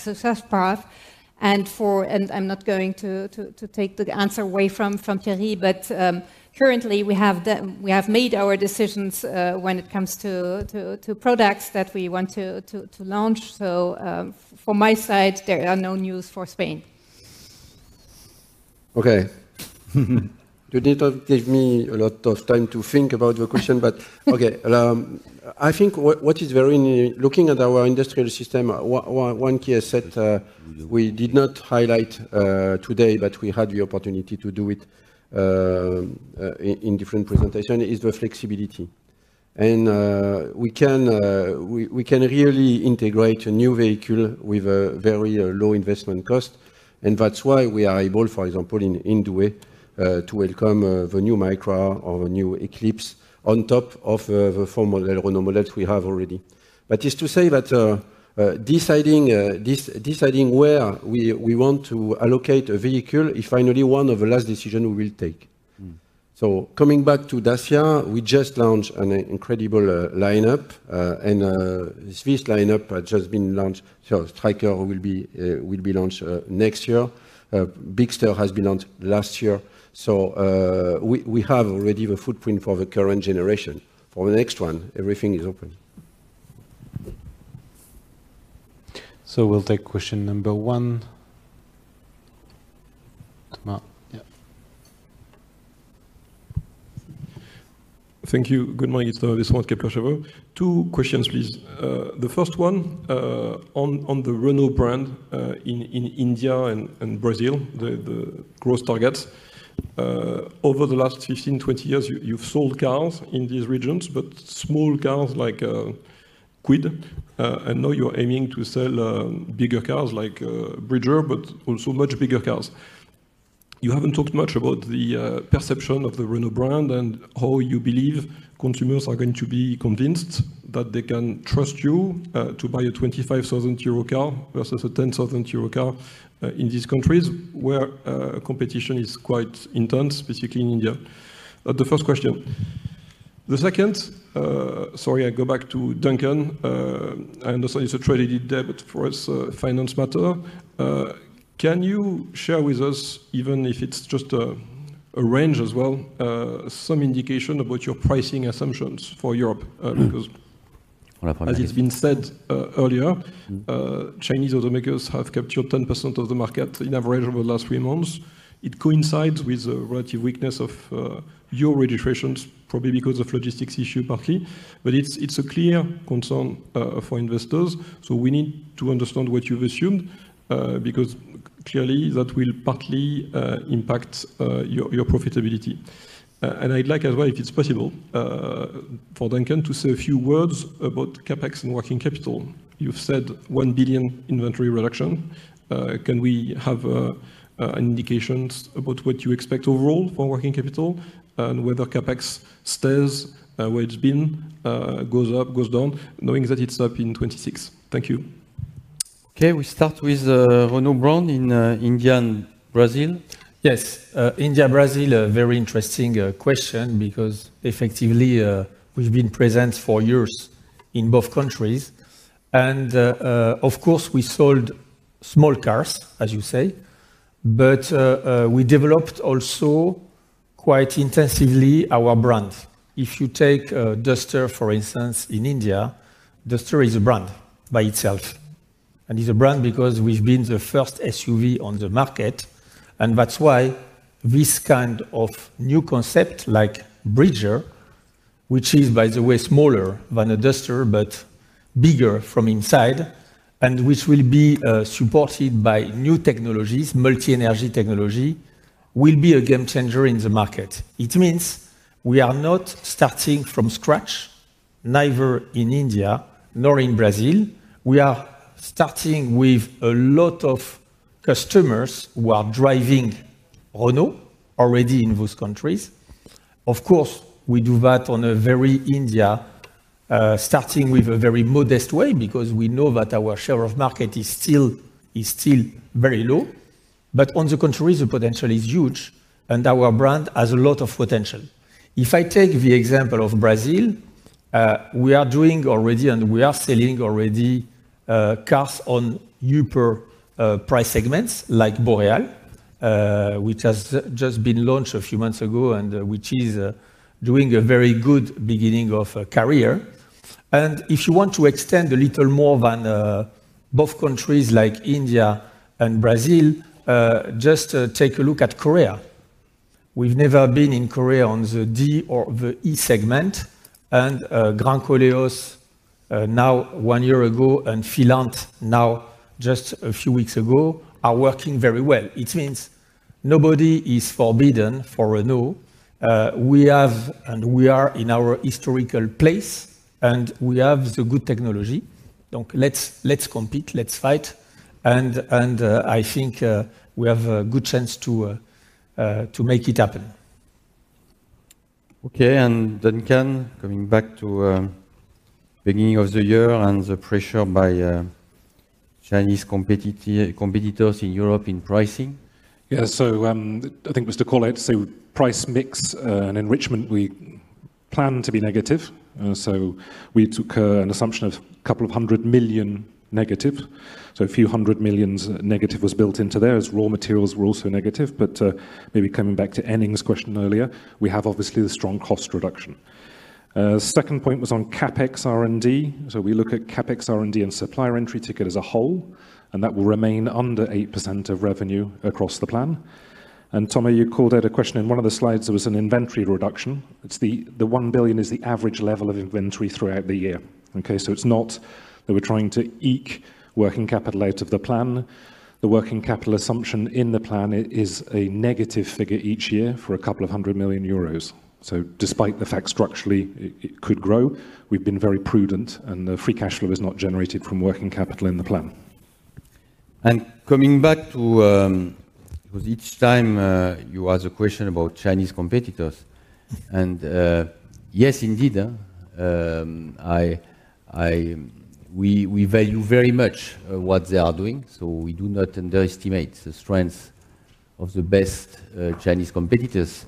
success path. I'm not going to take the answer away from Thierry, but currently we have made our decisions when it comes to products that we want to launch. From my side, there are no news for Spain. Okay. You didn't give me a lot of time to think about your question, but okay. I think what is very. Looking at our industrial system, one key asset we did not highlight today, but we had the opportunity to do it in different presentation, is the flexibility. We can really integrate a new vehicle with a very low investment cost, and that's why we are able, for example, in Douai, to welcome the new Micra or the new Eclipse on top of the former Renault models we have already. It's to say that deciding where we want to allocate a vehicle is finally one of the last decision we will take. Mm-hmm. Coming back to Dacia, we just launched an incredible lineup. This lineup has just been launched. Striker will be launched next year. Bigster has been launched last year. We have already the footprint for the current generation. For the next one, everything is open. We'll take question number one. Thomas. Yeah. Thank you. Good morning. It's Thomas from Kepler Cheuvreux. Two questions, please. The first one, on the Renault brand, in India and Brazil, the growth targets. Over the last 15 to 20 years, you've sold cars in these regions, but small cars like Kwid. I know you're aiming to sell bigger cars like Bridger, but also much bigger cars. You haven't talked much about the perception of the Renault brand and how you believe consumers are going to be convinced that they can trust you to buy a 25,000 euro car versus a 10,000 euro car in these countries where competition is quite intense, specifically in India. The second, sorry, I go back to Duncan. I understand it's a traded debt for us, finance matter. Can you share with us, even if it's just a range as well, some indication about your pricing assumptions for Europe? Because as it's been said earlier, Chinese automakers have captured 10% of the market on average over the last three months. It coincides with the relative weakness of your registrations, probably because of logistics issue partly. It's a clear concern for investors, so we need to understand what you've assumed because clearly that will partly impact your profitability. I'd like as well, if it's possible, for Duncan to say a few words about CapEx and working capital. You've said 1 billion inventory reduction. Can we have indications about what you expect overall for working capital and whether CapEx stays where it's been, goes up, goes down, knowing that it's up in 2026. Thank you. Okay, we start with Renault brand in India and Brazil. Yes, India, Brazil, a very interesting question because effectively we've been present for years in both countries. Of course, we sold small cars, as you say. We developed also quite intensively our brand. If you take Duster, for instance, in India, Duster is a brand by itself, and it's a brand because we've been the first SUV on the market. That's why this kind of new concept like Bridger, which is, by the way, smaller than a Duster but bigger from inside, and which will be supported by new technologies, multi-energy technology, will be a game changer in the market. It means we are not starting from scratch, neither in India nor in Brazil. We are starting with a lot of customers who are driving Renault already in those countries. Of course, we do that starting with a very modest way because we know that our share of market is still very low. On the contrary, the potential is huge, and our brand has a lot of potential. If I take the example of Brazil, we are doing already and we are selling already, cars on upper price segments like Boreal, which has just been launched a few months ago and which is doing a very good beginning of a career. If you want to extend a little more than both countries like India and Brazil, just take a look at Korea. We've never been in Korea on the D or the E segment, and Grand Koleos now one year ago and Filante now just a few weeks ago are working very well. It means nobody is forbidden for Renault. We have and we are in our historical place, and we have the good technology. Let's compete, let's fight. I think we have a good chance to make it happen. Okay. Duncan, coming back to beginning of the year and the pressure by Chinese competitors in Europe in pricing. I think said price mix and enrichment, we plan to be negative. We took an assumption of 200 million negative. A few hundred million negative was built into there as raw materials were also negative. Maybe coming back to Henning's question earlier, we have obviously the strong cost reduction. Second point was on CapEx R&D. We look at CapEx R&D and supplier entry ticket as a whole, and that will remain under 8% of revenue across the plan. Thomas, you called out a question. In one of the slides, there was an inventory reduction. It's the 1 billion is the average level of inventory throughout the year, okay? It's not that we're trying to eke working capital out of the plan. The working capital assumption in the plan is a negative figure each year for a couple of hundred million euros. Despite the fact structurally it could grow, we've been very prudent, and the free cash flow is not generated from working capital in the plan. Coming back to, because each time you ask a question about Chinese competitors, and yes, indeed, we value very much what they are doing, so we do not underestimate the strength of the best Chinese competitors.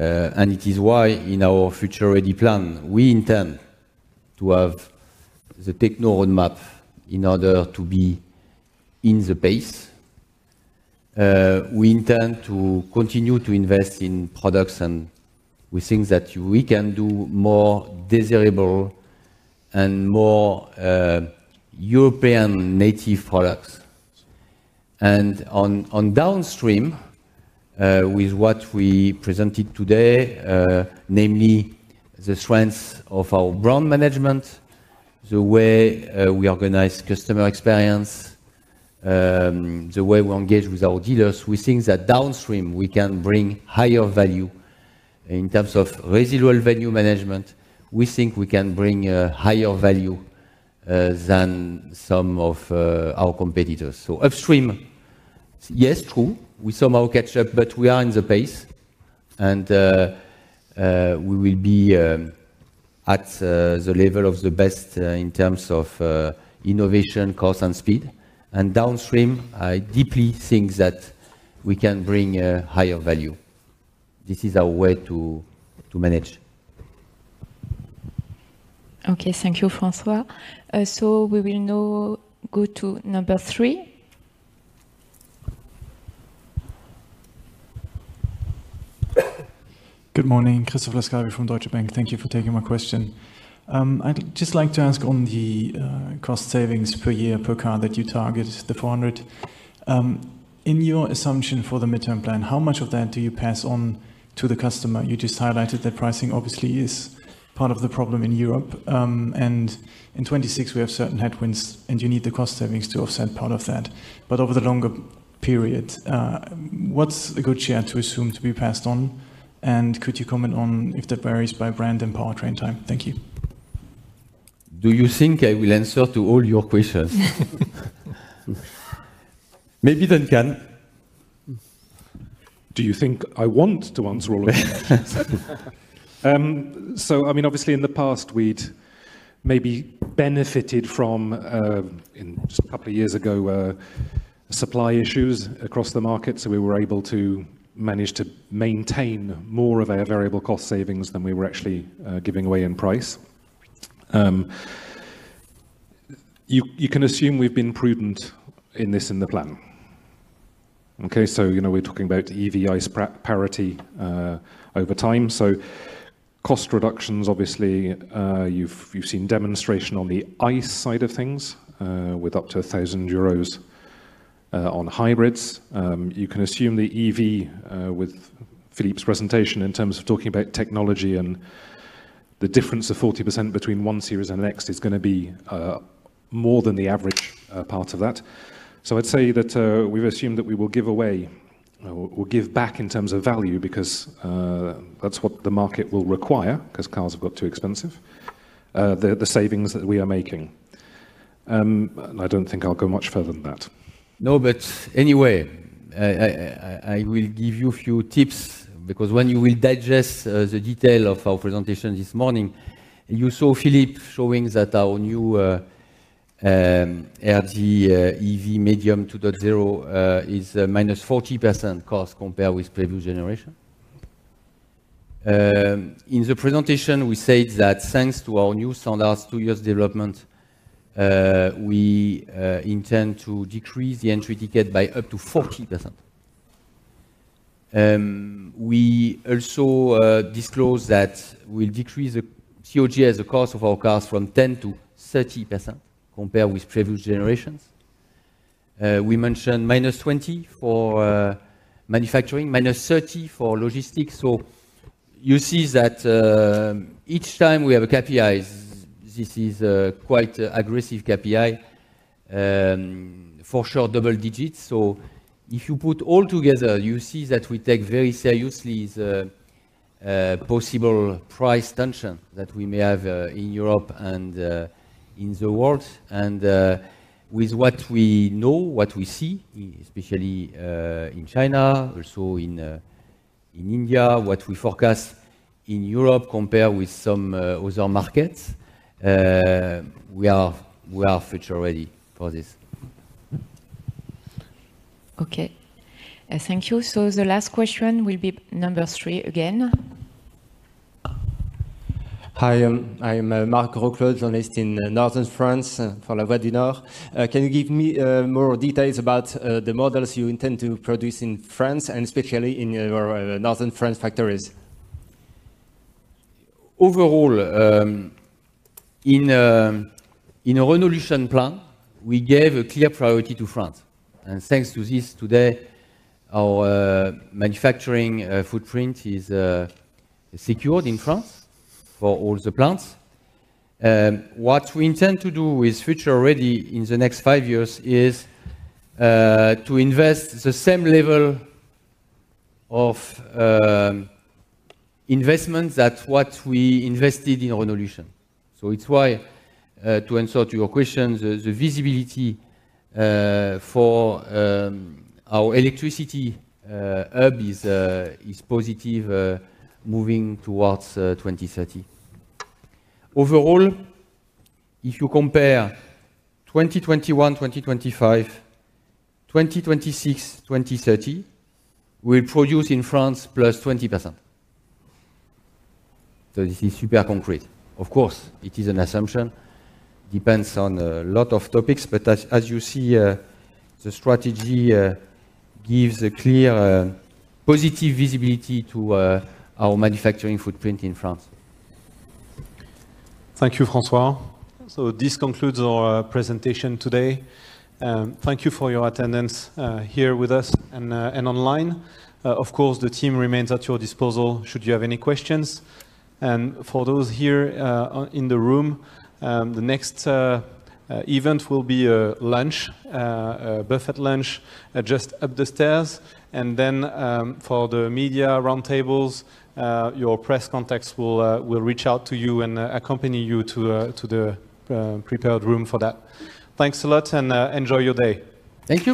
It is why in our futuREady plan, we intend to have the techno roadmap in order to be in the pace. We intend to continue to invest in products, and we think that we can do more desirable and more European native products. On downstream, with what we presented today, namely the strength of our brand management, the way we organize customer experience, the way we engage with our dealers, we think that downstream we can bring higher value in terms of residual value management. We think we can bring a higher value than some of our competitors. Upstream, yes, true, we somehow catch up, but we are in the race and we will be at the level of the best in terms of innovation, cost, and speed. Downstream, I deeply think that we can bring a higher value. This is our way to manage. Okay. Thank you, François. We will now go to number three. Good morning. Christoph Laskawi from Deutsche Bank. Thank you for taking my question. I'd just like to ask on the cost savings per year per car that you target, the 400 in your assumption for the midterm plan, how much of that do you pass on to the customer? You just highlighted that pricing obviously is part of the problem in Europe, and in 2026 we have certain headwinds, and you need the cost savings to offset part of that. Over the longer period, what's a good share to assume to be passed on? And could you comment on if that varies by brand and powertrain type? Thank you. Do you think I will answer to all your questions? Maybe Duncan. Do you think I want to answer all of them? I mean, obviously in the past we'd maybe benefited from, in a couple of years ago, supply issues across the market, so we were able to manage to maintain more of our variable cost savings than we were actually giving away in price. You can assume we've been prudent in this in the plan. Okay. You know, we're talking about EV-ICE parity over time. Cost reductions, obviously, you've seen demonstration on the ICE side of things, with up to 1,000 euros on hybrids. You can assume the EV, with Philippe's presentation in terms of talking about technology and the difference of 40% between one series and the next is gonna be more than the average part of that. I'd say that we've assumed that we will give away or give back in terms of value because that's what the market will require, 'cause cars have got too expensive, the savings that we are making. I don't think I'll go much further than that. No, anyway, I will give you a few tips because when you will digest the detail of our presentation this morning, you saw Philippe showing that our new RGEV Medium 2.0 is -40% cost compared with previous generation. In the presentation, we said that thanks to our new standards, two years development, we intend to decrease the entry ticket by up to 40%. We also disclose that we'll decrease the COGS, the cost of our cars, 10%-30% compared with previous generations. We mentioned -20% for manufacturing, -30% for logistics. You see that each time we have a KPI, this is quite aggressive KPI, for sure double digits. If you put all together, you see that we take very seriously the possible price tension that we may have in Europe and in the world. With what we know, what we see, especially in China, also in India, what we forecast in Europe compared with some other markets, we are future ready for this. Okay. Thank you. The last question will be number three again. Hi, I'm Marc Grosclaude, journalist in northern France for La Voix du Nord. Can you give me more details about the models you intend to produce in France and especially in your northern France factories? Overall, in Renaulution plan, we gave a clear priority to France. Thanks to this, today, our manufacturing footprint is secured in France for all the plants. What we intend to do with futuREady in the next five years is to invest the same level of investment that what we invested in Renaulution. It's why to answer to your question, the visibility for our electrification hub is positive moving towards 2030. Overall, if you compare 2021, 2025, 2026, 2030, we'll produce in France +20%. This is super concrete. Of course, it is an assumption, depends on a lot of topics, but as you see, the strategy gives a clear positive visibility to our manufacturing footprint in France. Thank you, François. This concludes our presentation today. Thank you for your attendance here with us and online. Of course, the team remains at your disposal should you have any questions. For those here in the room, the next event will be a buffet lunch just up the stairs. For the media roundtables, your press contacts will reach out to you and accompany you to the prepared room for that. Thanks a lot and enjoy your day. Thank you.